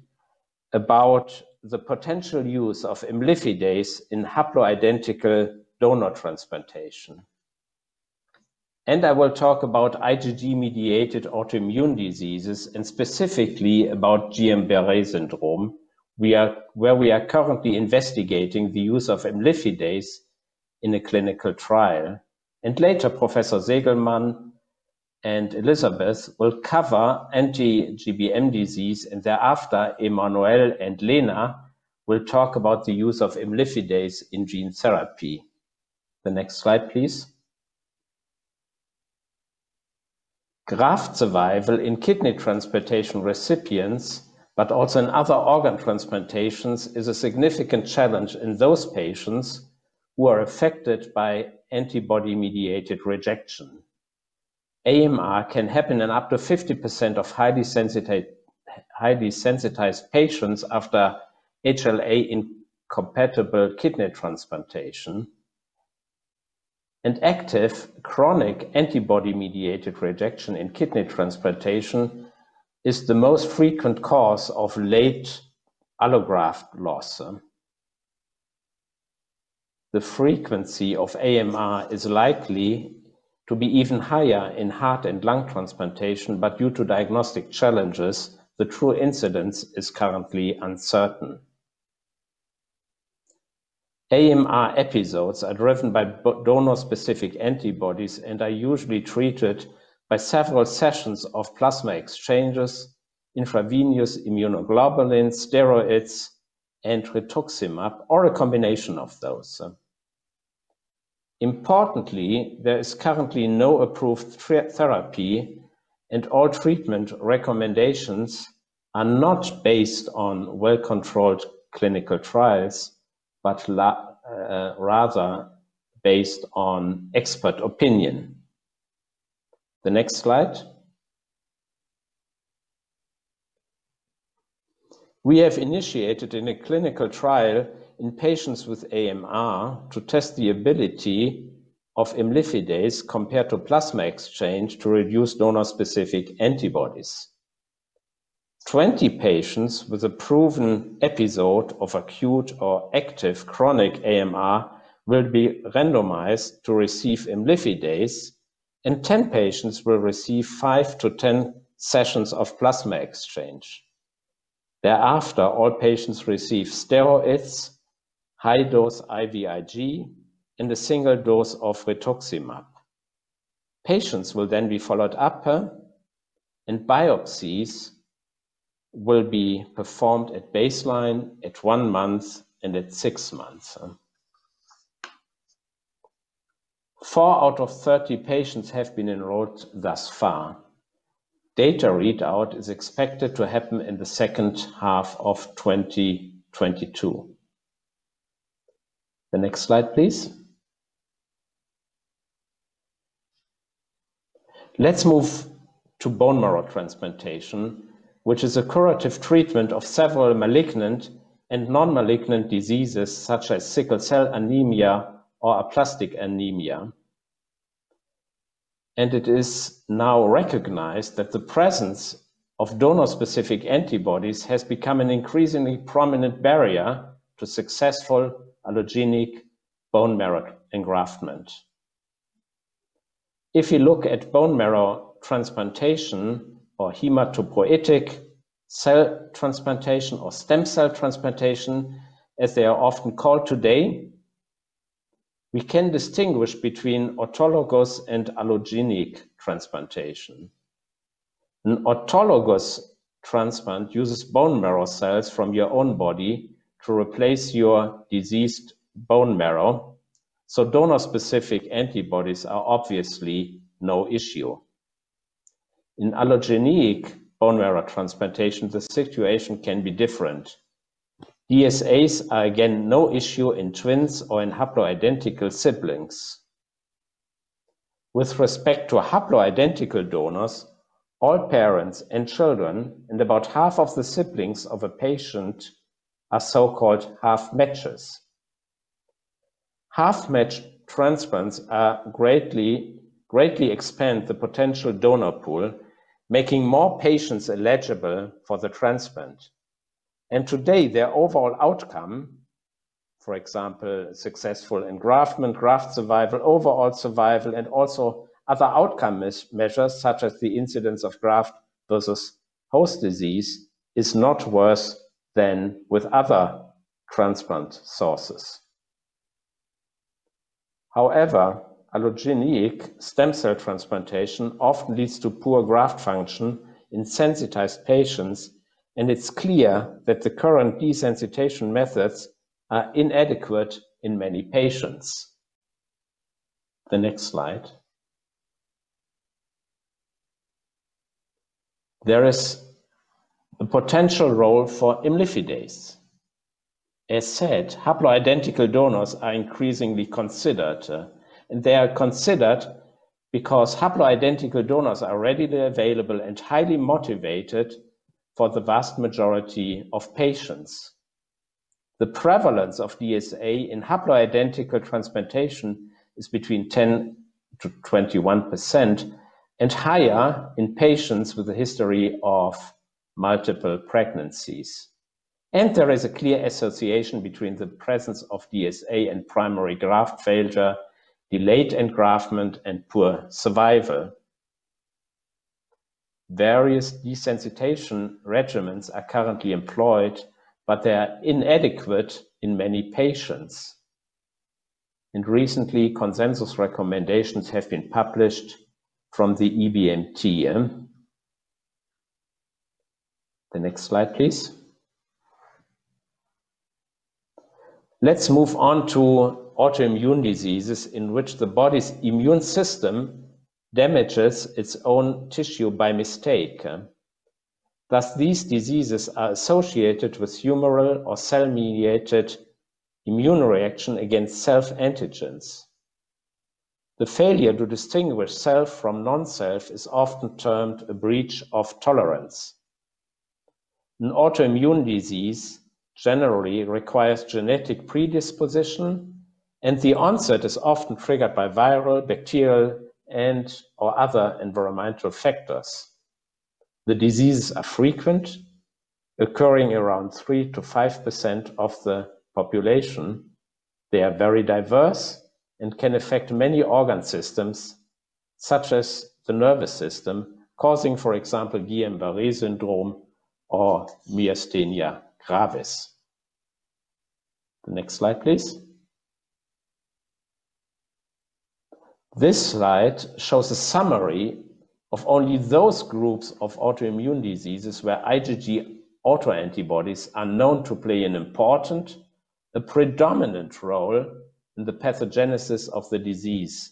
about the potential use of imlifidase in haploidentical donor transplantation. I will talk about IgG-mediated autoimmune diseases and specifically about Guillain-Barré Syndrome, where we are currently investigating the use of imlifidase in a clinical trial. Later, Professor Segelmark and Elisabeth will cover anti-GBM disease, and thereafter, Emanuel and Lena will talk about the use of imlifidase in gene therapy. The next slide, please. Graft survival in kidney transplantation recipients, also in other organ transplantations, is a significant challenge in those patients who are affected by antibody-mediated rejection. AMR can happen in up to 50% of highly sensitized patients after HLA-incompatible kidney transplantation. Active chronic antibody-mediated rejection in kidney transplantation is the most frequent cause of late allograft loss. The frequency of AMR is likely to be even higher in heart and lung transplantation, due to diagnostic challenges, the true incidence is currently uncertain. AMR episodes are driven by donor-specific antibodies and are usually treated by several sessions of plasma exchanges, intravenous immunoglobulin, steroids, and rituximab, or a combination of those. Importantly, there is currently no approved therapy. All treatment recommendations are not based on well-controlled clinical trials, rather based on expert opinion. The next slide. We have initiated in a clinical trial in patients with AMR to test the ability of imlifidase compared to plasma exchange to reduce donor-specific antibodies. 20 patients with a proven episode of acute or active chronic AMR will be randomized to receive imlifidase, and 10 patients will receive five to 10 sessions of plasma exchange. Thereafter, all patients receive steroids, high dose IVIG, and a single dose of rituximab. Patients will be followed up, and biopsies will be performed at baseline, at one month, and at six months. Four out of 30 patients have been enrolled thus far. Data readout is expected to happen in the second half of 2022. The next slide, please. Let's move to bone marrow transplantation, which is a curative treatment of several malignant and non-malignant diseases such as sickle cell anemia or aplastic anemia. It is now recognized that the presence of donor-specific antibodies has become an increasingly prominent barrier to successful allogeneic bone marrow engraftment. If you look at bone marrow transplantation or hematopoietic cell transplantation or stem cell transplantation, as they are often called today, we can distinguish between autologous and allogeneic transplantation. An autologous transplant uses bone marrow cells from your own body to replace your diseased bone marrow, so donor-specific antibodies are obviously no issue. In allogeneic bone marrow transplantation, the situation can be different. DSAs are again no issue in twins or in haploidentical siblings. With respect to haploidentical donors, all parents and children and about half of the siblings of a patient are so-called half-matches. Half-match transplants greatly expand the potential donor pool, making more patients eligible for the transplant. Today, their overall outcome, for example, successful engraftment, graft survival, overall survival, and also other outcome measures such as the incidence of graft versus host disease, is not worse than with other transplant sources. However, allogeneic stem cell transplantation often leads to poor graft function in sensitized patients, and it's clear that the current desensitization methods are inadequate in many patients. The next slide. There is a potential role for imlifidase. As said, haploidentical donors are increasingly considered. They are considered because haploidentical donors are readily available and highly motivated for the vast majority of patients. The prevalence of DSA in haploidentical transplantation is between 10%-21% and higher in patients with a history of multiple pregnancies. There is a clear association between the presence of DSA and primary graft failure, delayed engraftment, and poor survival. Various desensitization regimens are currently employed, but they are inadequate in many patients and recently, consensus recommendations have been published from the EBMT. The next slide, please. Let's move on to autoimmune diseases in which the body's immune system damages its own tissue by mistake. Thus, these diseases are associated with humoral or cell-mediated immune reaction against self-antigens. The failure to distinguish self from non-self is often termed a breach of tolerance. An autoimmune disease generally requires genetic predisposition, and the onset is often triggered by viral, bacterial, and/or other environmental factors. The diseases are frequent, occurring around 3%-5% of the population. They are very diverse and can affect many organ systems, such as the nervous system, causing, for example, Guillain-Barré Syndrome or myasthenia gravis. The next slide, please. This slide shows a summary of only those groups of autoimmune diseases where IgG autoantibodies are known to play an important, a predominant role in the pathogenesis of the disease,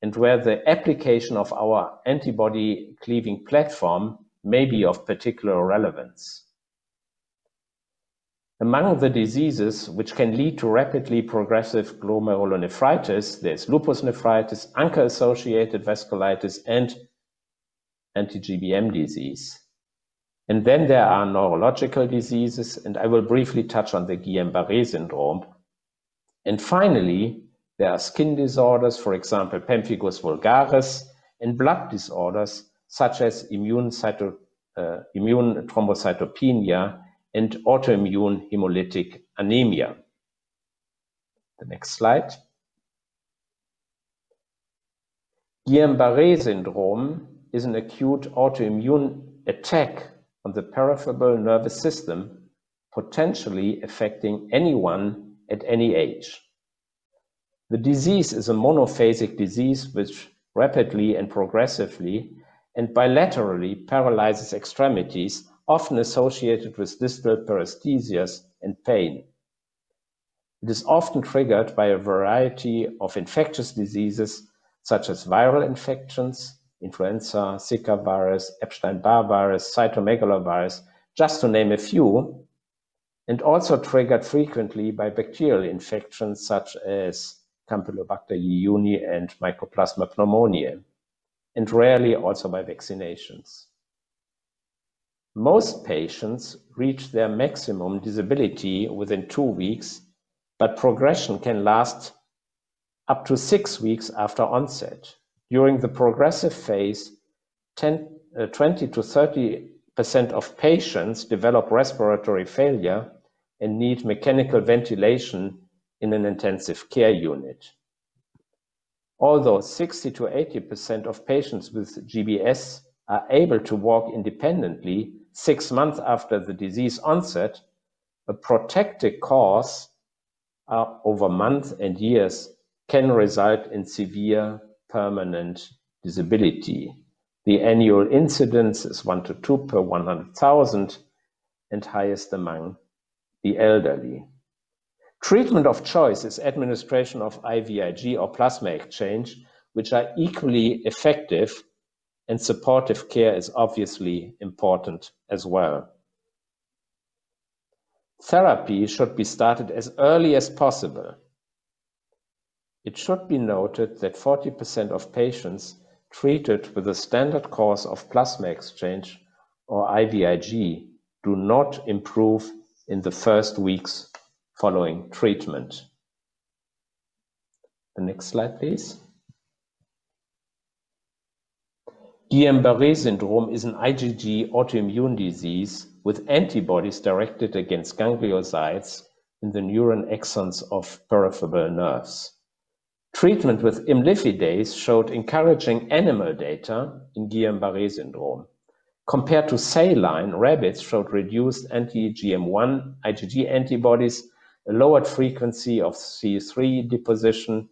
and where the application of our antibody cleaving platform may be of particular relevance. Among the diseases which can lead to rapidly progressive glomerulonephritis, there is lupus nephritis, ANCA-associated vasculitis, and Anti-GBM disease. There are neurological diseases, and I will briefly touch on the Guillain-Barré Syndrome. Finally, there are skin disorders, for example, pemphigus vulgaris, and blood disorders such as immune thrombocytopenia and autoimmune hemolytic anemia. The next slide. Guillain-Barré Syndrome is an acute autoimmune attack on the peripheral nervous system, potentially affecting anyone at any age. The disease is a monophasic disease which rapidly and progressively and bilaterally paralyzes extremities, often associated with distal paresthesias and pain. It is often triggered by a variety of infectious diseases such as viral infections, influenza, Zika virus, Epstein-Barr virus, cytomegalovirus, just to name a few, and also triggered frequently by bacterial infections such as Campylobacter jejuni and Mycoplasma pneumoniae, and rarely also by vaccinations. Most patients reach their maximum disability within two weeks, but progression can last up to six weeks after onset. During the progressive phase, 20%-30% of patients develop respiratory failure and need mechanical ventilation in an intensive care unit. Although 60%-80% of patients with GBS are able to walk independently six months after the disease onset, a protracted course over months and years can result in severe permanent disability. The annual incidence is one to two per 100,000 and highest among the elderly. Treatment of choice is administration of IVIG or plasma exchange, which are equally effective, and supportive care is obviously important as well. Therapy should be started as early as possible. It should be noted that 40% of patients treated with a standard course of plasma exchange or IVIG do not improve in the first weeks following treatment. The next slide, please. Guillain-Barré Syndrome is an IgG autoimmune disease with antibodies directed against gangliosides in the neuron axons of peripheral nerves. Treatment with imlifidase showed encouraging animal data in Guillain-Barré Syndrome. Compared to saline, rabbits showed reduced anti-GM1 IgG antibodies, a lower frequency of C3 deposition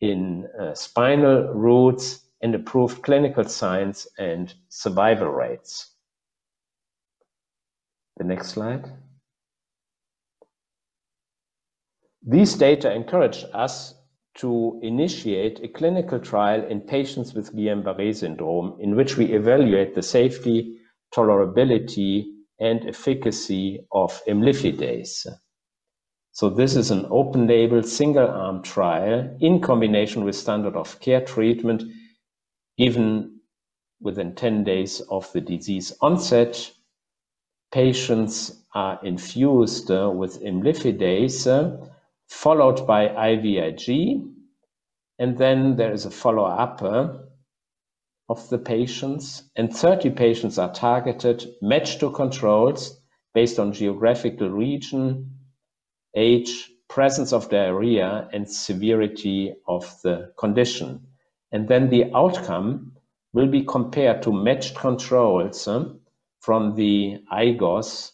in spinal roots, and improved clinical signs and survival rates. The next slide. These data encouraged us to initiate a clinical trial in patients with Guillain-Barré Syndrome in which we evaluate the safety, tolerability, and efficacy of imlifidase. This is an open-label, single-arm trial in combination with standard of care treatment, even within 10 days of the disease onset. Patients are infused with imlifidase, followed by IVIG, and then there is a follow-up of the patients. 30 patients are targeted, matched to controls based on geographical region, age, presence of diarrhea, and severity of the condition. The outcome will be compared to matched controls from the IGOS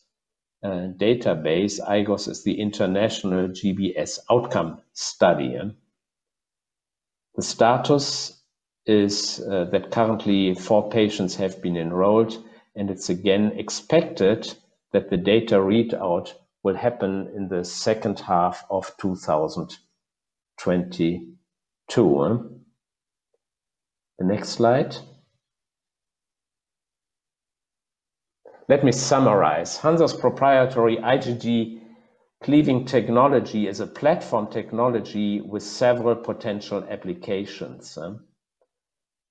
database. IGOS is the International GBS Outcome Study. The status is that currently four patients have been enrolled, and it's again expected that the data readout will happen in the second half of 2022. The next slide. Let me summarize. Hansa's proprietary IgG cleaving technology is a platform technology with several potential applications.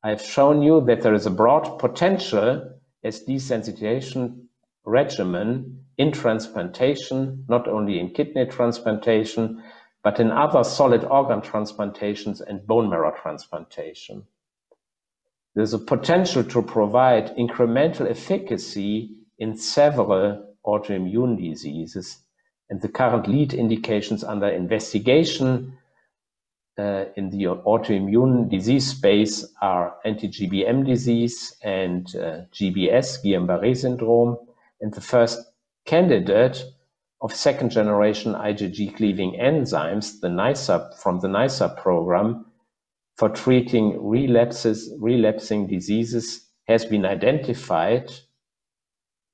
I have shown you that there is a broad potential as desensitization regimen in transplantation, not only in kidney transplantation, but in other solid organ transplantations and bone marrow transplantation. The current lead indications under investigation in the autoimmune disease space are anti-GBM disease and GBS, Guillain-Barré Syndrome. The first candidate of second generation IgG-cleaving enzymes, from the NiceR program, for treating relapsing diseases has been identified,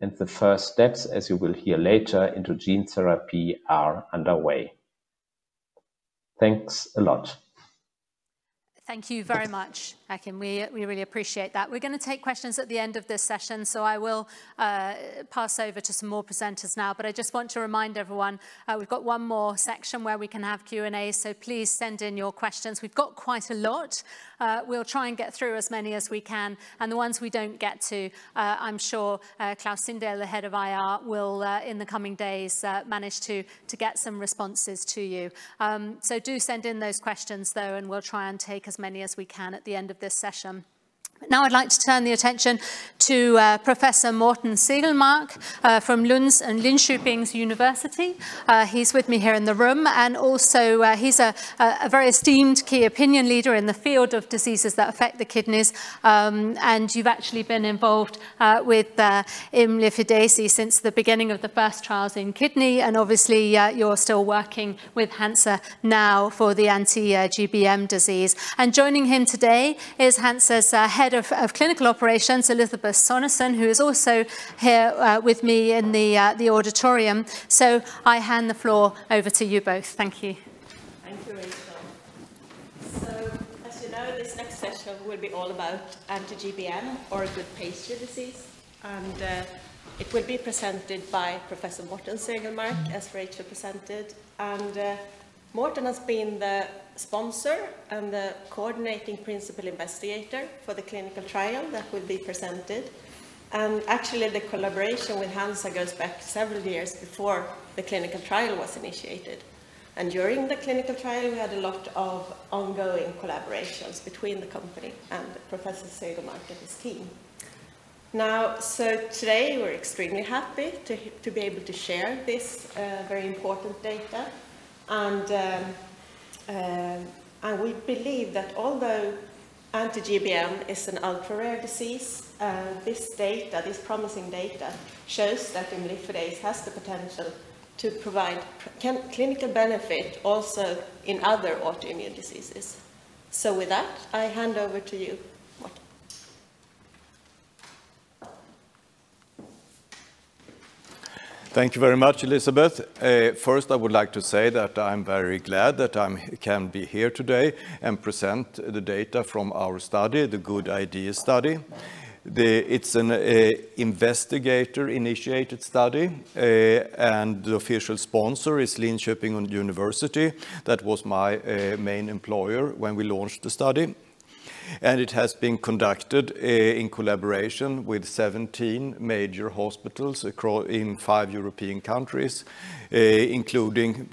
and the first steps, as you will hear later, into gene therapy are underway. Thanks a lot. Thank you very much, Achim. We really appreciate that. We're going to take questions at the end of this session. I will pass over to some more presenters now. I just want to remind everyone, we've got one more section where we can have Q&A. Please send in your questions. We've got quite a lot. We'll try and get through as many as we can. The ones we don't get to, I'm sure Klaus Sindahl, the Head of IR, will, in the coming days, manage to get some responses to you. Do send in those questions, though. We'll try and take as many as we can at the end of this session. Now I'd like to turn the attention to Professor Mårten Segelmark from Lund and Linköping University. He's with me here in the room. Also, he's a very esteemed key opinion leader in the field of diseases that affect the kidneys. You've actually been involved with imlifidase since the beginning of the first trials in kidney. Obviously, you're still working with Hansa now for the anti-GBM disease. Joining him today is Hansa's Head of Clinical Operations, Elisabeth Sonesson, who is also here with me in the auditorium. I hand the floor over to you both. Thank you. Thank you, Rachel. As you know, this next session will be all about anti-GBM or Goodpasture disease, and it will be presented by Professor Mårten Segelmark, as Rachel presented. Mårten has been the sponsor and the coordinating principal investigator for the clinical trial that will be presented. Actually, the collaboration with Hansa goes back several years before the clinical trial was initiated. During the clinical trial, we had a lot of ongoing collaborations between the company and Professor Segelmark and his team. Today, we're extremely happy to be able to share this very important data. We believe that although anti-GBM is an ultra-rare disease, this promising data shows that imlifidase has the potential to provide clinical benefit also in other autoimmune diseases. With that, I hand over to you, Mårten. Thank you very much, Elisabeth. I would like to say that I'm very glad that I can be here today and present the data from our study, the GOOD-IDES study. It's an investigator-initiated study. The official sponsor is Linköping University. That was my main employer when we launched the study. It has been conducted in collaboration with 17 major hospitals in five European countries, including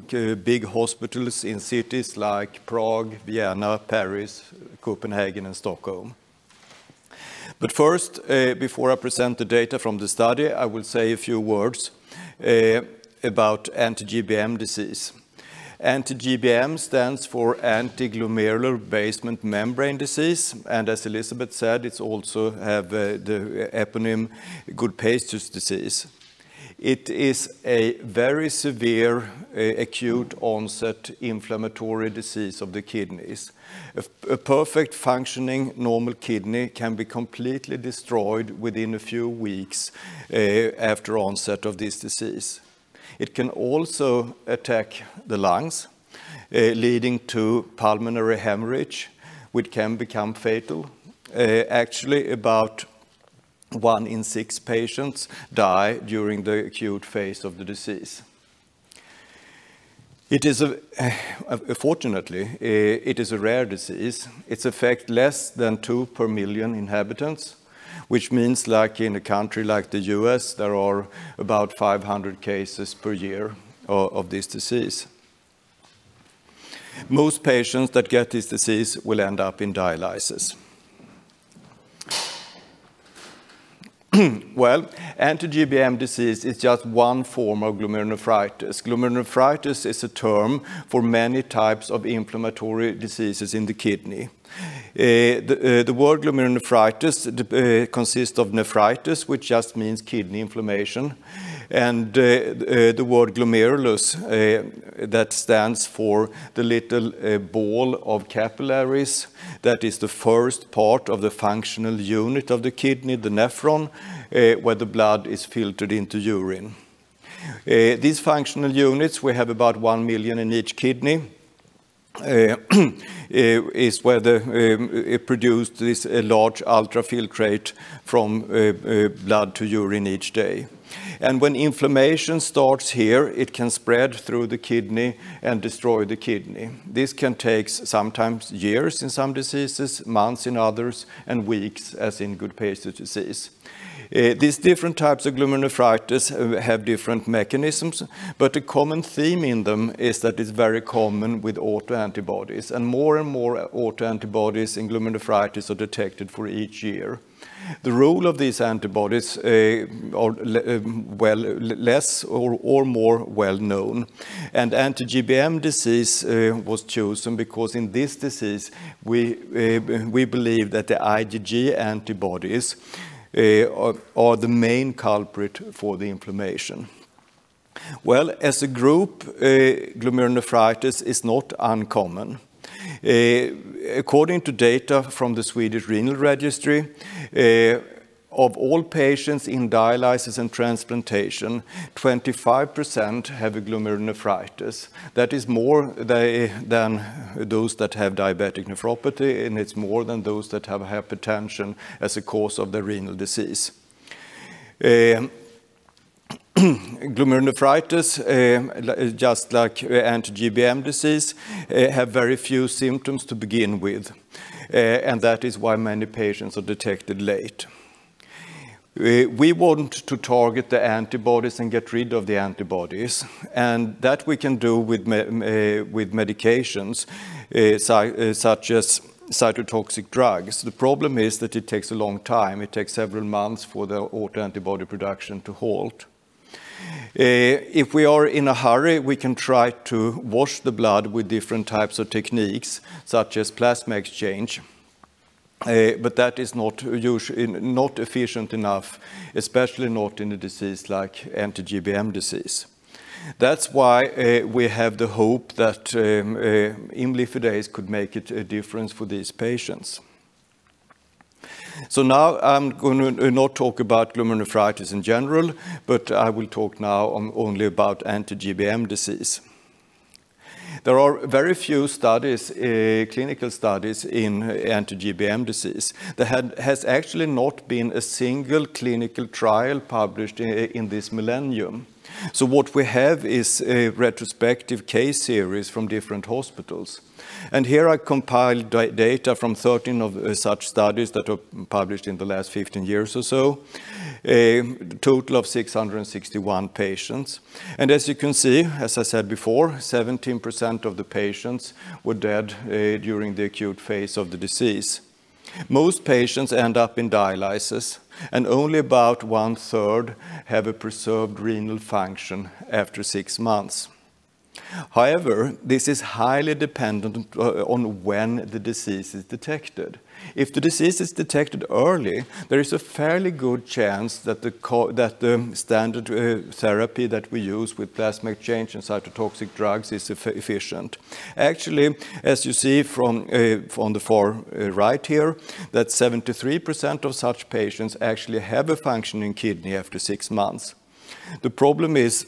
big hospitals in cities like Prague, Vienna, Paris, Copenhagen, and Stockholm. First, before I present the data from the study, I will say a few words about anti-GBM disease. Anti-GBM stands for Anti-Glomerular Basement Membrane disease. As Elisabeth said, it also has the eponym Goodpasture disease. It is a very severe, acute-onset inflammatory disease of the kidneys. A perfect functioning normal kidney can be completely destroyed within a few weeks after onset of this disease. It can also attack the lungs, leading to pulmonary hemorrhage, which can become fatal. Actually, about one in six patients died during the acute phase of the disease. Fortunately, it is a rare disease. It affects less than two per million inhabitants, which means in a country like the U.S., there are about 500 cases per year of this disease. Most patients that get this disease will end up in dialysis. Well, anti-GBM disease is just one form of glomerulonephritis. Glomerulonephritis is a term for many types of inflammatory diseases in the kidney. The word glomerulonephritis consists of nephritis, which just means kidney inflammation, and the word glomerulus, that stands for the little ball of capillaries that is the first part of the functional unit of the kidney, the nephron, where the blood is filtered into urine. These functional units, we have about one million in each kidney. It is where it produced this large ultrafiltrate from blood to urine each day. When inflammation starts here, it can spread through the kidney and destroy the kidney. This can take sometimes years in some diseases, months in others, and weeks as in Goodpasture disease. These different types of glomerulonephritis have different mechanisms, but a common theme in them is that it's very common with autoantibodies, and more and more autoantibodies in glomerulonephritis are detected for each year. The role of these antibodies are less or more well-known. Anti-GBM disease was chosen because in this disease, we believe that the IgG antibodies are the main culprit for the inflammation. Well, as a group, glomerulonephritis is not uncommon. According to data from the Swedish Renal Registry, of all patients in dialysis and transplantation, 25% have a glomerulonephritis. That is more than those that have diabetic nephropathy, and it's more than those that have hypertension as a cause of their renal disease. Glomerulonephritis, just like anti-GBM disease, have very few symptoms to begin with. That is why many patients are detected late. We want to target the antibodies and get rid of the antibodies. That we can do with medications such as cytotoxic drugs. The problem is that it takes a long time. It takes several months for the autoantibody production to halt. If we are in a hurry, we can try to wash the blood with different types of techniques, such as plasma exchange. That is not efficient enough, especially not in a disease like anti-GBM disease. That's why we have the hope that imlifidase could make a difference for these patients. Now I'm going to not talk about glomerulonephritis in general, but I will talk now only about anti-GBM disease. There are very few clinical studies in anti-GBM disease. There has actually not been a single clinical trial published in this millennium. What we have is retrospective case series from different hospitals. Here I compiled data from 13 of such studies that were published in the last 15 years or so. A total of 661 patients. As you can see, as I said before, 17% of the patients were dead during the acute phase of the disease. Most patients end up in dialysis, and only about one-third have a preserved renal function after six months. However, this is highly dependent on when the disease is detected. If the disease is detected early, there is a fairly good chance that the standard therapy that we use with plasma exchange and cytotoxic drugs is efficient. Actually, as you see from the far right here, that 73% of such patients actually have a functioning kidney after six months. The problem is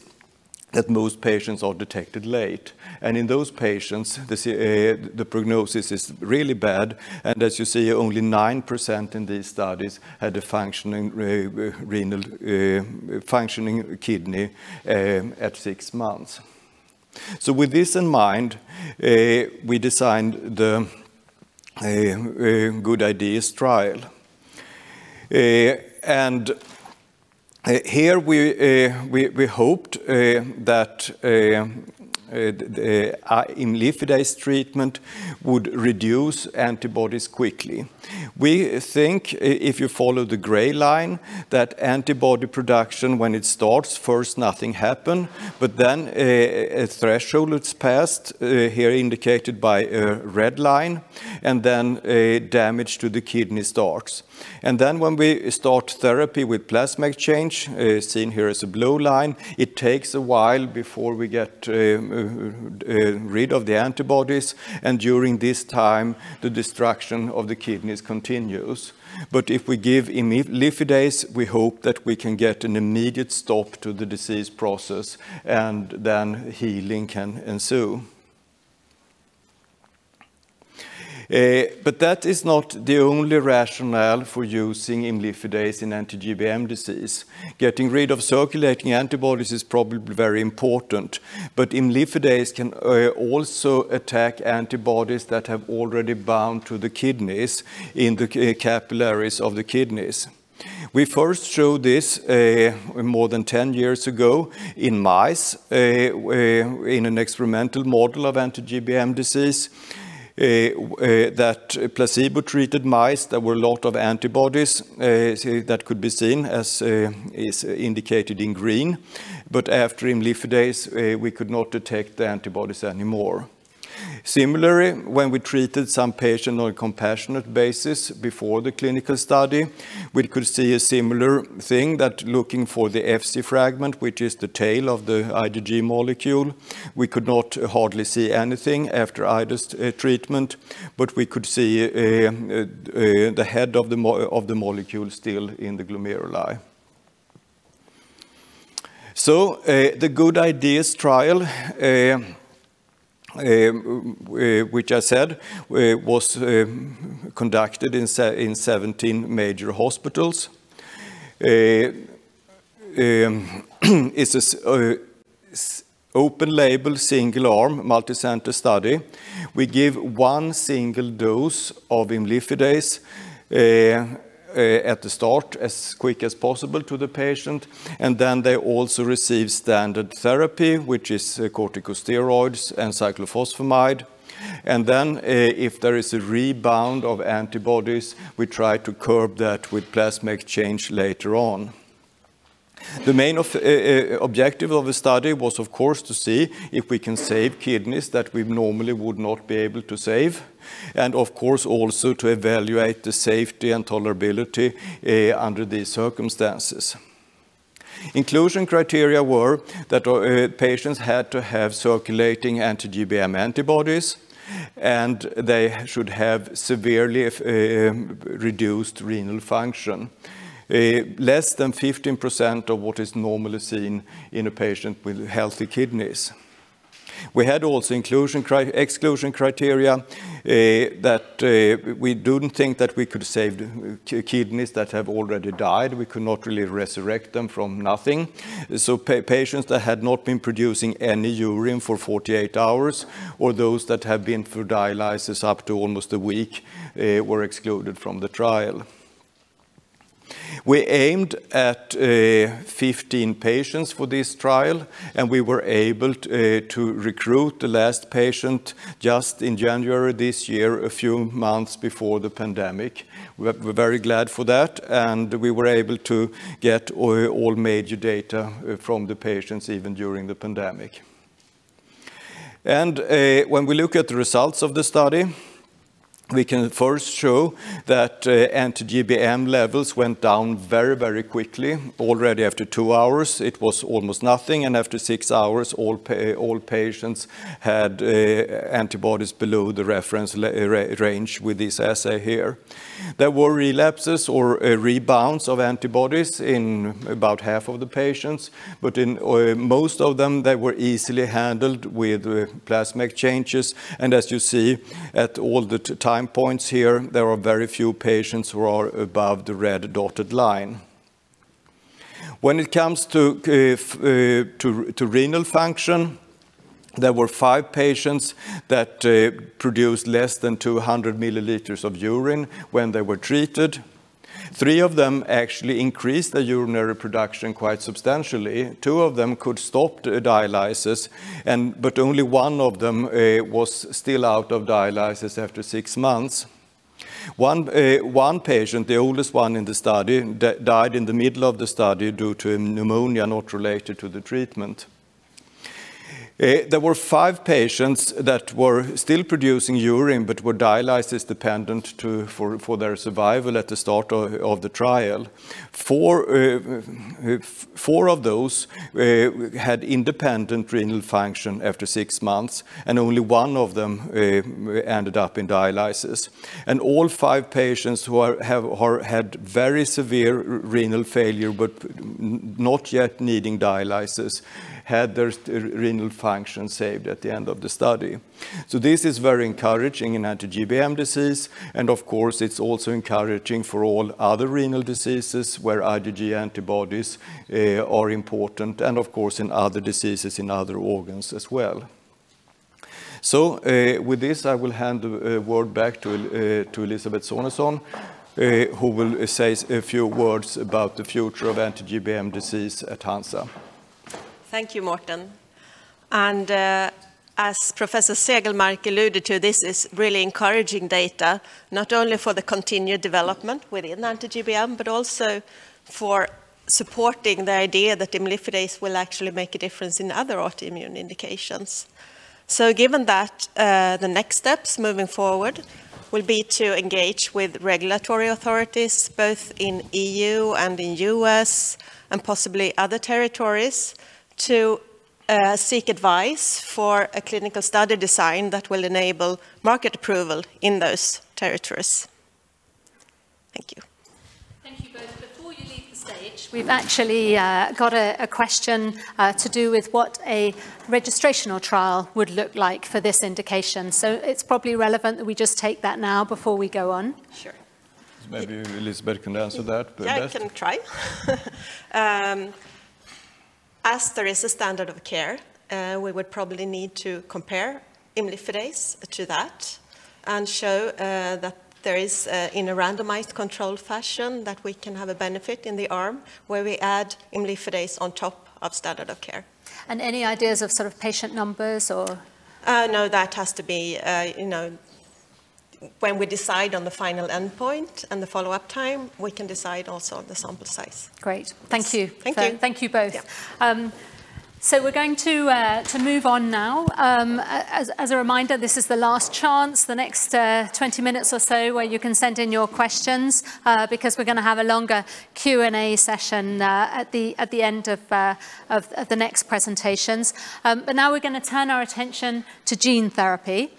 that most patients are detected late. In those patients, the prognosis is really bad. As you see, only 9% in these studies had a functioning kidney at six months. With this in mind, we designed the GOOD-IDES trial. Here we hoped that imlifidase treatment would reduce antibodies quickly. We think, if you follow the gray line, that antibody production, when it starts, first nothing happen, but then a threshold is passed, here indicated by a red line, and then damage to the kidney starts. When we start therapy with plasma exchange, seen here as a blue line, it takes a while before we get rid of the antibodies, and during this time, the destruction of the kidneys continues. If we give imlifidase, we hope that we can get an immediate stop to the disease process, and then healing can ensue. That is not the only rationale for using imlifidase in anti-GBM disease. Getting rid of circulating antibodies is probably very important. Imlifidase can also attack antibodies that have already bound to the kidneys in the capillaries of the kidneys. We first showed this more than 10 years ago in mice, in an experimental model of anti-GBM disease, that placebo-treated mice, there were a lot of antibodies that could be seen, as is indicated in green. After imlifidase, we could not detect the antibodies anymore. Similarly, when we treated some patient on a compassionate basis before the clinical study, we could see a similar thing, that looking for the Fc fragment, which is the tail of the IgG molecule, we could not hardly see anything after either treatment, but we could see the head of the molecule still in the glomeruli. The GOOD-IDES trial, which I said was conducted in 17 major hospitals. It's an open-label, single-arm, multicenter study. We give one single dose of imlifidase at the start, as quick as possible to the patient, and then they also receive standard therapy, which is corticosteroids and cyclophosphamide. If there is a rebound of antibodies, we try to curb that with plasma exchange later on. The main objective of the study was, of course, to see if we can save kidneys that we normally would not be able to save, and of course, also to evaluate the safety and tolerability under these circumstances. Inclusion criteria were that patients had to have circulating anti-GBM antibodies, and they should have severely reduced renal function, less than 15% of what is normally seen in a patient with healthy kidneys. We had also exclusion criteria, that we didn't think that we could save kidneys that have already died. We could not really resurrect them from nothing. Patients that had not been producing any urine for 48 hours, or those that have been through dialysis up to almost a week were excluded from the trial. We aimed at 15 patients for this trial, and we were able to recruit the last patient just in January this year, a few months before the pandemic. We're very glad for that, and we were able to get all major data from the patients even during the pandemic. When we look at the results of the study, we can first show that anti-GBM levels went down very quickly. Already after two hours, it was almost nothing, and after six hours, all patients had antibodies below the reference range with this assay here. There were relapses or rebounds of antibodies in about half of the patients, but in most of them, they were easily handled with plasma exchanges. As you see at all the time points here, there are very few patients who are above the red dotted line. When it comes to renal function, there were five patients that produced less than 200 milliliters of urine when they were treated. Three of them actually increased their urinary production quite substantially. Two of them could stop the dialysis, but only one of them was still out of dialysis after six months. One patient, the oldest one in the study, died in the middle of the study due to pneumonia not related to the treatment. There were five patients that were still producing urine but were dialysis-dependent for their survival at the start of the trial. Four of those had independent renal function after six months, and only one of them ended up in dialysis. All five patients who had very severe renal failure, but not yet needing dialysis, had their renal function saved at the end of the study. This is very encouraging in anti-GBM disease. Of course, it's also encouraging for all other renal diseases where IgG antibodies are important and of course, in other diseases in other organs as well. With this, I will hand the word back to Elisabeth Sonesson, who will say a few words about the future of anti-GBM disease at Hansa. Thank you, Mårten. As Professor Segelmark alluded to, this is really encouraging data, not only for the continued development within anti-GBM, but also for supporting the idea that imlifidase will actually make a difference in other autoimmune indications. Given that, the next steps moving forward will be to engage with regulatory authorities, both in EU and in U.S., and possibly other territories to seek advice for a clinical study design that will enable market approval in those territories. Thank you. Thank you both. Before you leave the stage, we've actually got a question to do with what a registrational trial would look like for this indication. It's probably relevant that we just take that now before we go on. Sure. Maybe Elisabeth can answer that better. I can try. As there is a standard of care, we would probably need to compare imlifidase to that and show that there is, in a randomized controlled fashion, that we can have a benefit in the arm where we add imlifidase on top of standard of care. Any ideas of sort of patient numbers? No, that has to be when we decide on the final endpoint and the follow-up time, we can decide also on the sample size. Great. Thank you. Thank you. Thank you both. Yeah. We're going to move on now. As a reminder, this is the last chance, the next 20 minutes or so, where you can send in your questions, because we're going to have a longer Q&A session at the end of the next presentations. Now we're going to turn our attention to gene therapy.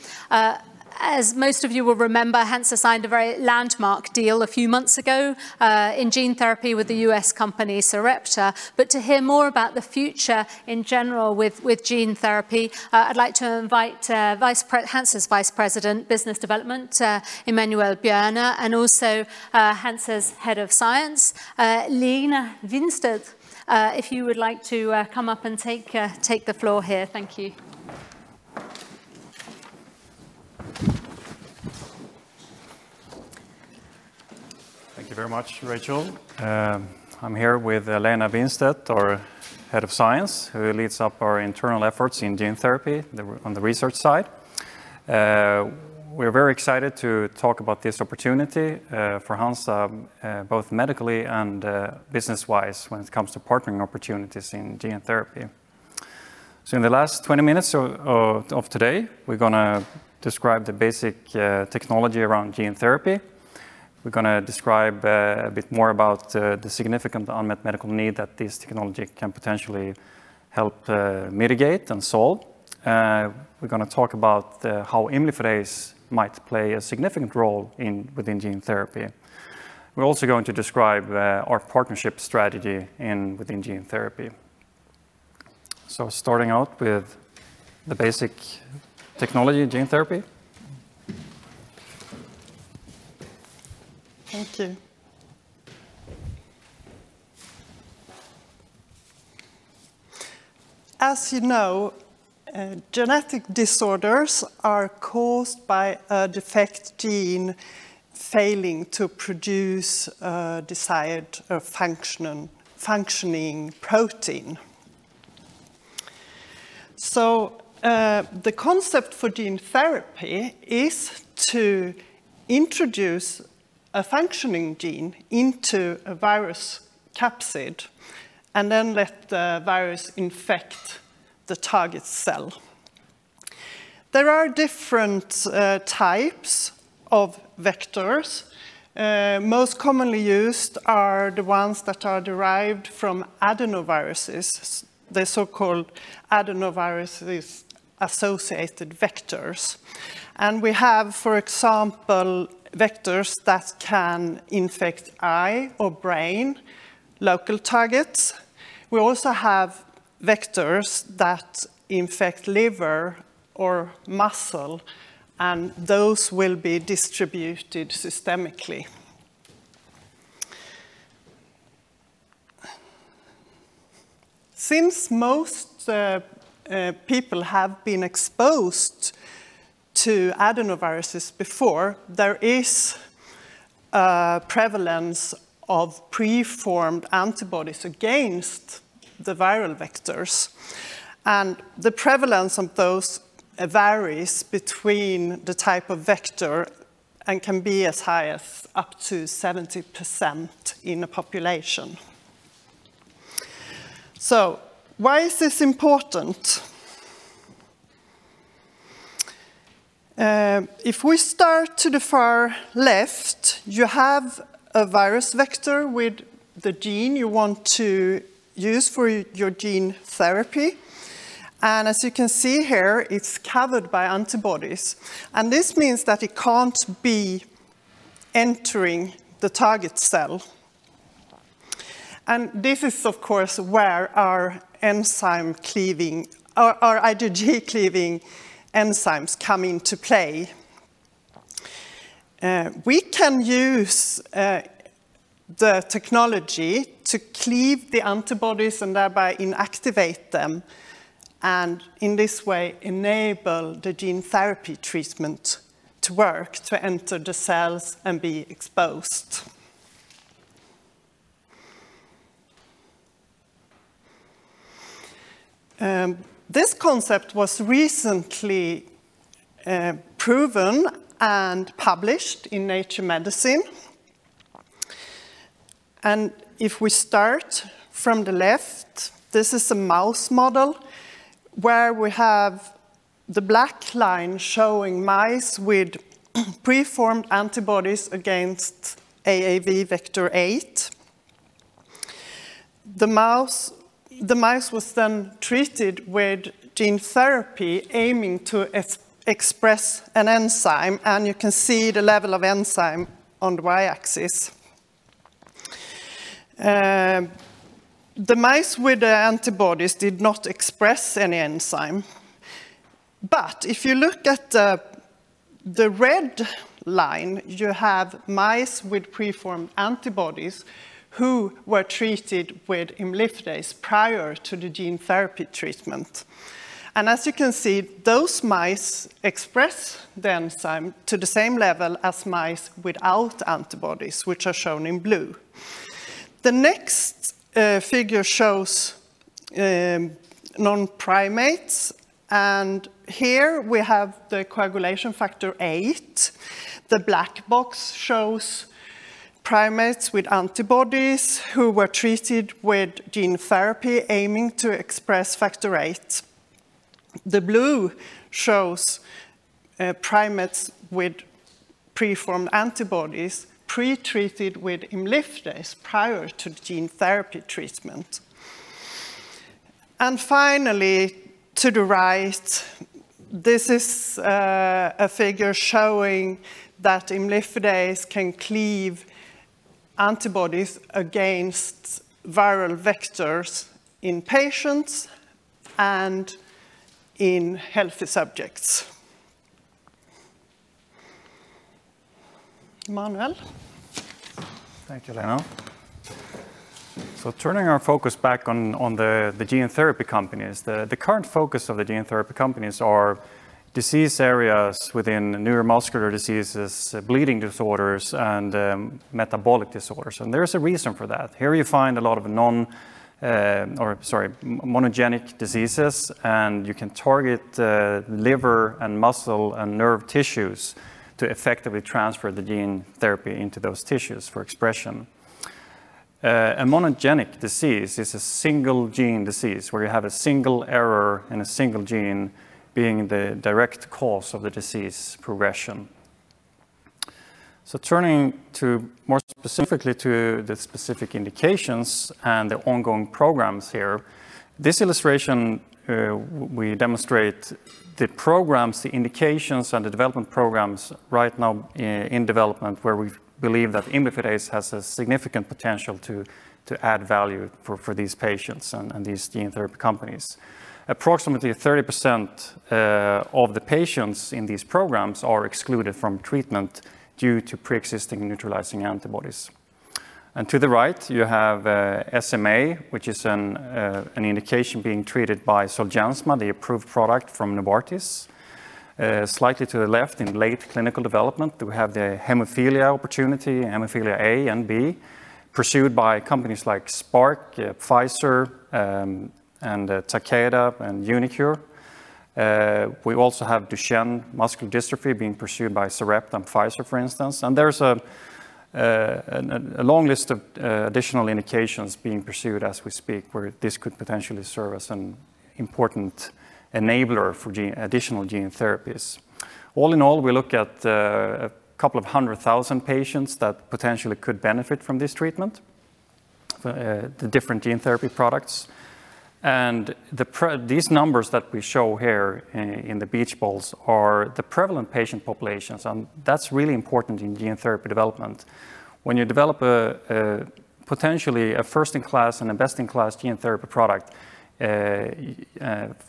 As most of you will remember, Hansa signed a very landmark deal a few months ago, in gene therapy with the U.S. company, Sarepta. To hear more about the future in general with gene therapy, I'd like to invite Hansa's Vice President, Business Development, Emanuel Björne, and also Hansa's Head of Science, Lena Winstedt. If you would like to come up and take the floor here. Thank you. Thank you very much, Rachel. I'm here with Lena Winstedt, our head of science, who leads up our internal efforts in gene therapy on the research side. We're very excited to talk about this opportunity for Hansa, both medically and business-wise when it comes to partnering opportunities in gene therapy. In the last 20 minutes of today, we're going to describe the basic technology around gene therapy. We're going to describe a bit more about the significant unmet medical need that this technology can potentially help mitigate and solve. We're going to talk about how imlifidase might play a significant role within gene therapy. We're also going to describe our partnership strategy within gene therapy. Starting out with the basic technology of gene therapy. Thank you. As you know, genetic disorders are caused by a defect gene failing to produce a desired functioning protein. The concept for gene therapy is to introduce a functioning gene into a virus capsid and then let the virus infect the target cell. There are different types of vectors. Most commonly used are the ones that are derived from adenoviruses, the so-called adenoviruses associated vectors. We have, for example, vectors that can infect eye or brain, local targets. We also have vectors that infect liver or muscle, and those will be distributed systemically. Since most people have been exposed to adenoviruses before, there is a prevalence of preformed antibodies against the viral vectors. The prevalence of those varies between the type of vector and can be as high as up to 70% in a population. Why is this important? If we start to the far left, you have a virus vector with the gene you want to use for your gene therapy. As you can see here, it's covered by antibodies. This means that it can't be entering the target cell. This is of course where our IgG-cleaving enzymes come into play. We can use the technology to cleave the antibodies and thereby inactivate them, and in this way enable the gene therapy treatment to work to enter the cells and be exposed. This concept was recently proven and published in "Nature Medicine." If we start from the left, this is a mouse model where we have the black line showing mice with preformed antibodies against AAV Vector 8. The mice was then treated with gene therapy aiming to express an enzyme, and you can see the level of enzyme on the Y-axis. The mice with the antibodies did not express any enzyme. If you look at the red line, you have mice with preformed antibodies who were treated with imlifidase prior to the gene therapy treatment. As you can see, those mice express the enzyme to the same level as mice without antibodies, which are shown in blue. The next figure shows non-primates. Here we have the coagulation factor VIII. The black box shows primates with antibodies who were treated with gene therapy aiming to express factor VIII. The blue shows primates with preformed antibodies pre-treated with imlifidase prior to the gene therapy treatment. Finally, to the right, this is a figure showing that imlifidase can cleave antibodies against viral vectors in patients and in healthy subjects. Emanuel? Thank you, Lena. Turning our focus back on the gene therapy companies. The current focus of the gene therapy companies are disease areas within neuromuscular diseases, bleeding disorders, and metabolic disorders. There is a reason for that. Here you find a lot of monogenic diseases, and you can target liver and muscle and nerve tissues to effectively transfer the gene therapy into those tissues for expression. A monogenic disease is a single gene disease, where you have a single error in a single gene being the direct cause of the disease progression. Turning more specifically to the specific indications and the ongoing programs here, this illustration, we demonstrate the programs, the indications, and the development programs right now in development, where we believe that imlifidase has a significant potential to add value for these patients and these gene therapy companies. Approximately 30% of the patients in these programs are excluded from treatment due to pre-existing neutralizing antibodies. To the right, you have SMA, which is an indication being treated by ZOLGENSMA, the approved product from Novartis. Slightly to the left, in late clinical development, we have the hemophilia opportunity, hemophilia A and B, pursued by companies like Spark, Pfizer, and Takeda, and uniQure. We also have Duchenne muscular dystrophy being pursued by Sarepta and Pfizer, for instance. There's a long list of additional indications being pursued as we speak, where this could potentially serve as an important enabler for additional gene therapies. All in all, we look at 200,000 patients that potentially could benefit from this treatment, the different gene therapy products. These numbers that we show here in the beach balls are the prevalent patient populations, and that's really important in gene therapy development. When you develop potentially a first-in-class and a best-in-class gene therapy product,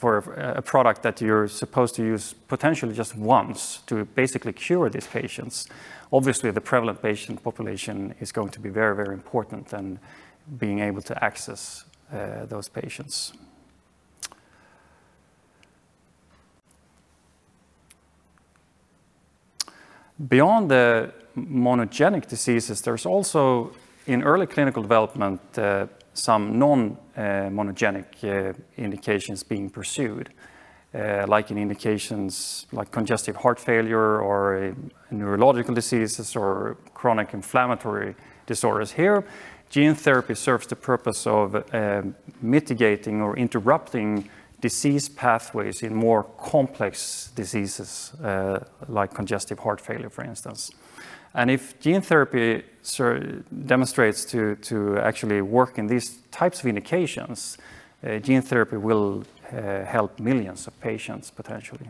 for a product that you're supposed to use potentially just once to basically cure these patients, obviously, the prevalent patient population is going to be very, very important, and being able to access those patients. Beyond the monogenic diseases, there's also, in early clinical development, some non-monogenic indications being pursued, like in indications like congestive heart failure or neurological diseases or chronic inflammatory disorders here. Gene therapy serves the purpose of mitigating or interrupting disease pathways in more complex diseases, like congestive heart failure, for instance. If gene therapy demonstrates to actually work in these types of indications, gene therapy will help millions of patients, potentially.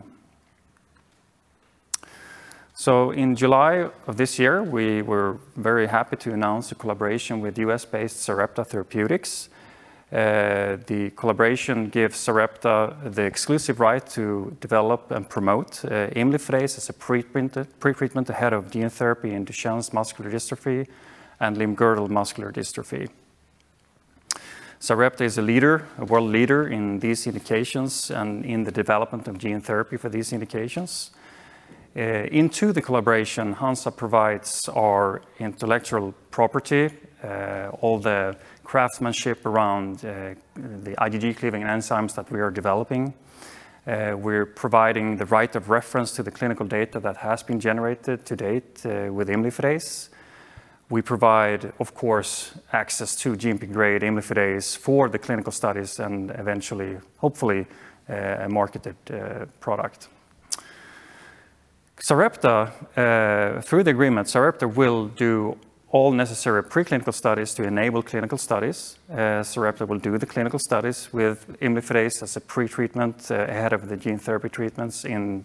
In July of this year, we were very happy to announce a collaboration with U.S.-based Sarepta Therapeutics. The collaboration gives Sarepta the exclusive right to develop and promote imlifidase as a pre-treatment ahead of gene therapy in Duchenne muscular dystrophy and limb-girdle muscular dystrophy. Sarepta is a world leader in these indications and in the development of gene therapy for these indications. Into the collaboration, Hansa provides our intellectual property, all the craftsmanship around the IgG-cleaving enzymes that we are developing. We're providing the right of reference to the clinical data that has been generated to date with imlifidase. We provide, of course, access to GMP-grade imlifidase for the clinical studies and eventually, hopefully, a marketed product. Through the agreement, Sarepta will do all necessary preclinical studies to enable clinical studies. Sarepta will do the clinical studies with imlifidase as a pre-treatment ahead of the gene therapy treatments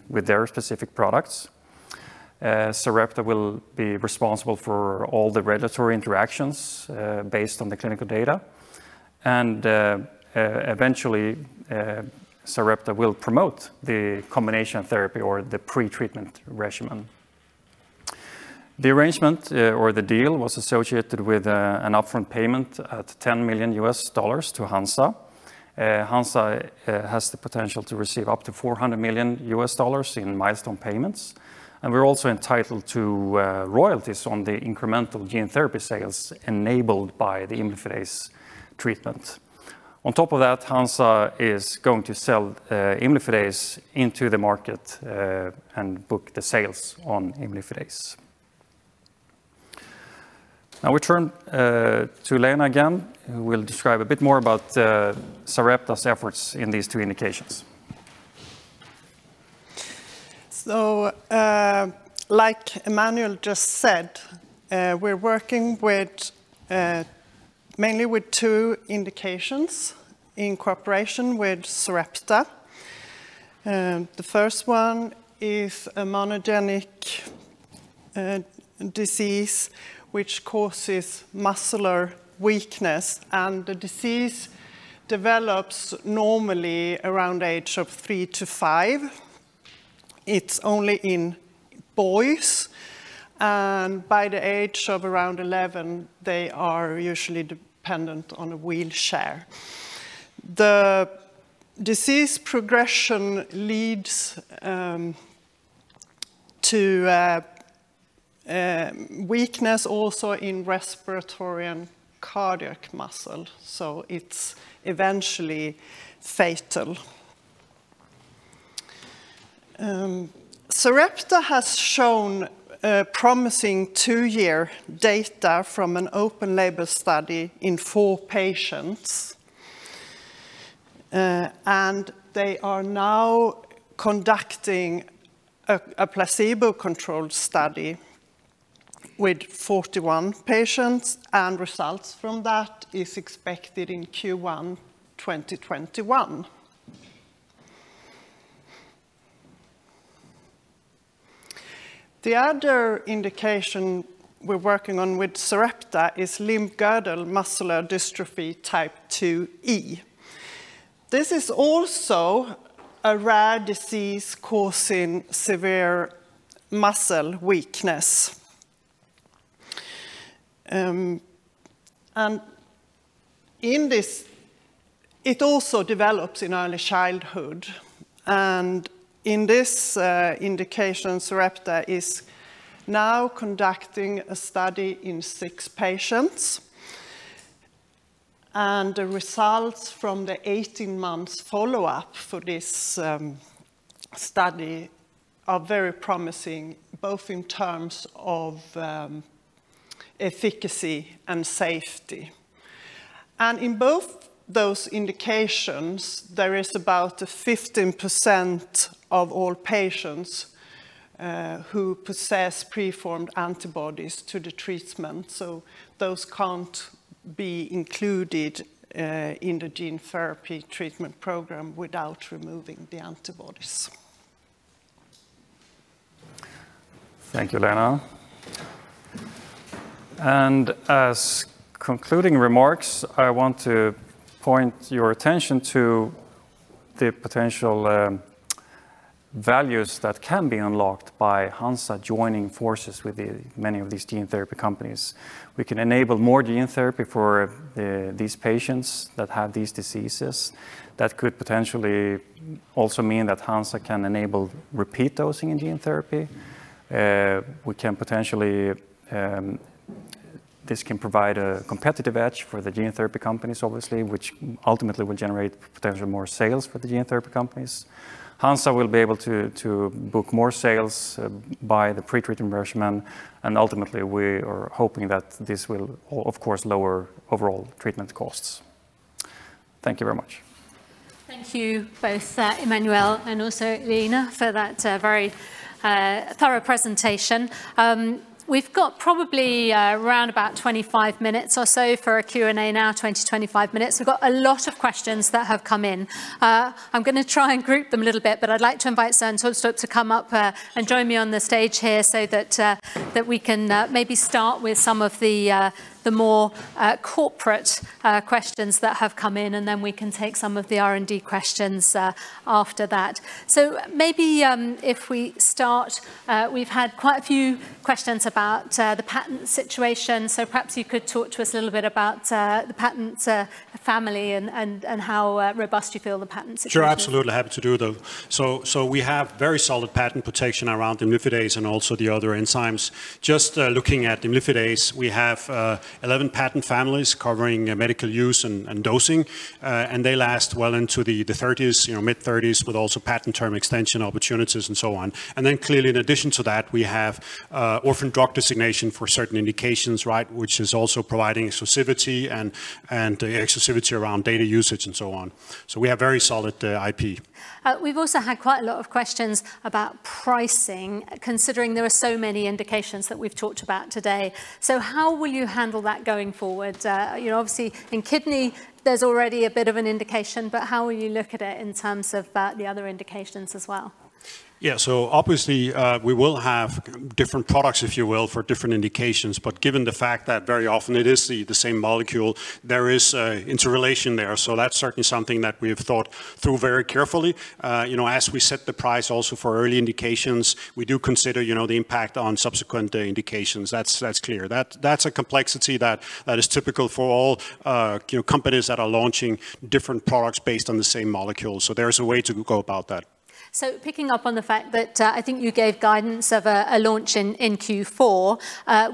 with their specific products. Sarepta will be responsible for all the regulatory interactions based on the clinical data. Eventually, Sarepta will promote the combination therapy or the pre-treatment regimen. The arrangement or the deal was associated with an upfront payment at $10 million to Hansa. Hansa has the potential to receive up to $400 million in milestone payments, and we're also entitled to royalties on the incremental gene therapy sales enabled by the imlifidase treatment. On top of that, Hansa is going to sell imlifidase into the market and book the sales on imlifidase. Now we turn to Lena again, who will describe a bit more about Sarepta's efforts in these two indications. So, like Emanuel just said, we're working mainly with two indications in cooperation with Sarepta. The first one is a monogenic disease, which causes muscular weakness, and the disease develops normally around age of three to five. It's only in boys, and by the age of around 11, they are usually dependent on a wheelchair. The disease progression leads to weakness also in respiratory and cardiac muscle, it's eventually fatal. Sarepta has shown promising two-year data from an open label study in four patients. They are now conducting a placebo-controlled study with 41 patients, and results from that is expected in Q1 2021. The other indication we're working on with Sarepta is limb-girdle muscular dystrophy type 2E. This is also a rare disease-causing severe muscle weakness. It also develops in early childhood, and in this indication, Sarepta is now conducting a study in six patients. The results from the 18 months follow-up for this study are very promising, both in terms of efficacy and safety. In both those indications, there is about 15% of all patients who possess preformed antibodies to the treatment. Those can't be included in the gene therapy treatment program without removing the antibodies. Thank you, Lena. As concluding remarks, I want to point your attention to the potential values that can be unlocked by Hansa joining forces with many of these gene therapy companies. We can enable more gene therapy for these patients that have these diseases. That could potentially also mean that Hansa can enable repeat dosing in gene therapy. This can provide a competitive edge for the gene therapy companies, obviously, which ultimately will generate potentially more sales for the gene therapy companies. Hansa will be able to book more sales by the pre-treatment regimen, and ultimately we are hoping that this will, of course, lower overall treatment costs. Thank you very much. Thank you both, Emanuel and also Lena, for that very thorough presentation. We've got probably around about 25 minutes or so for a Q&A now, 20-25 minutes. We've got a lot of questions that have come in. I'm going to try and group them a little bit, but I'd like to invite Søren Tulstrup to come up and join me on the stage here so that we can maybe start with some of the more corporate questions that have come in, and then we can take some of the R&D questions after that. Maybe if we start, we've had quite a few questions about the patent situation. Perhaps you could talk to us a little bit about the patent family and how robust you feel the patent situation is. Sure. Absolutely happy to do so. We have very solid patent protection around the imlifidase and also the other enzymes. Just looking at the imlifidase, we have 11 patent families covering medical use and dosing. They last well into the mid-'30s, with also patent term extension opportunities and so on. Clearly, in addition to that, we have orphan drug designation for certain indications, which is also providing exclusivity and exclusivity around data usage and so on. We have very solid IP. We've also had quite a lot of questions about pricing, considering there are so many indications that we've talked about today. How will you handle that going forward? Obviously, in kidney, there's already a bit of an indication, but how will you look at it in terms of the other indications as well? Obviously, we will have different products, if you will, for different indications. Given the fact that very often it is the same molecule, there is interrelation there. That's certainly something that we've thought through very carefully. As we set the price also for early indications, we do consider the impact on subsequent indications. That's clear. That's a complexity that is typical for all companies that are launching different products based on the same molecule. There is a way to go about that. Picking up on the fact that I think you gave guidance of a launch in Q4,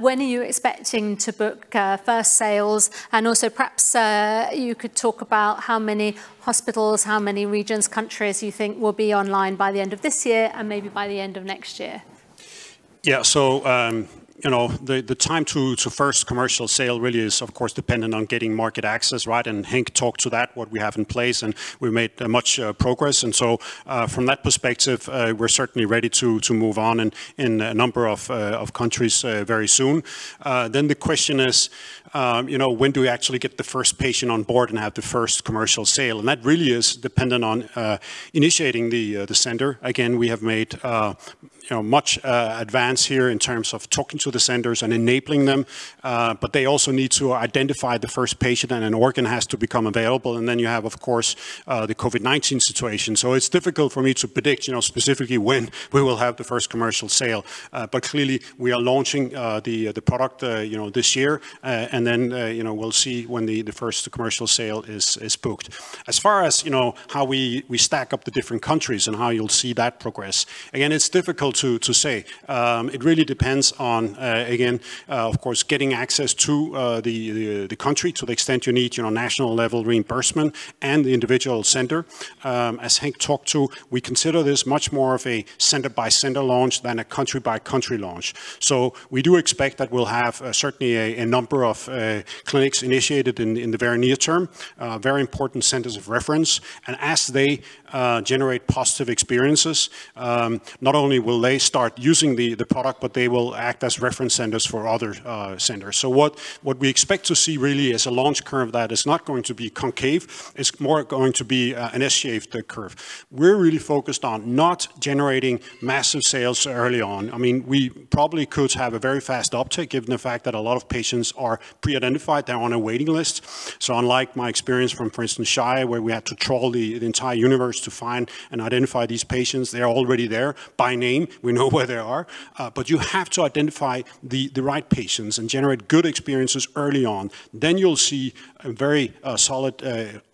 when are you expecting to book first sales? Also, perhaps you could talk about how many hospitals, how many regions, countries you think will be online by the end of this year and maybe by the end of next year? The time to first commercial sale really is of course dependent on getting market access. Henk talked to that, what we have in place, and we made much progress. From that perspective, we're certainly ready to move on in a number of countries very soon. The question is, when do we actually get the first patient on board and have the first commercial sale? That really is dependent on initiating the center. Again, we have made much advance here in terms of talking to the centers and enabling them. They also need to identify the first patient, and an organ has to become available. Then you have, of course, the COVID-19 situation. It's difficult for me to predict specifically when we will have the first commercial sale. Clearly, we are launching the product this year. Then we'll see when the first commercial sale is booked. As far as how we stack up the different countries and how you'll see that progress, again, it's difficult to say. It really depends on, again, of course, getting access to the country to the extent you need national level reimbursement and the individual center. As Henk talked to, we consider this much more of a center-by-center launch than a country-by-country launch. We do expect that we'll have certainly a number of clinics initiated in the very near term. Very important centers of reference. As they generate positive experiences, not only will they start using the product, but they will act as reference centers for other centers. What we expect to see really is a launch curve that is not going to be concave, it's more going to be an S-shaped curve. We're really focused on not generating massive sales early on. We probably could have a very fast uptake given the fact that a lot of patients are pre-identified. They're on a waiting list. Unlike my experience from, for instance, Shire, where we had to troll the entire universe to find and identify these patients, they're already there by name. We know where they are. You have to identify the right patients and generate good experiences early on. You'll see a very solid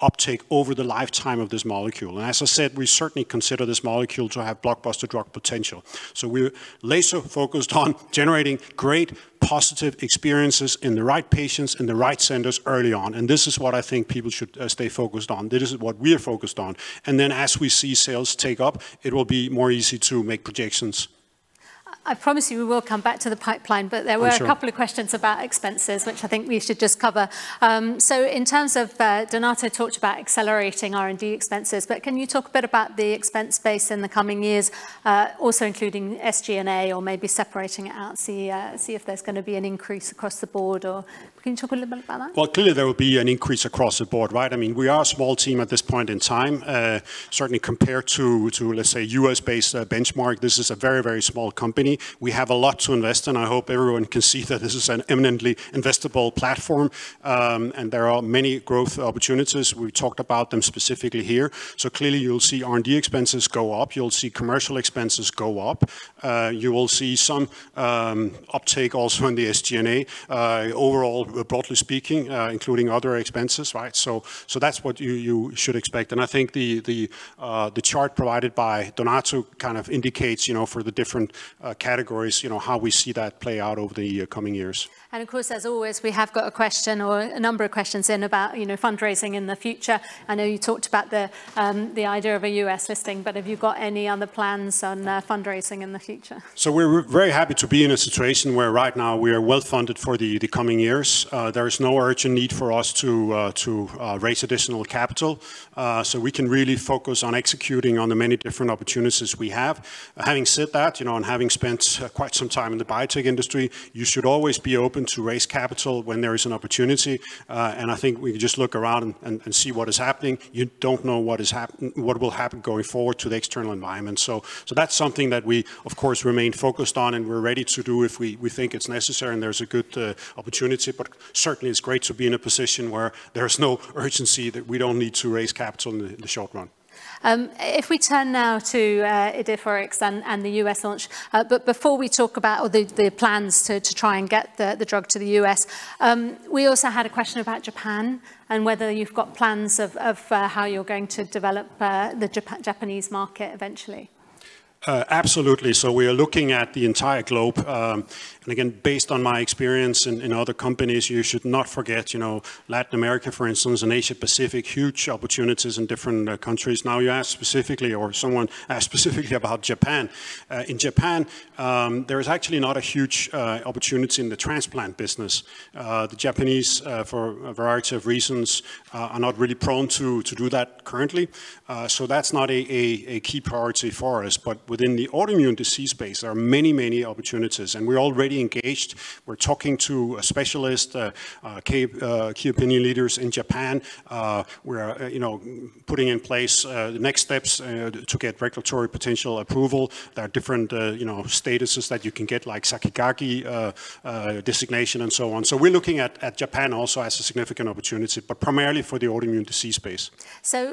uptake over the lifetime of this molecule. As I said, we certainly consider this molecule to have blockbuster drug potential. We're laser focused on generating great positive experiences in the right patients, in the right centers early on. This is what I think people should stay focused on. This is what we are focused on. As we see sales take up, it will be more easy to make projections. I promise you we will come back to the pipeline. I'm sure. There were a couple of questions about expenses, which I think we should just cover. In terms of Donato talked about accelerating R&D expenses. Can you talk a bit about the expense base in the coming years? Also including SG&A or maybe separating it out, see if there's going to be an increase across the board, or can you talk a little bit about that? Well, clearly there will be an increase across the board. We are a small team at this point in time, certainly compared to, let's say, U.S.-based benchmark. This is a very, very small company. We have a lot to invest, and I hope everyone can see that this is an imminently investable platform. There are many growth opportunities. We talked about them specifically here. Clearly you'll see R&D expenses go up. You'll see commercial expenses go up. You will see some uptake also in the SG&A. Overall, broadly speaking, including other expenses. That's what you should expect. I think the chart provided by Donato kind of indicates for the different categories how we see that play out over the coming years. Of course, as always, we've got a question or a number of questions in about fundraising in the future. I know you talked about the idea of a U.S. listing, but have you got any other plans on fundraising in the future? We're very happy to be in a situation where right now we are well-funded for the coming years. There is no urgent need for us to raise additional capital. We can really focus on executing on the many different opportunities we have. Having said that, and having spent quite some time in the biotech industry, you should always be open to raise capital when there is an opportunity. I think we can just look around and see what is happening. You don't know what will happen going forward to the external environment. That's something that we of course remain focused on and we're ready to do if we think it's necessary and there's a good opportunity. Certainly, it's great to be in a position where there is no urgency, that we don't need to raise capital in the short run. If we turn now to IDEFIRIX and the U.S. launch. Before we talk about the plans to try and get the drug to the U.S., we also had a question about Japan and whether you've got plans of how you're going to develop the Japanese market eventually. Absolutely. We are looking at the entire globe. Again, based on my experience in other companies, you should not forget Latin America, for instance, and Asia Pacific, huge opportunities in different countries. You asked specifically, or someone asked specifically about Japan. In Japan, there is actually not a huge opportunity in the transplant business. The Japanese, for a variety of reasons, are not really prone to do that currently. That's not a key priority for us. Within the autoimmune disease space, there are many, many opportunities, and we're already engaged. We're talking to specialists, key opinion leaders in Japan. We're putting in place the next steps to get regulatory potential approval. There are different statuses that you can get, like SAKIGAKE designation and so on. We're looking at Japan also as a significant opportunity, but primarily for the autoimmune disease space.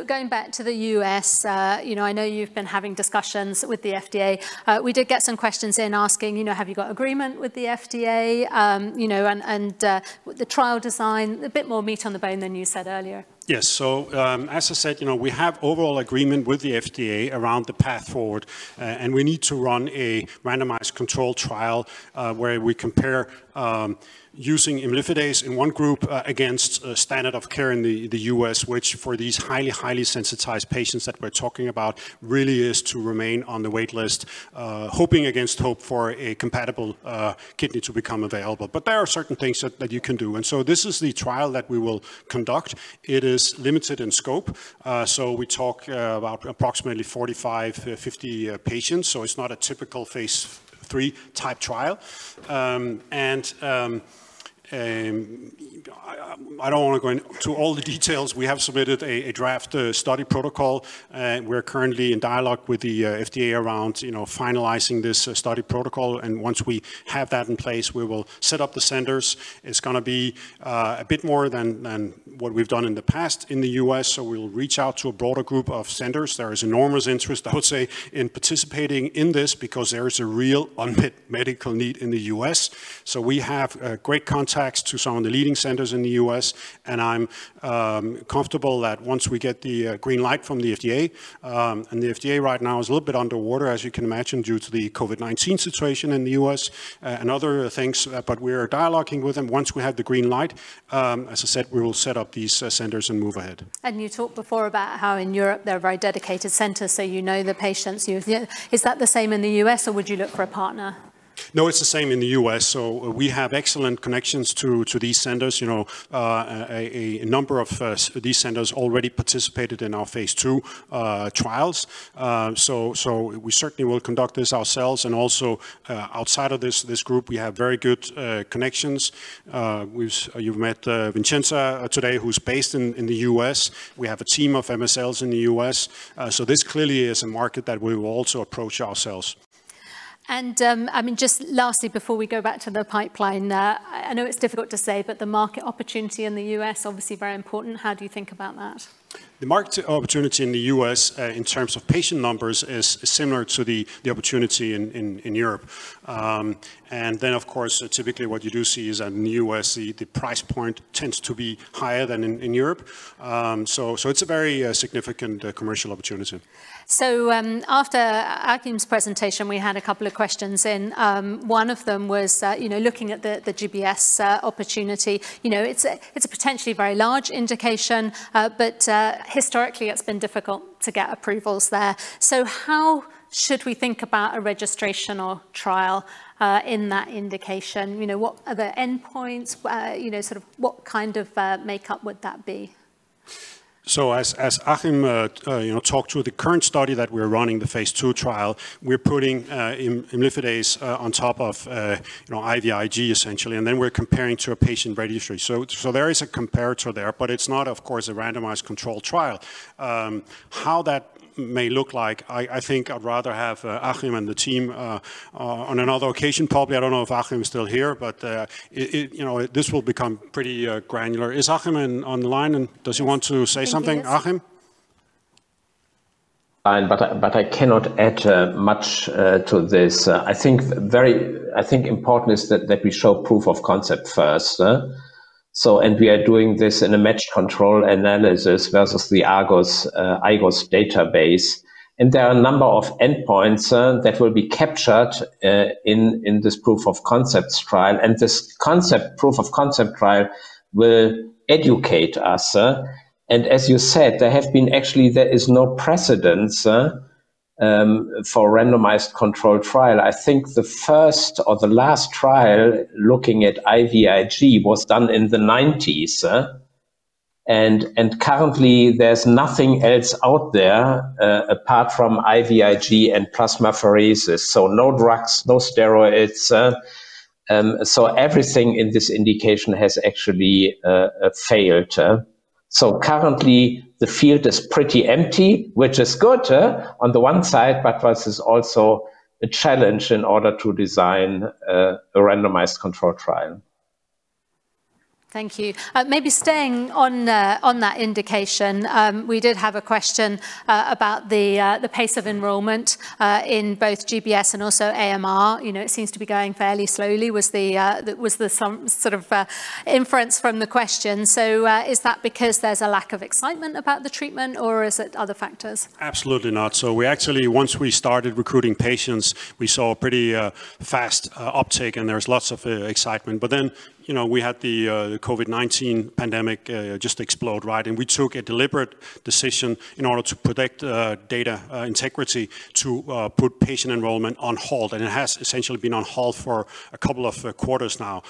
Going back to the U.S., I know you've been having discussions with the FDA. We did get some questions in asking, have you got agreement with the FDA? With the trial design, a bit more meat on the bone than you said earlier. Yes. As I said, we have overall agreement with the FDA around the path forward. We need to run a randomized controlled trial, where we compare using imlifidase in one group against a standard of care in the U.S. which for these highly sensitized patients that we're talking about really is to remain on the wait list, hoping against hope for a compatible kidney to become available. There are certain things that you can do. This is the trial that we will conduct. It is limited in scope. We talk about approximately 45-50 patients. It's not a typical phase III type trial. I don't want to go into all the details. We have submitted a draft study protocol, and we're currently in dialogue with the FDA around finalizing this study protocol. Once we have that in place, we will set up the centers. It's going to be a bit more than what we've done in the past in the U.S., we'll reach out to a broader group of centers. There is enormous interest, I would say, in participating in this because there is a real unmet medical need in the U.S. We have great contacts to some of the leading centers in the U.S., and I'm comfortable that once we get the green light from the FDA, the FDA right now is a little bit underwater, as you can imagine, due to the COVID-19 situation in the U.S. and other things, we are dialoguing with them. Once we have the green light, as I said, we will set up these centers and move ahead. You talked before about how in Europe there are very dedicated centers, so you know the patients. Is that the same in the U.S. or would you look for a partner? No, it's the same in the U.S. We have excellent connections to these centers. A number of these centers already participated in our phase II trials. We certainly will conduct this ourselves. Also, outside of this group, we have very good connections. You've met Vincenza today, who's based in the U.S. We have a team of MSLs in the U.S. This clearly is a market that we will also approach ourselves. Just lastly, before we go back to the pipeline, I know it's difficult to say, but the market opportunity in the U.S., obviously very important. How do you think about that? The market opportunity in the U.S. in terms of patient numbers is similar to the opportunity in Europe. Of course, typically what you do see is in the U.S., the price point tends to be higher than in Europe. It's a very significant commercial opportunity. After Achim's presentation, we had a couple of questions in. One of them was looking at the GBS opportunity. It's a potentially very large indication, but historically it's been difficult to get approvals there. How should we think about a registrational trial in that indication? What are the endpoints? Sort of what kind of makeup would that be? As Achim talked to the current study that we're running, the phase II trial, we're putting imlifidase on top of IVIG, essentially, and then we're comparing to a patient registry. There is a comparator there, but it's not, of course, a randomized control trial. How that may look like, I think I'd rather have Achim and the team on another occasion, probably. I don't know if Achim is still here, but this will become pretty granular. Is Achim online and does he want to say something? Achim? I cannot add much to this. I think important is that we show proof of concept first. We are doing this in a matched control analysis versus the IGOS database. There are a number of endpoints that will be captured in this proof of concepts trial. This proof of concept trial will educate us. As you said, there is no precedence for randomized control trial. I think the first or the last trial looking at IVIG was done in the '90s. Currently there's nothing else out there apart from IVIG and plasmapheresis. No drugs, no steroids. Everything in this indication has actually failed. Currently the field is pretty empty, which is good on the one side, but this is also a challenge in order to design a randomized control trial. Thank you. Maybe staying on that indication. We did have a question about the pace of enrollment in both GBS and also AMR. It seems to be going fairly slowly, was the sort of inference from the question. Is that because there's a lack of excitement about the treatment, or is it other factors? Absolutely not. Actually, once we started recruiting patients, we saw a pretty fast uptick, and there was lots of excitement. We had the COVID-19 pandemic just explode, right? We took a deliberate decision in order to protect data integrity to put patient enrollment on hold, and it has essentially been on hold for a couple of quarters now.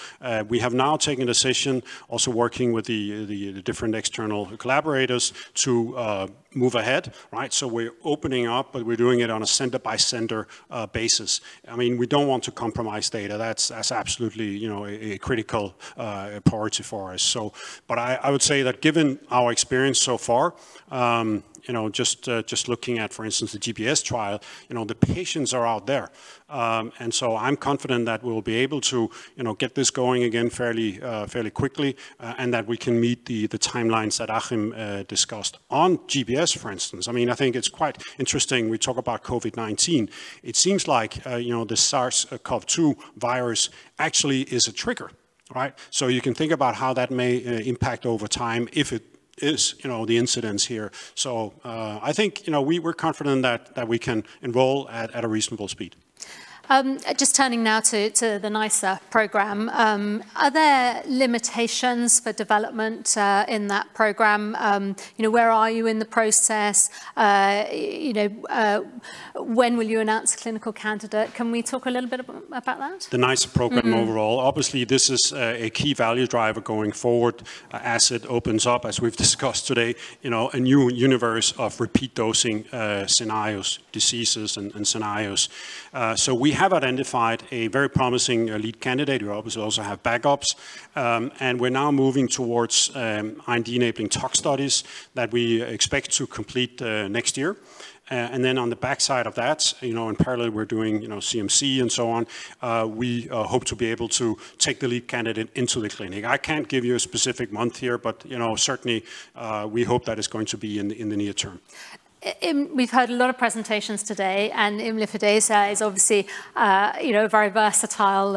We have now taken a decision, also working with the different external collaborators to move ahead, right? We're opening up, but we're doing it on a center by center basis. We don't want to compromise data. That's absolutely a critical priority for us. I would say that given our experience so far, just looking at, for instance, the GBS trial, the patients are out there. I'm confident that we'll be able to get this going again fairly quickly and that we can meet the timelines that Achim discussed on GBS, for instance. I think it's quite interesting we talk about COVID-19. It seems like the SARS-CoV-2 virus actually is a trigger, right? You can think about how that may impact over time if it is the incidence here. I think we're confident that we can enroll at a reasonable speed. Just turning now to the NiceR program. Are there limitations for development in that program? Where are you in the process? When will you announce a clinical candidate? Can we talk a little bit about that? The NiceR program overall. Obviously, this is a key value driver going forward as it opens up, as we've discussed today, a new universe of repeat dosing scenarios, diseases and scenarios. We have identified a very promising lead candidate. We obviously also have backups, and we're now moving towards IND-enabling tox studies that we expect to complete next year. On the backside of that, in parallel, we're doing CMC and so on. We hope to be able to take the lead candidate into the clinic. I can't give you a specific month here, but certainly, we hope that is going to be in the near term. We've heard a lot of presentations today, and imlifidase is obviously a very versatile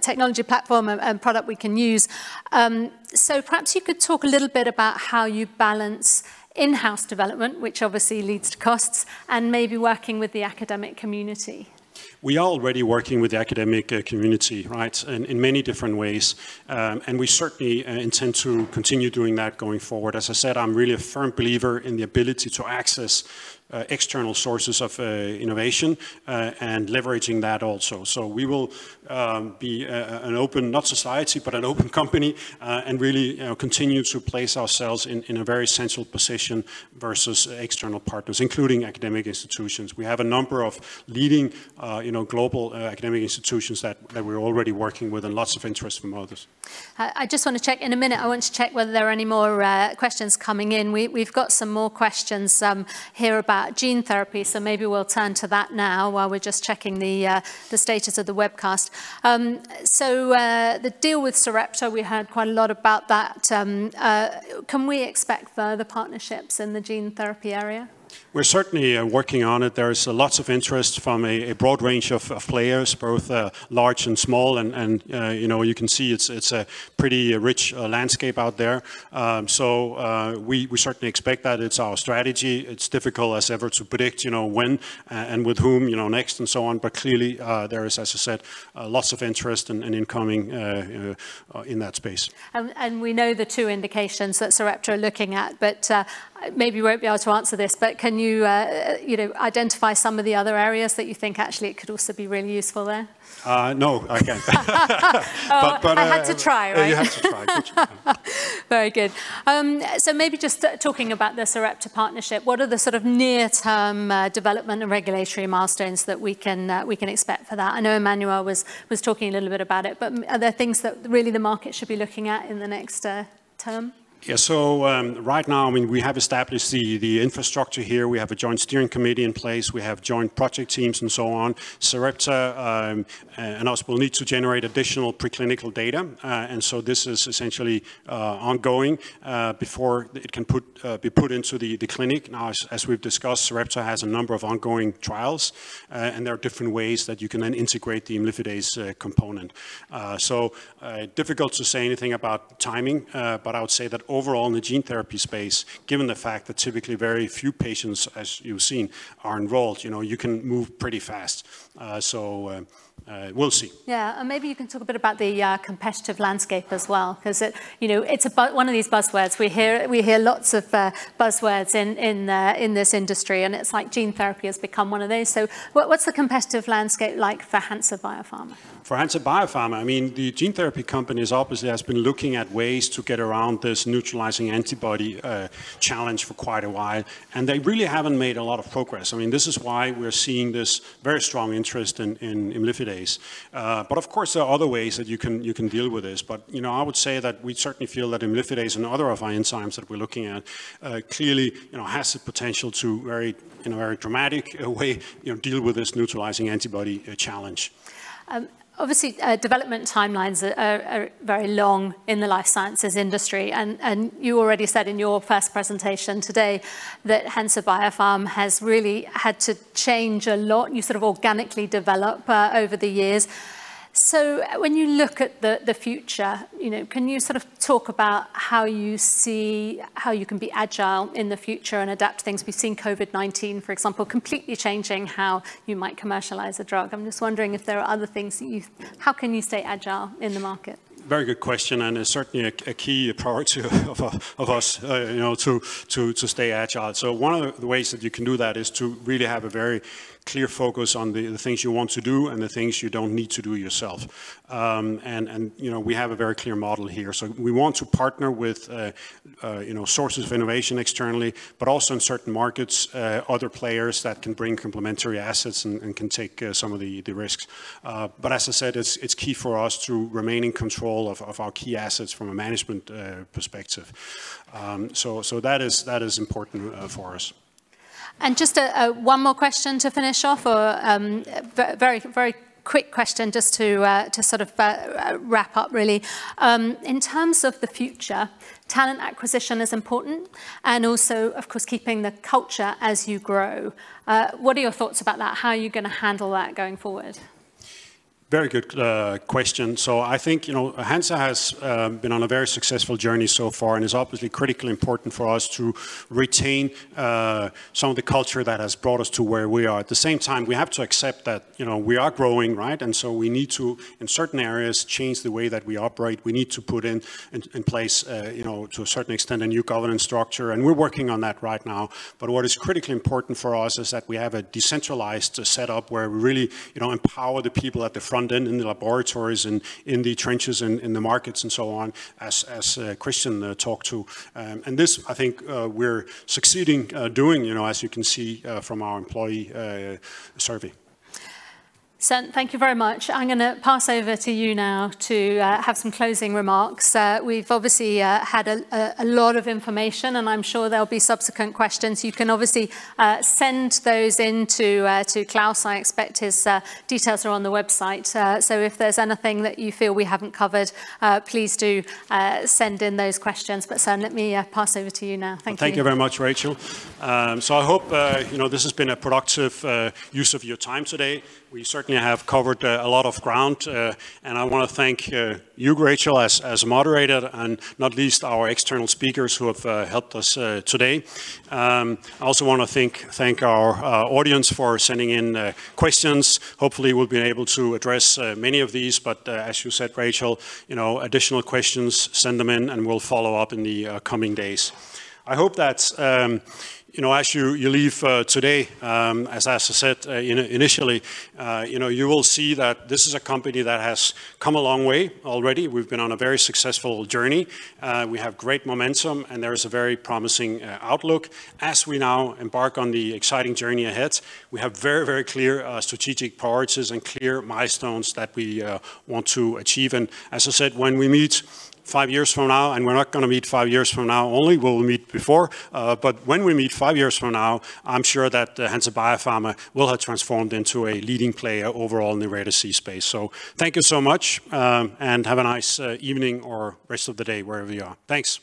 technology platform and product we can use. Perhaps you could talk a little bit about how you balance in-house development, which obviously leads to costs, and maybe working with the academic community. We are already working with the academic community, right? In many different ways. We certainly intend to continue doing that going forward. As I said, I'm really a firm believer in the ability to access external sources of innovation, and leveraging that also. We will be an open, not society, but an open company, and really continue to place ourselves in a very central position versus external partners, including academic institutions. We have a number of leading global academic institutions that we're already working with, and lots of interest from others. In a minute, I want to check whether there are any more questions coming in. We've got some more questions here about gene therapy, maybe we'll turn to that now while we're just checking the status of the webcast. The deal with Sarepta, we heard quite a lot about that. Can we expect further partnerships in the gene therapy area? We're certainly working on it. There is lots of interest from a broad range of players, both large and small, and you can see it's a pretty rich landscape out there. We certainly expect that. It's our strategy. It's difficult as ever to predict when and with whom next and so on, but clearly, there is, as I said, lots of interest and incoming in that space. We know the two indications that Sarepta are looking at, but maybe you won't be able to answer this, but can you identify some of the other areas that you think actually it could also be really useful there? No, I can't. Oh, I had to try, right? You had to try. Good try. Very good. Maybe just talking about the Sarepta partnership, what are the sort of near-term development and regulatory milestones that we can expect for that? I know Emanuel was talking a little bit about it, are there things that really the market should be looking at in the next term? Yeah. Right now, we have established the infrastructure here. We have a joint steering committee in place. We have joint project teams and so on. Sarepta and us will need to generate additional preclinical data, this is essentially ongoing before it can be put into the clinic. As we've discussed, Sarepta has a number of ongoing trials, there are different ways that you can then integrate the imlifidase component. Difficult to say anything about timing, but I would say that overall in the gene therapy space, given the fact that typically very few patients, as you've seen, are enrolled you can move pretty fast. So, we'll see. Yeah. Maybe you can talk a bit about the competitive landscape as well, because it's one of these buzzwords we hear. We hear lots of buzzwords in this industry, and it's like gene therapy has become one of those. What's the competitive landscape like for Hansa Biopharma? For Hansa Biopharma, the gene therapy companies obviously has been looking at ways to get around this neutralizing antibody challenge for quite a while. They really haven't made a lot of progress. This is why we're seeing this very strong interest in imlifidase. Of course, there are other ways that you can deal with this. I would say that we certainly feel that imlifidase and other enzymes that we're looking at clearly has the potential to very in a very dramatic way deal with this neutralizing antibody challenge. Obviously, development timelines are very long in the life sciences industry. You already said in your first presentation today that Hansa Biopharma has really had to change a lot. You sort of organically develop over the years. When you look at the future, can you sort of talk about how you see how you can be agile in the future and adapt to things? We've seen COVID-19, for example, completely changing how you might commercialize a drug. I'm just wondering if there are other things. How can you stay agile in the market? Very good question. It's certainly a key priority of us to stay agile. One of the ways that you can do that is to really have a very clear focus on the things you want to do and the things you don't need to do yourself. We have a very clear model here. We want to partner with sources of innovation externally, but also in certain markets, other players that can bring complementary assets and can take some of the risks. As I said, it's key for us to remain in control of our key assets from a management perspective. That is important for us. Just one more question to finish off, a very quick question just to sort of wrap up really. In terms of the future, talent acquisition is important and also, of course, keeping the culture as you grow. What are your thoughts about that? How are you going to handle that going forward? Very good question. I think Hansa has been on a very successful journey so far, and it's obviously critically important for us to retain some of the culture that has brought us to where we are. At the same time, we have to accept that we are growing, right? We need to, in certain areas, change the way that we operate. We need to put in place, to a certain extent, a new governance structure, and we're working on that right now. What is critically important for us is that we have a decentralized set up where we really empower the people at the front end in the laboratories and in the trenches in the markets and so on, as Christian talked to. This, I think, we're succeeding doing, as you can see from our employee survey. Søren, thank you very much. I'm going to pass over to you now to have some closing remarks. We've obviously had a lot of information, and I'm sure there'll be subsequent questions. You can obviously send those in to Klaus. I expect his details are on the website. If there's anything that you feel we haven't covered, please do send in those questions. Søren, let me pass over to you now. Thank you. Thank you very much, Rachel. I hope this has been a productive use of your time today. We certainly have covered a lot of ground. I want to thank you, Rachel, as a moderator, and not least our external speakers who have helped us today. I also want to thank our audience for sending in questions. Hopefully, we'll be able to address many of these. As you said, Rachel, additional questions, send them in and we'll follow up in the coming days. I hope that as you leave today, as I said initially, you will see that this is a company that has come a long way already. We've been on a very successful journey. We have great momentum, and there is a very promising outlook as we now embark on the exciting journey ahead. We have very clear strategic priorities and clear milestones that we want to achieve. As I said, when we meet five years from now, and we're not going to meet five years from now only, we'll meet before. When we meet five years from now, I'm sure that Hansa Biopharma will have transformed into a leading player overall in the rare disease space. Thank you so much and have a nice evening or rest of the day wherever you are. Thanks.